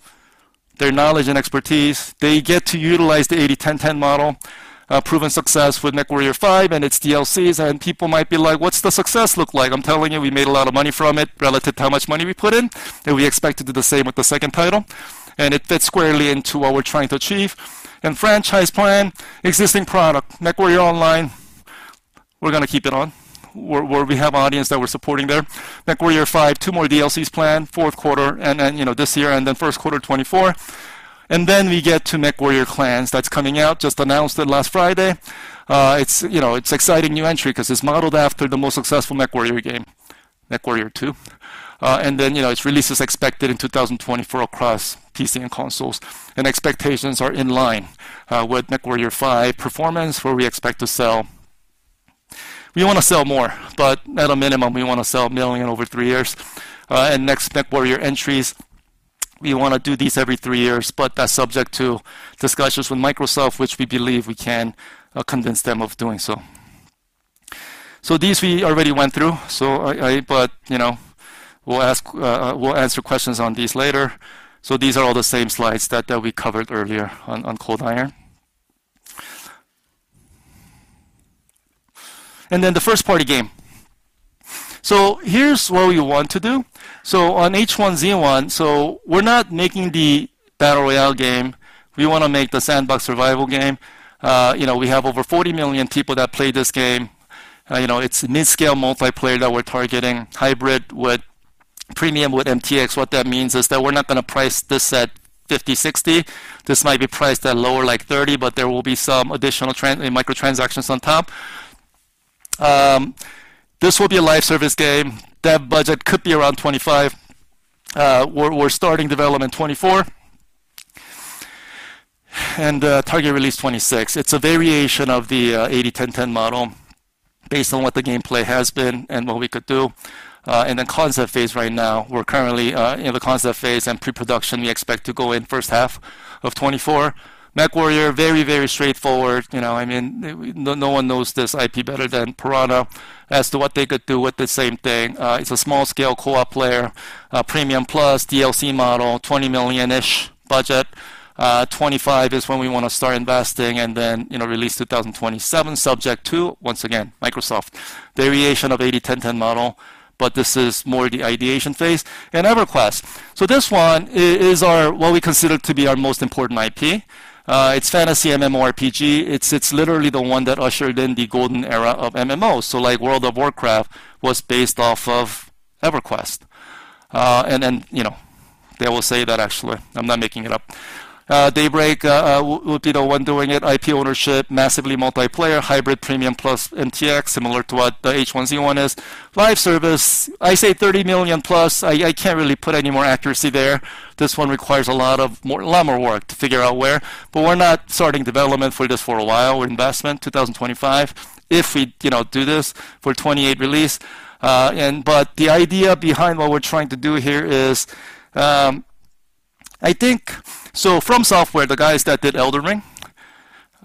their knowledge and expertise. They get to utilize the 80-10-10 model, proven success with MechWarrior 5 and its DLCs. And people might be like: What's the success look like? I'm telling you, we made a lot of money from it relative to how much money we put in, and we expect to do the same with the second title. It fits squarely into what we're trying to achieve. Franchise plan, existing product, MechWarrior Online, we're gonna keep it on, where we have audience that we're supporting there. MechWarrior 5, two more DLCs planned, fourth quarter, and then, you know, this year and then first quarter 2024. And then we get to MechWarrior Clans. That's coming out, just announced it last Friday. It's, you know, it's exciting new entry, 'cause it's modeled after the most successful MechWarrior game, MechWarrior 2. And then, you know, its release is expected in 2024 across PC and consoles. And expectations are in line with MechWarrior 5 performance, where we expect to sell. We wanna sell more, but at a minimum, we wanna sell 1 million over three years. Next MechWarrior entries, we wanna do these every three years, but that's subject to discussions with Microsoft, which we believe we can convince them of doing so. So these we already went through. But, you know, we'll ask, we'll answer questions on these later. So these are all the same slides that we covered earlier on Cold Iron. And then the first party game. So here's what we want to do. So on H1Z1, so we're not making the battle royale game, we wanna make the sandbox survival game. You know, we have over 40 million people that play this game. You know, it's mid-scale multiplayer that we're targeting, hybrid with premium, with MTX. What that means is that we're not gonna price this at 50, 60. This might be priced at lower, like $30, but there will be some additional microtransactions on top. This will be a live service game. Dev budget could be around $25 million. We're starting development in 2024. Target release 2026. It's a variation of the 80-10-10 model based on what the gameplay has been and what we could do. In the concept phase right now, we're currently in the concept phase and pre-production. We expect to go in first half of 2024. MechWarrior, very, very straightforward. You know, I mean, no one knows this IP better than Piranha as to what they could do with the same thing. It's a small-scale co-op player, premium plus DLC model, $20 million-ish budget. 25 is when we want to start investing and then, you know, release 2027, subject to, once again, Microsoft. Variation of 80-10-10 model, but this is more the ideation phase and EverQuest. So this one is our what we consider to be our most important IP. It's fantasy MMORPG. It's literally the one that ushered in the golden era of MMO. So, like, World of Warcraft was based off of EverQuest. And then, you know, they will say that actually, I'm not making it up. Daybreak will be the one doing it. IP ownership, massively multiplayer, hybrid premium plus MTX, similar to what the H1Z1 is. Live service, I say $30 million+. I can't really put any more accuracy there. This one requires a lot more work to figure out where, but we're not starting development for this for a while. Investment 2025. If we, you know, do this for 2028 release. But the idea behind what we're trying to do here is, I think. So FromSoftware, the guys that did Elden Ring,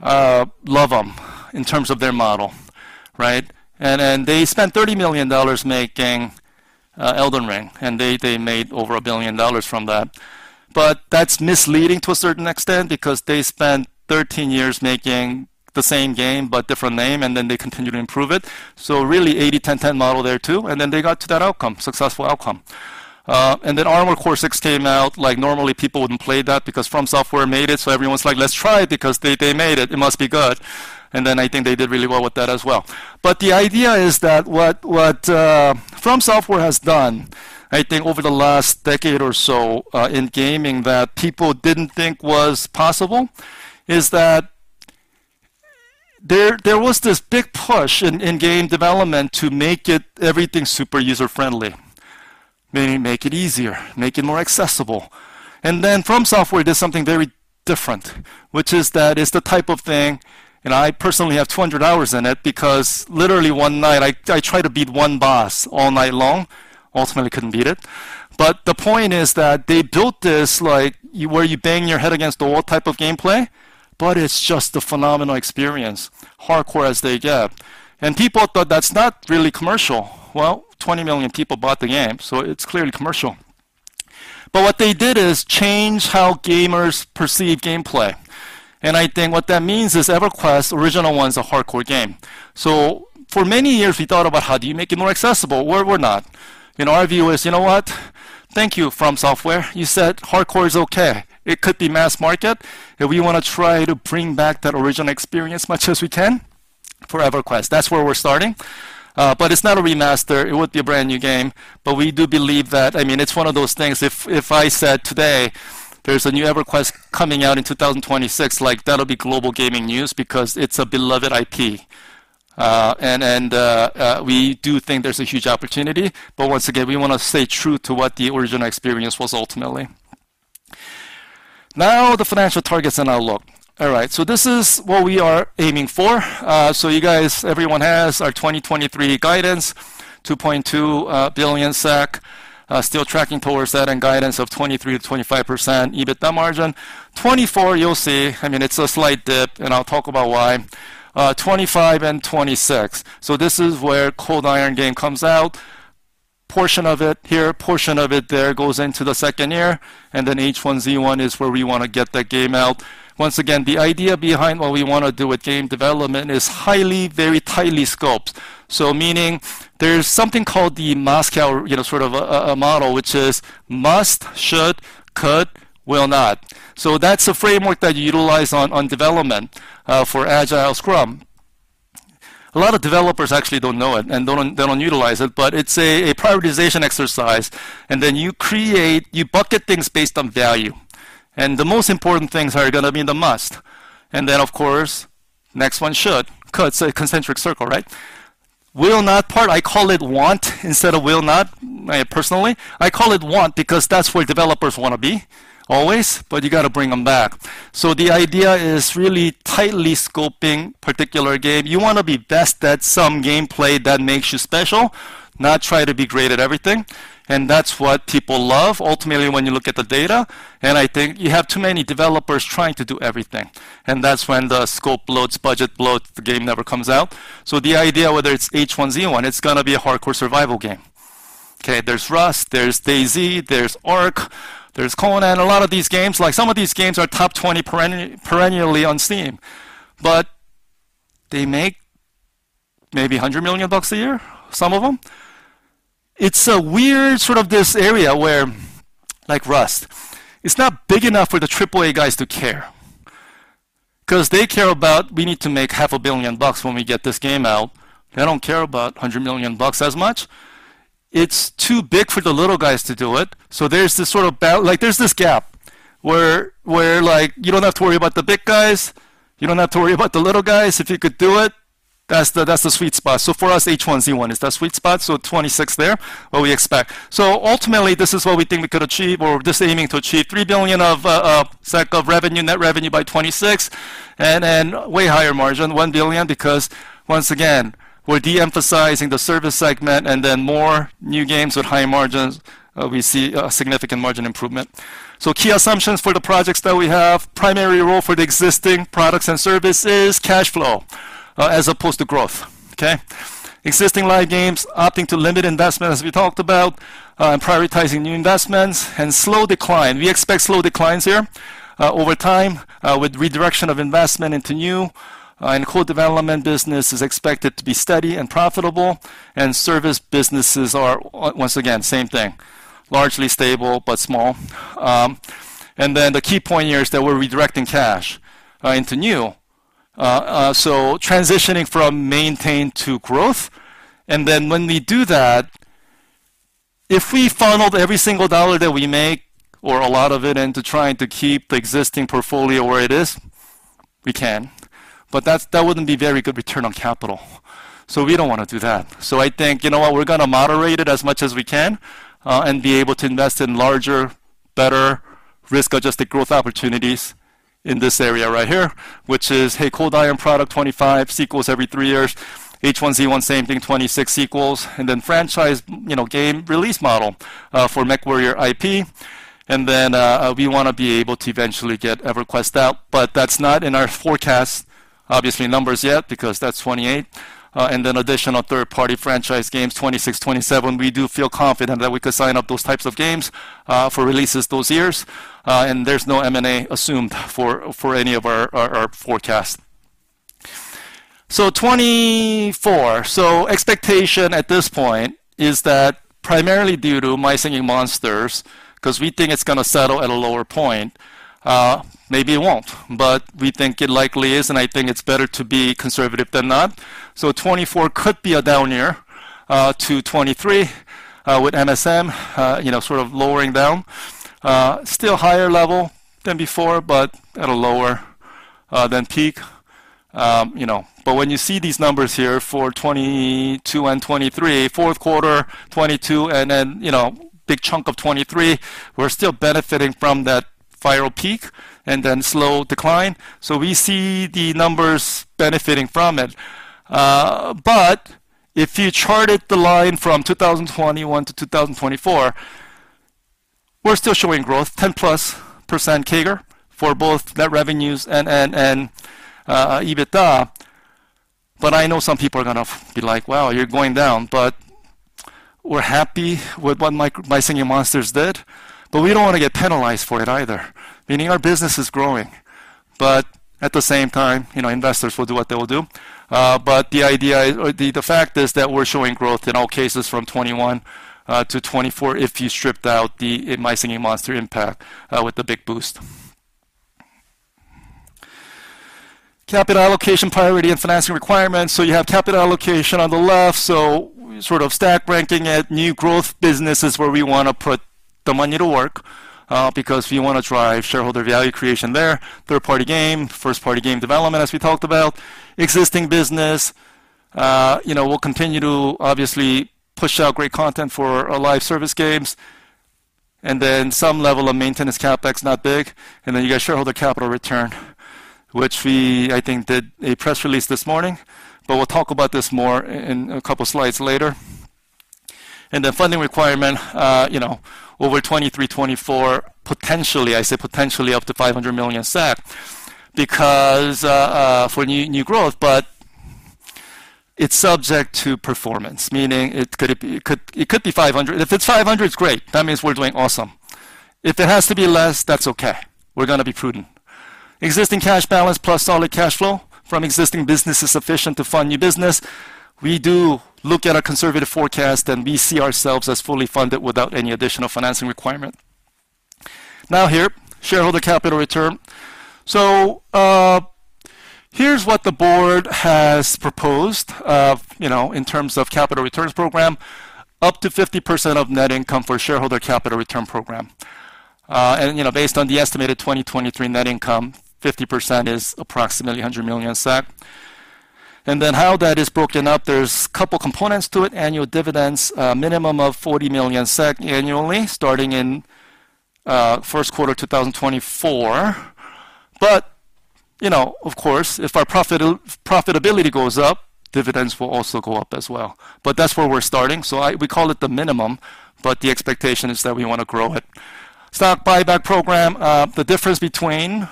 love them in terms of their model, right? And they spent $30 million making Elden Ring, and they made over $1 billion from that. But that's misleading to a certain extent because they spent 13 years making the same game, but different name, and then they continued to improve it. So really, 80-10-10 model there, too, and then they got to that outcome, successful outcome. And then Armored Core VI came out. Like, normally, people wouldn't play that because FromSoftware made it, so everyone's like: "Let's try it, because they made it, it must be good." And then I think they did really well with that as well. But the idea is that what FromSoftware has done, I think, over the last decade or so, in gaming, that people didn't think was possible, is that there was this big push in game development to make it everything super user-friendly, make it easier, make it more accessible. And then FromSoftware did something very different, which is that it's the type of thing. And I personally have 200 hours in it, because literally one night, I tried to beat one boss all night long. Ultimately, couldn't beat it. But the point is that they built this, like, you where you bang your head against the wall type of gameplay, but it's just a phenomenal experience, hardcore as they get. And people thought, that's not really commercial. Well, 20 million people bought the game, so it's clearly commercial. But what they did is change how gamers perceive gameplay. And I think what that means is EverQuest, the original one, is a hardcore game. So for many years, we thought about, how do you make it more accessible, where we're not? You know, our view is, "You know what? Thank you, FromSoftware. You said hardcore is okay. It could be mass market, and we wanna try to bring back that original experience as much as we can for EverQuest." That's where we're starting, but it's not a remaster. It would be a brand-new game, but we do believe that. I mean, it's one of those things, if I said today, there's a new EverQuest coming out in 2026, like, that'll be global gaming news because it's a beloved IP. And we do think there's a huge opportunity, but once again, we wanna stay true to what the original experience was ultimately. Now, the financial targets and outlook. All right, so this is what we are aiming for. So you guys, everyone has our 2023 guidance, 2.2 billion SEK. Still tracking towards that and guidance of 23%-25% EBITDA margin. 2024, you'll see, I mean, it's a slight dip, and I'll talk about why. 2025 and 2026, so this is where Cold Iron game comes out. Portion of it here, portion of it there, goes into the second year, and then H1Z1 is where we want to get that game out. Once again, the idea behind what we wanna do with game development is highly, very tightly scoped. So meaning there's something called the MoSCoW, you know, sort of a model which is must, should, could, will not. So that's a framework that you utilize on development for agile scrum. A lot of developers actually don't know it and don't utilize it, but it's a prioritization exercise, and then you create. You bucket things based on value, and the most important things are gonna be the must. And then, of course, next one should, could, it's a concentric circle, right? Will not part, I call it want instead of will not. I personally, I call it want because that's where developers wanna be always, but you got to bring them back. So the idea is really tightly scoping particular game. You wanna be best at some gameplay that makes you special, not try to be great at everything. And that's what people love ultimately, when you look at the data, and I think you have too many developers trying to do everything, and that's when the scope bloats, budget bloat, the game never comes out. So the idea, whether it's H1Z1, it's gonna be a hardcore survival game. Okay, there's Rust, there's DayZ, there's Ark, there's Conan, a lot of these games, like some of these games, are top 20 perennially on Steam, but they make maybe $100 million a year, some of them. It's a weird sort of this area where, like Rust, it's not big enough for the AAA guys to care. Because they care about, "We need to make $500 million when we get this game out." They don't care about $100 million as much. It's too big for the little guys to do it. So there's this sort of like, there's this gap where, like, you don't have to worry about the big guys, you don't have to worry about the little guys if you could do it. That's the sweet spot. So for us, H1Z1 is the sweet spot, so $26 million there, what we expect. So ultimately, this is what we think we could achieve or just aiming to achieve 3 billion of revenue, net revenue by 2026, and way higher margin, 1 billion, because once again, we're de-emphasizing the service segment and then more new games with high margins, we see a significant margin improvement. So key assumptions for the projects that we have. Primary role for the existing products and services, cash flow, as opposed to growth. Okay? Existing live games, opting to limit investment, as we talked about, and prioritizing new investments and slow decline. We expect slow declines here, over time, with redirection of investment into new and core development business is expected to be steady and profitable, and service businesses are once again, same thing, largely stable but small. And then the key point here is that we're redirecting cash into new. So transitioning from maintain to growth. And then when we do that, if we funneled every single dollar that we make or a lot of it into trying to keep the existing portfolio where it is, we can, but that wouldn't be very good return on capital, so we don't want to do that. So I think, you know what? We're gonna moderate it as much as we can, and be able to invest in larger, better risk-adjusted growth opportunities in this area right here, which is, hey, Cold Iron product 25 sequels every 3 years. H1Z1, same thing, 26 sequels, and then franchise, you know, game release model, for MechWarrior IP. And then, we wanna be able to eventually get EverQuest out, but that's not in our forecast, obviously, numbers yet, because that's 2028. And then additional third-party franchise games, 2026, 2027. We do feel confident that we could sign up those types of games, for releases those years, and there's no M&A assumed for any of our forecast. So 2024. So expectation at this point is that primarily due to My Singing Monsters, because we think it's gonna settle at a lower point, maybe it won't, but we think it likely is, and I think it's better to be conservative than not. So 2024 could be a down year, to 2023, with MSM, you know, sort of lowering down. Still higher level than before, but at a lower, than peak. You know, but when you see these numbers here for 2022 and 2023, Q4 2022, and then, you know, big chunk of 2023, we're still benefiting from that viral peak and then slow decline. So we see the numbers benefiting from it. But if you charted the line from 2021 to 2024, we're still showing growth, 10%+ CAGR for both net revenues and EBITDA. But I know some people are gonna be like, "Well, you're going down," but we're happy with what My Singing Monsters did, but we don't want to get penalized for it either, meaning our business is growing, but at the same time, you know, investors will do what they will do. But the idea or the fact is that we're showing growth in all cases from 2021 to 2024 if you stripped out the My Singing Monsters impact with the big boost. Capital allocation, priority, and financing requirements. So you have capital allocation on the left, so sort of stack ranking it. New growth business is where we wanna put the money to work because we wanna drive shareholder value creation there. Third-party game, first-party game development, as we talked about. Existing business, you know, we'll continue to obviously push out great content for our live service games, and then some level of maintenance CapEx, not big. And then you got shareholder capital return, which we, I think, did a press release this morning, but we'll talk about this more in a couple of slides later. The funding requirement, you know, over 2023, 2024, potentially, I say potentially up to 500 million, because, for new growth, but it's subject to performance, meaning it could be. it could be 500. If it's 500, it's great! That means we're doing awesome. If it has to be less, that's okay. We're gonna be prudent. Existing cash balance plus solid cash flow from existing business is sufficient to fund new business. We do look at our conservative forecast, and we see ourselves as fully funded without any additional financing requirement. Now, here, shareholder capital return. So, here's what the board has proposed, you know, in terms of capital returns program, up to 50% of net income for shareholder capital return program. And, you know, based on the estimated 2023 net income, 50% is approximately 100 million. And then how that is broken up, there's a couple components to it. Annual dividends, minimum of 40 million SEK annually, starting in first quarter 2024. But, you know, of course, if our profitability goes up, dividends will also go up as well. But that's where we're starting, so we call it the minimum, but the expectation is that we wanna grow it. Stock buyback program, the difference between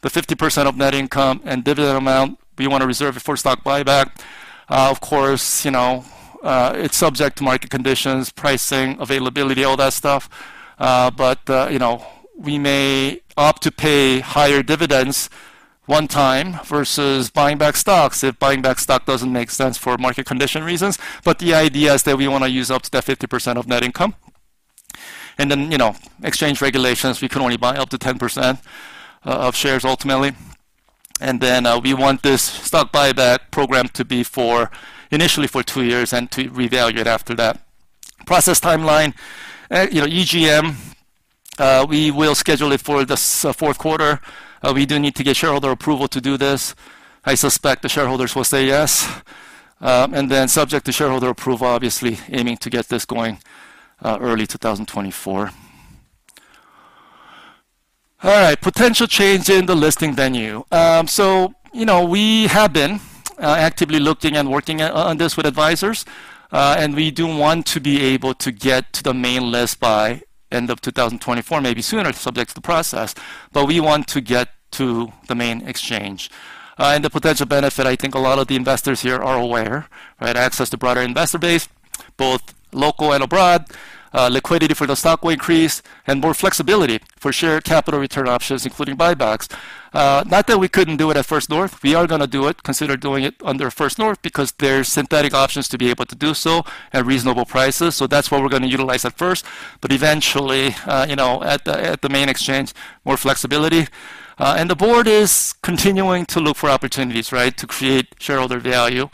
the 50% of net income and dividend amount, we wanna reserve it for stock buyback. Of course, you know, it's subject to market conditions, pricing, availability, all that stuff. But, you know, we may opt to pay higher dividends one time versus buying back stocks if buying back stock doesn't make sense for market condition reasons. But the idea is that we wanna use up to that 50% of net income. And then, you know, exchange regulations, we can only buy up to 10% of shares ultimately. And then, we want this stock buyback program to be for initially for two years and to reevaluate after that. Process timeline, you know, EGM we will schedule it for this fourth quarter. We do need to get shareholder approval to do this. I suspect the shareholders will say yes. And then subject to shareholder approval, obviously, aiming to get this going early 2024. All right, potential change in the listing venue. So, you know, we have been actively looking and working on this with advisors, and we do want to be able to get to the main list by end of 2024, maybe sooner, subject to the process, but we want to get to the main exchange. And the potential benefit, I think a lot of the investors here are aware, right? Access to broader investor base, both local and abroad, liquidity for the stock will increase, and more flexibility for share capital return options, including buybacks. Not that we couldn't do it at First North. We are gonna do it, consider doing it under First North because there are synthetic options to be able to do so at reasonable prices. So that's what we're gonna utilize at first, but eventually, you know, at the main exchange, more flexibility. And the board is continuing to look for opportunities, right? To create shareholder value.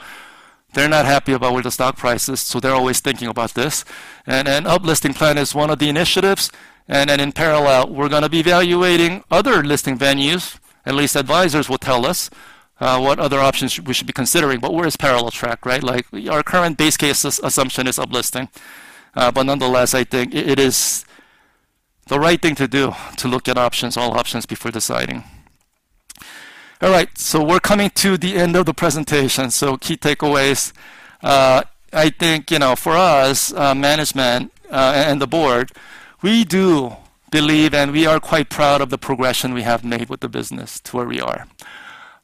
They're not happy about where the stock price is, so they're always thinking about this. And an up-listing plan is one of the initiatives, and then in parallel, we're gonna be evaluating other listing venues. At least advisors will tell us what other options we should be considering, but we're on a parallel track, right? Like, our current base case assumption is up-listing. But nonetheless, I think it is the right thing to do, to look at options, all options, before deciding. All right, so we're coming to the end of the presentation. So key takeaways. I think, you know, for us, management, and the board, we do believe, and we are quite proud of the progression we have made with the business to where we are.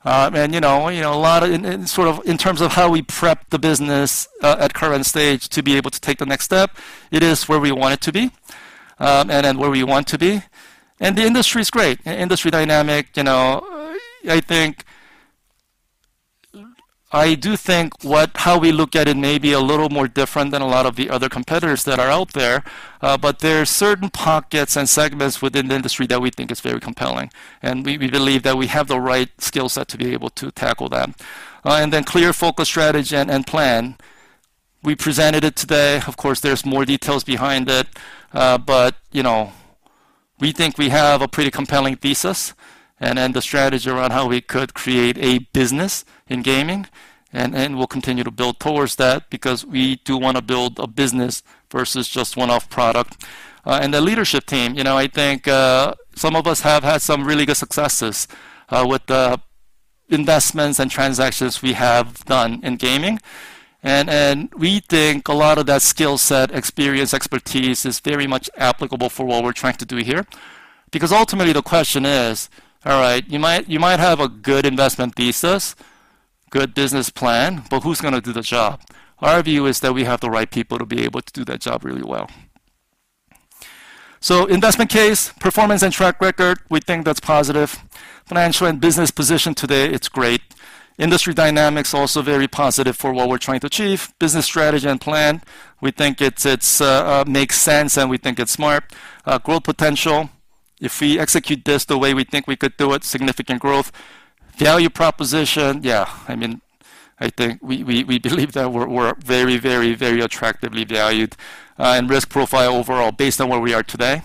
And, you know, in sort of in terms of how we prep the business, at current stage to be able to take the next step, it is where we want it to be, and then where we want to be. The industry is great. Industry dynamic, you know, I think. I do think how we look at it may be a little more different than a lot of the other competitors that are out there, but there are certain pockets and segments within the industry that we think is very compelling, and we believe that we have the right skill set to be able to tackle them. And then clear focus, strategy, and plan. We presented it today. Of course, there's more details behind it, but, you know, we think we have a pretty compelling thesis, and the strategy around how we could create a business in gaming, and we'll continue to build towards that because we do wanna build a business versus just one-off product. The leadership team, you know, I think, some of us have had some really good successes, with the investments and transactions we have done in gaming. We think a lot of that skill set, experience, expertise is very much applicable for what we're trying to do here. Because ultimately, the question is, all right, you might have a good investment thesis, good business plan, but who's gonna do the job? Our view is that we have the right people to be able to do that job really well. So investment case, performance and track record, we think that's positive. Financial and business position today, it's great. Industry dynamics, also very positive for what we're trying to achieve. Business strategy and plan, we think it makes sense, and we think it's smart. Growth potential, if we execute this the way we think we could do it, significant growth. Value proposition, yeah, I mean, I think we believe that we're very, very, very attractively valued. And risk profile overall, based on where we are today,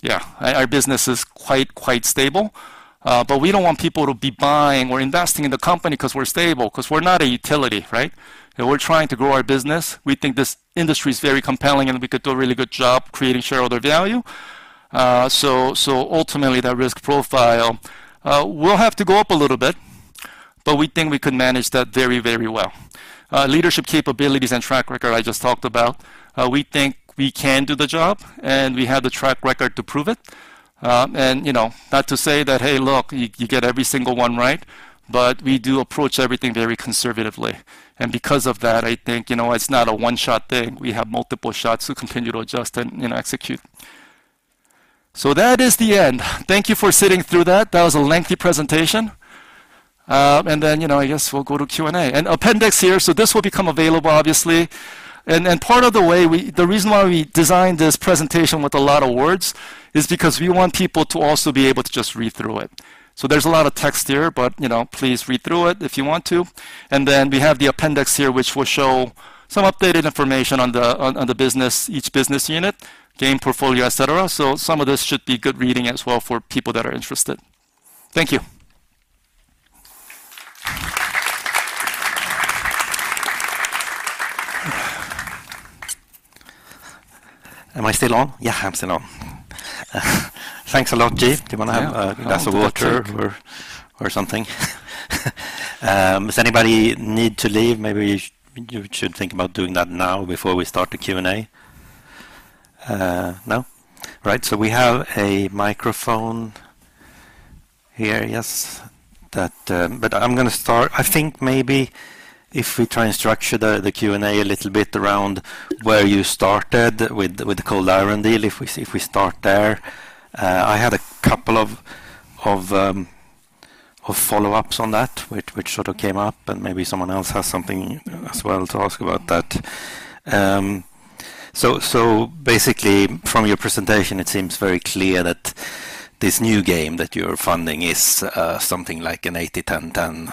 yeah, our business is quite stable, but we don't want people to be buying or investing in the company 'cause we're stable, 'cause we're not a utility, right? We're trying to grow our business. We think this industry is very compelling, and we could do a really good job creating shareholder value. So, ultimately, that risk profile will have to go up a little bit, but we think we could manage that very, very well. Leadership capabilities and track record, I just talked about. We think we can do the job, and we have the track record to prove it. And, you know, not to say that, "Hey, look, you get every single one right," but we do approach everything very conservatively. Because of that, I think, you know, it's not a one-shot thing. We have multiple shots to continue to adjust and, you know, execute. So that is the end. Thank you for sitting through that. That was a lengthy presentation. And then, you know, I guess we'll go to Q&A. Appendix here, so this will become available, obviously. And part of the way we, the reason why we designed this presentation with a lot of words is because we want people to also be able to just read through it. There's a lot of text here, but, you know, please read through it if you want to. Then we have the appendix here, which will show some updated information on the business, each business unit, game portfolio, et cetera. Some of this should be good reading as well for people that are interested. Thank you. Am I still on? Yeah, I'm still on. Thanks a lot, Ji. Do you want to have a glass of water or something? Does anybody need to leave? Maybe you should think about doing that now before we start the Q&A. No? Right. So we have a microphone here, yes. That. But I'm gonna start. I think maybe if we try and structure the Q&A a little bit around where you started with the Cold Iron deal, if we start there. I had a couple of follow-ups on that, which sort of came up, and maybe someone else has something as well to ask about that. So, basically from your presentation, it seems very clear that this new game that you're funding is something like an 80-10-10.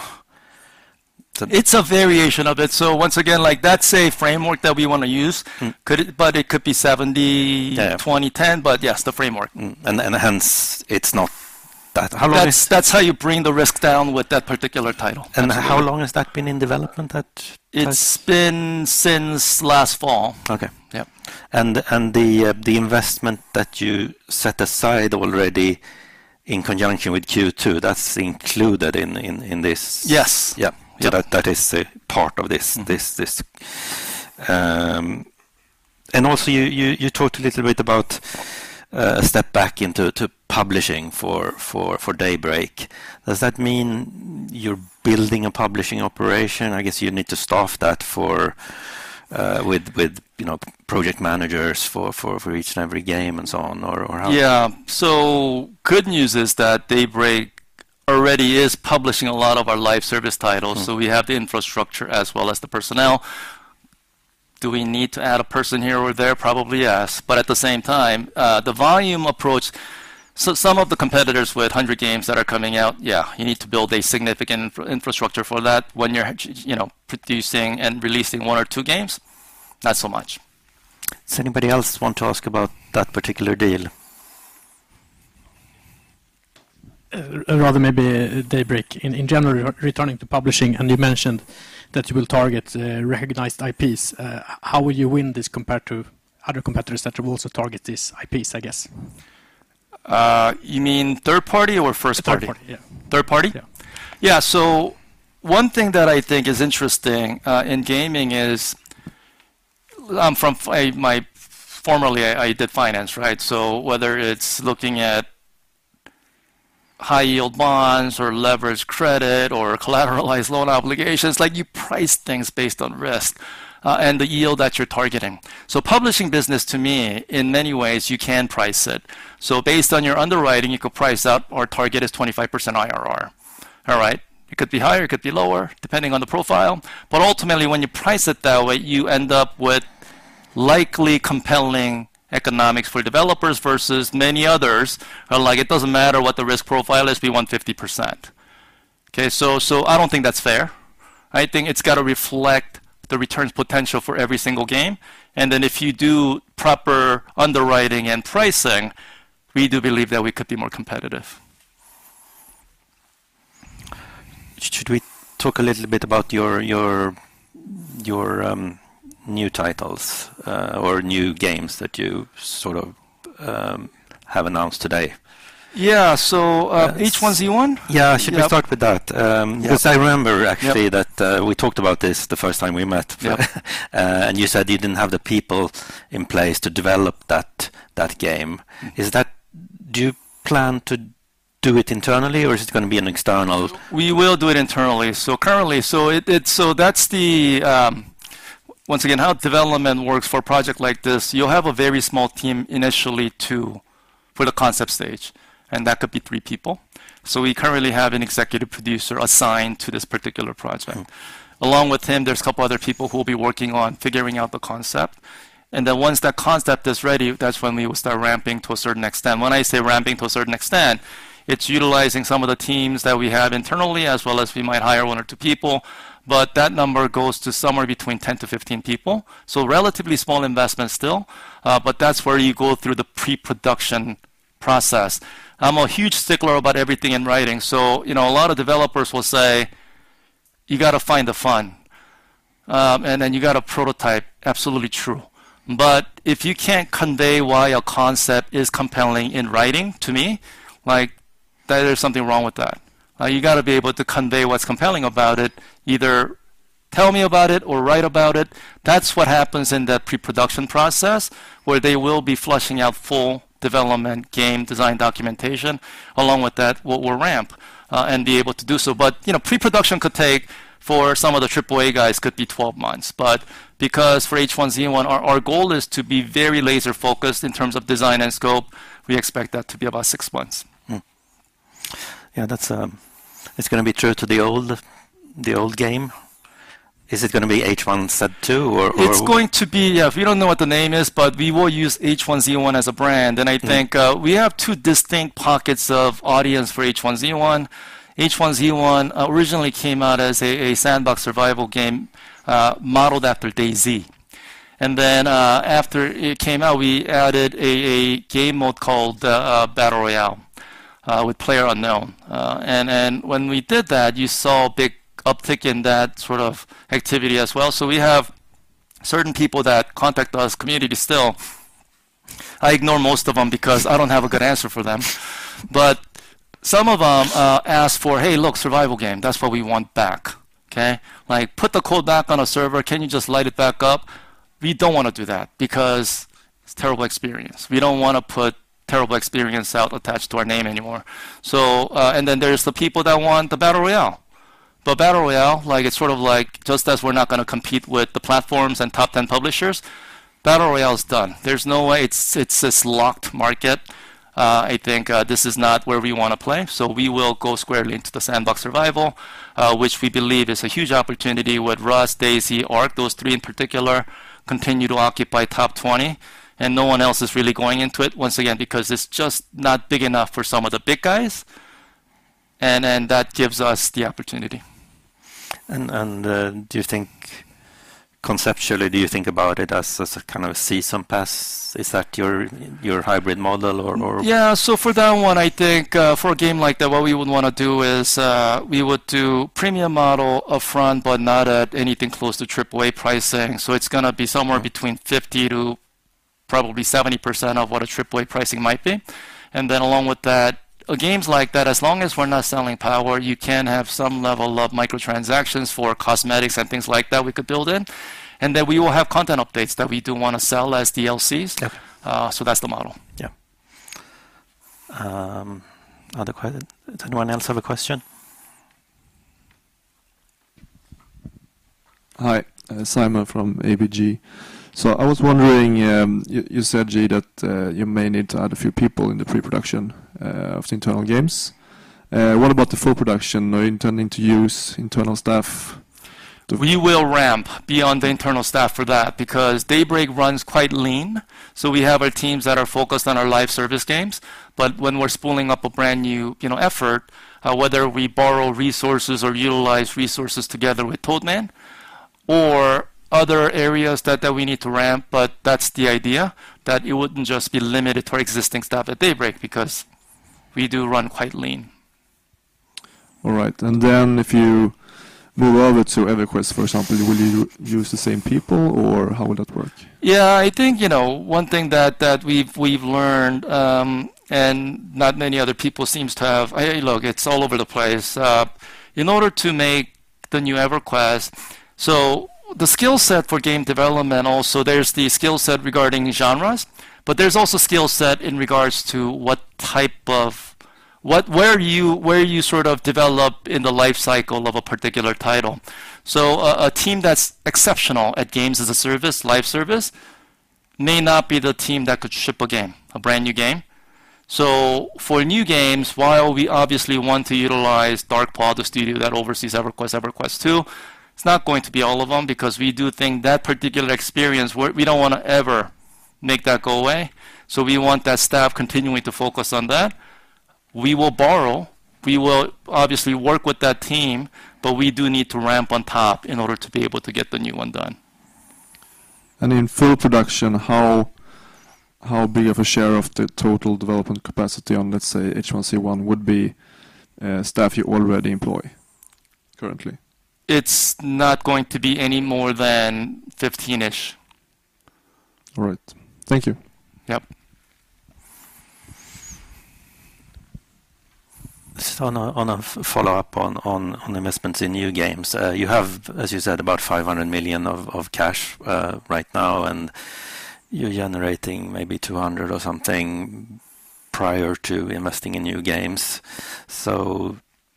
It's a variation of it. Once again, like that's a framework that we want to use. Mm-hmm. But it could be 70-20-10, but yes, the framework. And hence, it's not that. How long is- That's how you bring the risk down with that particular title. How long has that been in development at- It's been since last fall. Okay. Yeah. And the investment that you set aside already in conjunction with Q2, that's included in this? Yes. Yeah. Yeah. So that is a part of this. And also, you talked a little bit about step back into publishing for Daybreak. Does that mean you're building a publishing operation? I guess you need to staff that for, with, you know, project managers for each and every game and so on, or how- Yeah. Good news is that Daybreak already is publishing a lot of our live service titles. So we have the infrastructure as well as the personnel. Do we need to add a person here or there? Probably, yes, but at the same time, the volume approach. So some of the competitors with 100 games that are coming out, yeah, you need to build a significant infrastructure for that. When you're, you know, producing and releasing one or two games, not so much. Does anybody else want to ask about that particular deal? Rather, maybe Daybreak. In general, returning to publishing, and you mentioned that you will target recognized IPs. How will you win this compared to other competitors that will also target these IPs, I guess? You mean third party or first party? Third-party, yeah. Third party? Yeah. Yeah. So one thing that I think is interesting in gaming is from a my formerly, I did finance, right? So whether it's looking at high-yield bonds or leveraged credit or collateralized loan obligations, like, you price things based on risk and the yield that you're targeting. So publishing business, to me, in many ways, you can price it. So based on your underwriting, you could price up, our target is 25% IRR. All right? It could be higher, it could be lower, depending on the profile, but ultimately, when you price it that way, you end up with likely compelling economics for developers versus many others. Like, it doesn't matter what the risk profile is, we want 50%. Okay, so I don't think that's fair. I think it's got to reflect the returns potential for every single game, and then if you do proper underwriting and pricing, we do believe that we could be more competitive. Should we talk a little bit about your new titles or new games that you sort of have announced today? Yeah. So, Yes. H1Z1? Yeah. Yeah. Should we start with that? Yeah. ’Cause I remember actually that, we talked about this the first time we met. Yeah. You said you didn't have the people in place to develop that game. Do you plan to do it internally, or is it gonna be an external- We will do it internally. So currently, So that's the once again, how development works for a project like this, you'll have a very small team initially for the concept stage, and that could be three people. So we currently have an executive producer assigned to this particular project. Along with him, there's a couple other people who will be working on figuring out the concept, and then once that concept is ready, that's when we will start ramping to a certain extent. When I say ramping to a certain extent, it's utilizing some of the teams that we have internally, as well as we might hire one or two people, but that number goes to somewhere between 10-15 people. So relatively small investment still, but that's where you go through the pre-production process. I'm a huge stickler about everything in writing, so, you know, a lot of developers will say, "You gotta find the fun, and then you gotta prototype." Absolutely true, but if you can't convey why a concept is compelling in writing to me, like, there is something wrong with that. You gotta be able to convey what's compelling about it, either tell me about it or write about it. That's what happens in the pre-production process, where they will be fleshing out full development, game design documentation. Along with that, what we'll ramp and be able to do so. But, you know, pre-production could take, for some of the AAA guys, could be 12 months. But because for H1Z1, our, our goal is to be very laser-focused in terms of design and scope, we expect that to be about six months. Yeah, that's. It's gonna be true to the old, the old game. Is it gonna be H1Z two or? It's going to be. Yeah, we don't know what the name is, but we will use H1Z1 as a brand. I think we have two distinct pockets of audience for H1Z1. H1Z1 originally came out as a sandbox survival game, modeled after DayZ, and then after it came out, we added a game mode called Battle Royale with PlayerUnknown. And then when we did that, you saw a big uptick in that sort of activity as well. So we have certain people that contact us, community still. I ignore most of them because I don't have a good answer for them. But some of them ask for, "Hey, look, survival game. That's what we want back." Okay? Like, "Put the code back on a server. Can you just light it back up?" We don't wanna do that because it's terrible experience. We don't wanna put terrible experience out attached to our name anymore. So then there's the people that want the Battle Royale. But Battle Royale, like, it's sort of like, just as we're not gonna compete with the platforms and top 10 publishers, Battle Royale is done. There's no way, it's, it's this locked market. I think, this is not where we wanna play, so we will go squarely into the sandbox survival, which we believe is a huge opportunity with Rust, DayZ, Ark. Those three in particular, continue to occupy top 20, and no one else is really going into it, once again, because it's just not big enough for some of the big guys, and then that gives us the opportunity. Do you think, conceptually, do you think about it as a kind of season pass? Is that your hybrid model or? Yeah. So for that one, I think, for a game like that, what we would want to do is, we would do premium model upfront, but not at anything close to AAA pricing. So it's gonna be somewhere between 50% to probably 70% of what a AAA pricing might be. And then along with that, games like that, as long as we're not selling power, you can have some level of microtransactions for cosmetics and things like that we could build in, and then we will have content updates that we do wanna sell as DLCs. Okay. So that's the model. Yeah. Other question, does anyone else have a question? Hi, Simon from ABG. So I was wondering, you, you said, Ji, that, you may need to add a few people in the pre-production, of the internal games. What about the full production? Are you intending to use internal staff to- We will ramp beyond the internal staff for that, because Daybreak runs quite lean, so we have our teams that are focused on our live service games. But when we're spooling up a brand-new, you know, effort, whether we borrow resources or utilize resources together with Toadman or other areas that we need to ramp, but that's the idea, that it wouldn't just be limited to our existing staff at Daybreak, because we do run quite lean. All right. And then if you move over to EverQuest, for example, will you use the same people, or how would that work? Yeah, I think, you know, one thing that we've learned, and not many other people seems to have. Hey, look, it's all over the place. In order to make the new EverQuest, so the skill set for game development, also, there's the skill set regarding genres, but there's also skill set in regards to what type of. What, where you, where you sort of develop in the life cycle of a particular title. So a team that's exceptional at games as a service, live service, may not be the team that could ship a game, a brand-new game. So for new games, while we obviously want to utilize Dark Paw, the studio that oversees EverQuest, EverQuest II, it's not going to be all of them because we do think that particular experience, where we don't want to ever make that go away. We want that staff continuing to focus on that. We will borrow. We will obviously work with that team, but we do need to ramp on top in order to be able to get the new one done. In full production, how, how big of a share of the total development capacity on, let's say, H1Z1, would be staff you already employ currently? It's not going to be any more than 15-ish. All right. Thank you. Yep. Just on a follow-up on investments in new games. You have, as you said, about 500 million of cash right now, and you're generating maybe 200 million or something prior to investing in new games.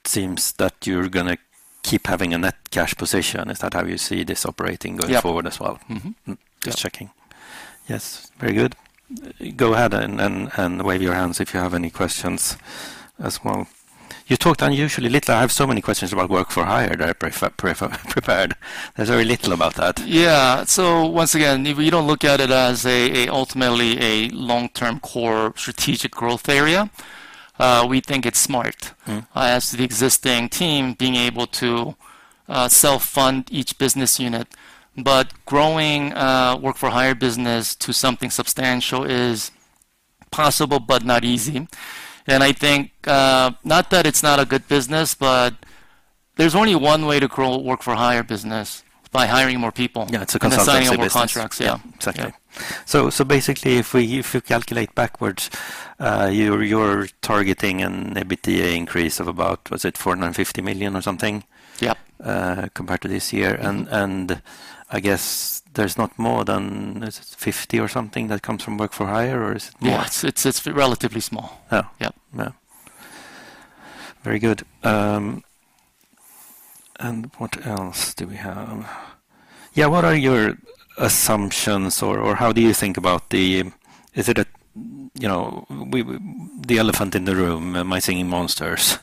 Seems that you're gonna keep having a net cash position. Is that how you see this operating going forward as well? Mm-hmm. Just checking. Yes, very good. Go ahead and wave your hands if you have any questions as well. You talked unusually little. I have so many questions about work for hire that I prepared. There's very little about that. Yeah. So once again, we don't look at it as ultimately a long-term core strategic growth area. We think it's smart as the existing team being able to self-fund each business unit. But growing Work-for-Hire business to something substantial is possible, but not easy. And I think not that it's not a good business, but there's only one way to grow Work-for-Hire business, by hiring more people. Yeah, it's a consultancy business. And signing more contracts. Yeah. Exactly. Yeah. So, basically, if you calculate backwards, you're targeting an EBITDA increase of about 450 million or something? Yeah. Compared to this year. I guess there's not more than 50 or something that comes from work for hire, or is it more? Yeah, it's relatively small. Yeah. Yeah. Yeah. Very good. And what else do we have? Yeah, what are your assumptions, or how do you think about the. Is it a, you know, the elephant in the room, My Singing Monsters?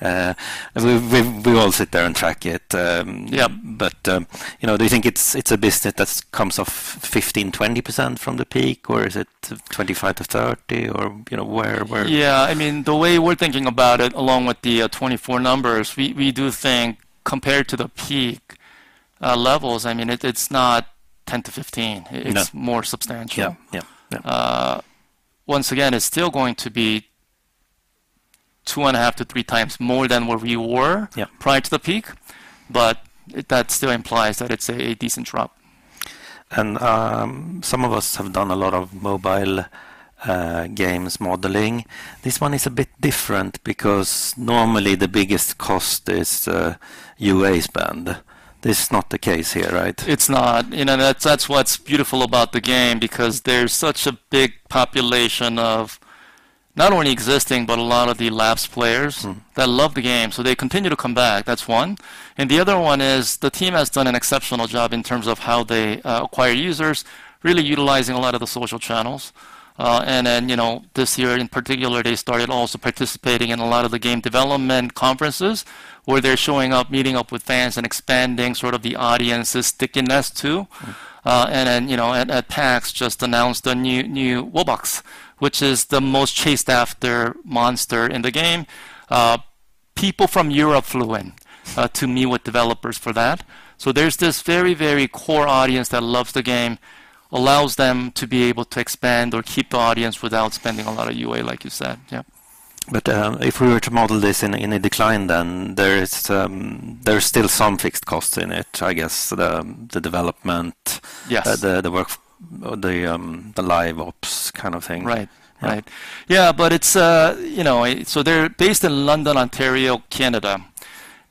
We all sit there and track it. Yeah But, you know, do you think it's a business that comes off 15%-20% from the peak, or is it 25%-30%, or, you know, where. Yeah, I mean, the way we're thinking about it, along with the 24 numbers, we do think compared to the peak levels, I mean, it's not 10-15 it's more substantial. Yeah. Once again, it's still going to be 2.5-3x more than what we were prior to the peak, but that still implies that it's a decent drop. Some of us have done a lot of mobile games modeling. This one is a bit different because normally the biggest cost is UA spend. This is not the case here, right? It's not. You know, that's, that's what's beautiful about the game, because there's such a big population of not only existing, but a lot of the lapsed players that love the game, so they continue to come back. That's one. And the other one is, the team has done an exceptional job in terms of how they acquire users, really utilizing a lot of the social channels. And then, you know, this year in particular, they started also participating in a lot of the game development conferences, where they're showing up, meeting up with fans, and expanding sort of the audience's stickiness, too. Then, you know, at PAX, just announced a new Wubbox, which is the most chased-after monster in the game. People from Europe flew in to meet with developers for that. So there's this very, very core audience that loves the game, allows them to be able to expand or keep the audience without spending a lot of UA, like you said. Yeah. But, if we were to model this in a decline, then there's still some fixed costs in it, I guess, the development, the work, the Live Ops kind of thing. Right. Right. Yeah, but it's, you know, so they're based in London, Ontario, Canada.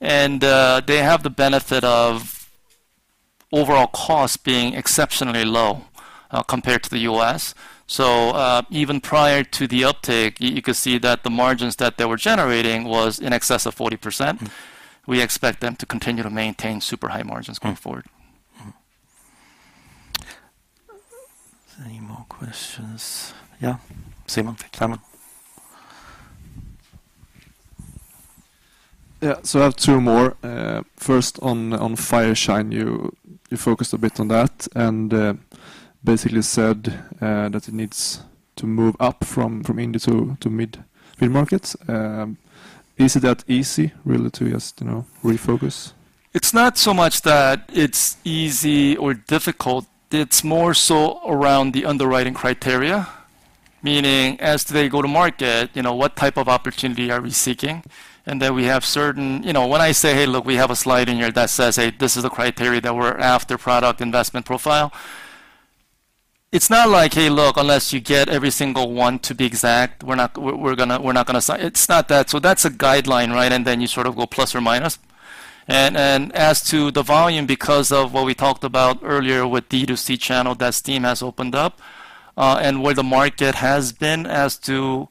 They have the benefit of overall cost being exceptionally low, compared to the U.S. Even prior to the uptake, you could see that the margins that they were generating was in excess of 40%. We expect them to continue to maintain super high margins going forward. Any more questions? Yeah. Simon. Yeah. So I have two more. First, on, on Fireshine, you, you focused a bit on that and, basically said, that it needs to move up from, from indie to, to mid, mid markets. Is it that easy really to just, you know, refocus? It's not so much that it's easy or difficult. It's more so around the underwriting criteria, meaning as they go to market, you know, what type of opportunity are we seeking? And then we have certain. You know, when I say, "Hey, look, we have a slide in here that says, 'Hey, this is the criteria that we're after, product investment profile.' " It's not like, "Hey, look, unless you get every single one to be exact, we're not gonna sign." It's not that. So that's a guideline, right? And then you sort of go plus or minus. And, and as to the volume, because of what we talked about earlier with D2C channel, that Steam has opened up, and where the market has been as to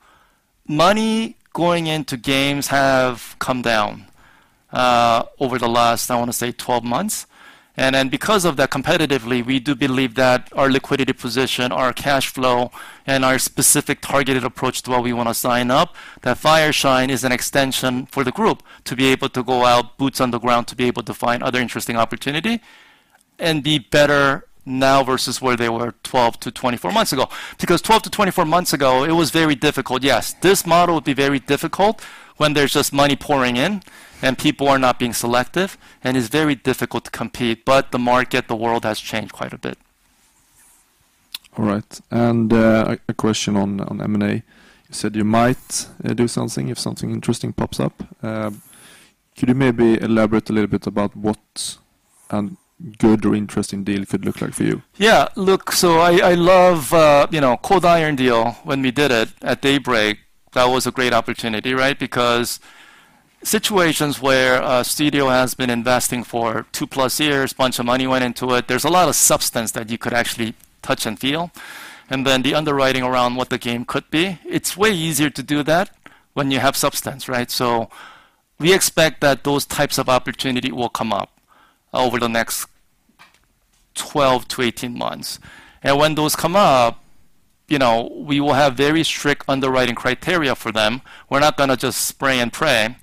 money going into games have come down over the last, I wanna say, 12 months. Because of that, competitively, we do believe that our liquidity position, our cash flow, and our specific targeted approach to what we wanna sign up, that Fireshine is an extension for the group to be able to go out, boots on the ground, to be able to find other interesting opportunity and be better now versus where they were 12-24 months ago. Because 12-24 months ago, it was very difficult. Yes, this model would be very difficult when there's just money pouring in and people are not being selective, and it's very difficult to compete, but the market, the world, has changed quite a bit. All right. And a question on M&A. You said you might do something if something interesting pops up. Could you maybe elaborate a little bit about what an good or interesting deal could look like for you? Yeah. Look, so I love, you know, Cold Iron deal when we did it at Daybreak. That was a great opportunity, right? Because situations where a studio has been investing for 2+ years, bunch of money went into it, there's a lot of substance that you could actually touch and feel, and then the underwriting around what the game could be. It's way easier to do that when you have substance, right? So we expect that those types of opportunity will come up over the next 12-18 months. And when those come up, you know, we will have very strict underwriting criteria for them. We're not gonna just spray and pray.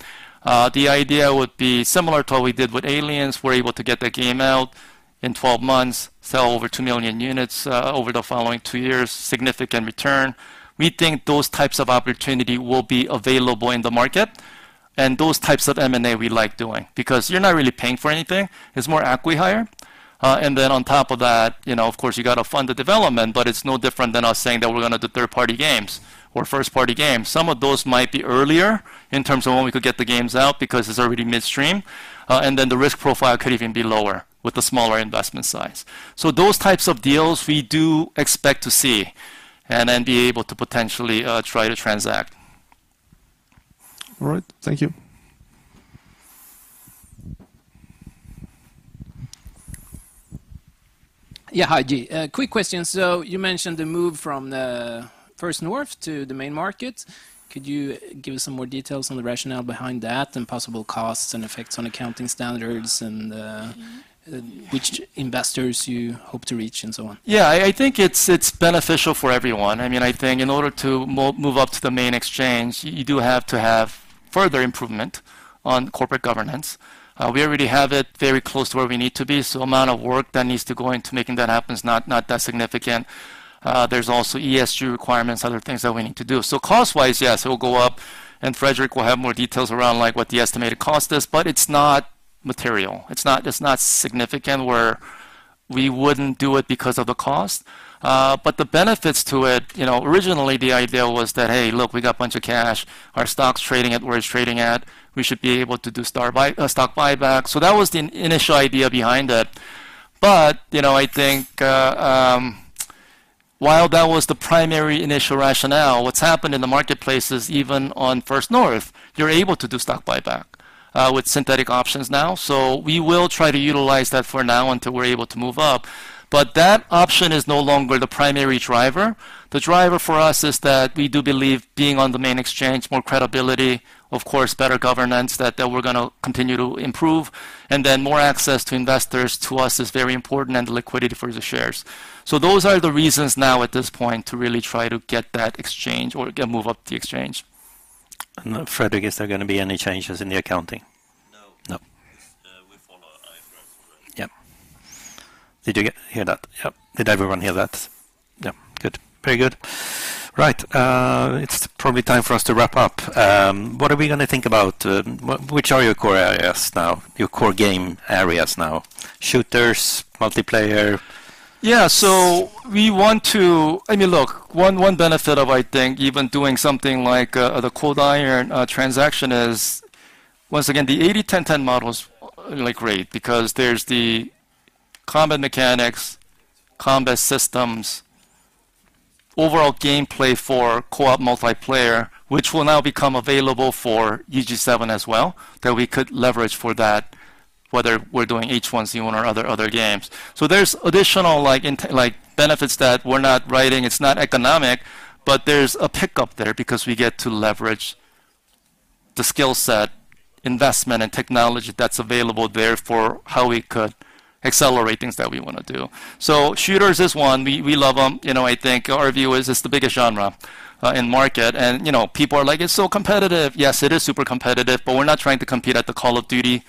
The idea would be similar to what we did with Aliens. We're able to get the game out in 12 months, sell over 2 million units, over the following two years, significant return. We think those types of opportunity will be available in the market, and those types of M&A we like doing, because you're not really paying for anything, it's more acqui-hire. And then on top of that, you know, of course, you gotta fund the development, but it's no different than us saying that we're gonna do third-party games or first-party games. Some of those might be earlier in terms of when we could get the games out because it's already midstream, and then the risk profile could even be lower with the smaller investment size. So those types of deals we do expect to see and then be able to potentially, try to transact. All right. Thank you. Yeah, hi, Ji. Quick question. So you mentioned the move from First North to the main market. Could you give us some more details on the rationale behind that and possible costs and effects on accounting standards and which investors you hope to reach and so on? Yeah, I think it's beneficial for everyone. I mean, I think in order to move up to the main exchange, you do have to have further improvement on corporate governance. We already have it very close to where we need to be, so amount of work that needs to go into making that happen is not that significant. There's also ESG requirements, other things that we need to do. So cost-wise, yes, it will go up, and Fredrik will have more details around, like, what the estimated cost is, but it's not material. It's not significant where we wouldn't do it because of the cost. But the benefits to it, you know, originally the idea was that, "Hey, look, we got a bunch of cash. Our stock's trading at where it's trading at. We should be able to do stock buyback." So that was the initial idea behind it. But, you know, I think, while that was the primary initial rationale, what's happened in the marketplace is even on First North, you're able to do stock buyback with synthetic options now. So we will try to utilize that for now until we're able to move up, but that option is no longer the primary driver. The driver for us is that we do believe being on the main exchange, more credibility, of course, better governance, that, that we're gonna continue to improve, and then more access to investors to us is very important, and the liquidity for the shares. So those are the reasons now at this point to really try to get that exchange or get move up the exchange. Fredrik, is there gonna be any changes in the accounting? No. No. Yep. Did you hear that? Yep. Did everyone hear that? Yeah. Good. Very good. Right, it's probably time for us to wrap up. What are we gonna think about, which are your core areas now, your core game areas now? Shooters, multiplayer? Yeah. So we want to. I mean, look, one benefit of, I think, even doing something like the Cold Iron transaction is, once again, the 80-10-10 model is really great because there's the combat mechanics, combat systems, overall gameplay for co-op multiplayer, which will now become available for EG7 as well, that we could leverage for that, whether we're doing H1Z1 or other games. So there's additional, like, inte- like, benefits that we're not writing. It's not economic, but there's a pickup there because we get to leverage the skill set, investment, and technology that's available there for how we could accelerate things that we wanna do. So shooters is one. We love them. You know, I think our view is it's the biggest genre in market, and, you know, people are like: "It's so competitive!" Yes, it is super competitive, but we're not trying to compete at the Call of Duty,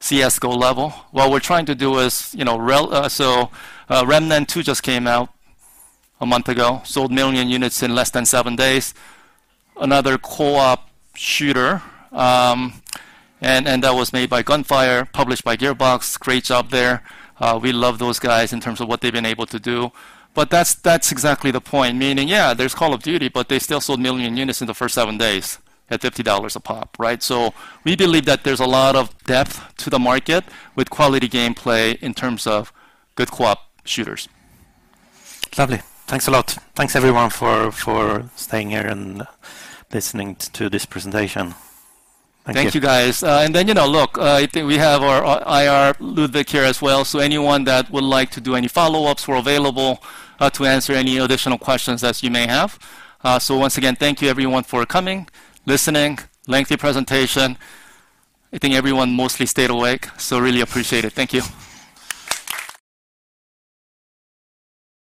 CS:GO level. What we're trying to do is, you know, Remnant II just came out a month ago, sold 1 million units in less than seven days. Another co-op shooter, and that was made by Gunfire, published by Gearbox. Great job there. We love those guys in terms of what they've been able to do. But that's exactly the point, meaning, yeah, there's Call of Duty, but they still sold 1 million units in the first seven days at $50 a pop, right? We believe that there's a lot of depth to the market with quality gameplay in terms of good co-op shooters. Lovely. Thanks a lot. Thanks, everyone, for staying here and listening to this presentation. Thank you. Thank you, guys. And then, you know, look, I think we have our IR, Ludwig, here as well. So anyone that would like to do any follow-ups, we're available to answer any additional questions that you may have. So once again, thank you everyone for coming, listening. Lengthy presentation. I think everyone mostly stayed awake, so really appreciate it. Thank you.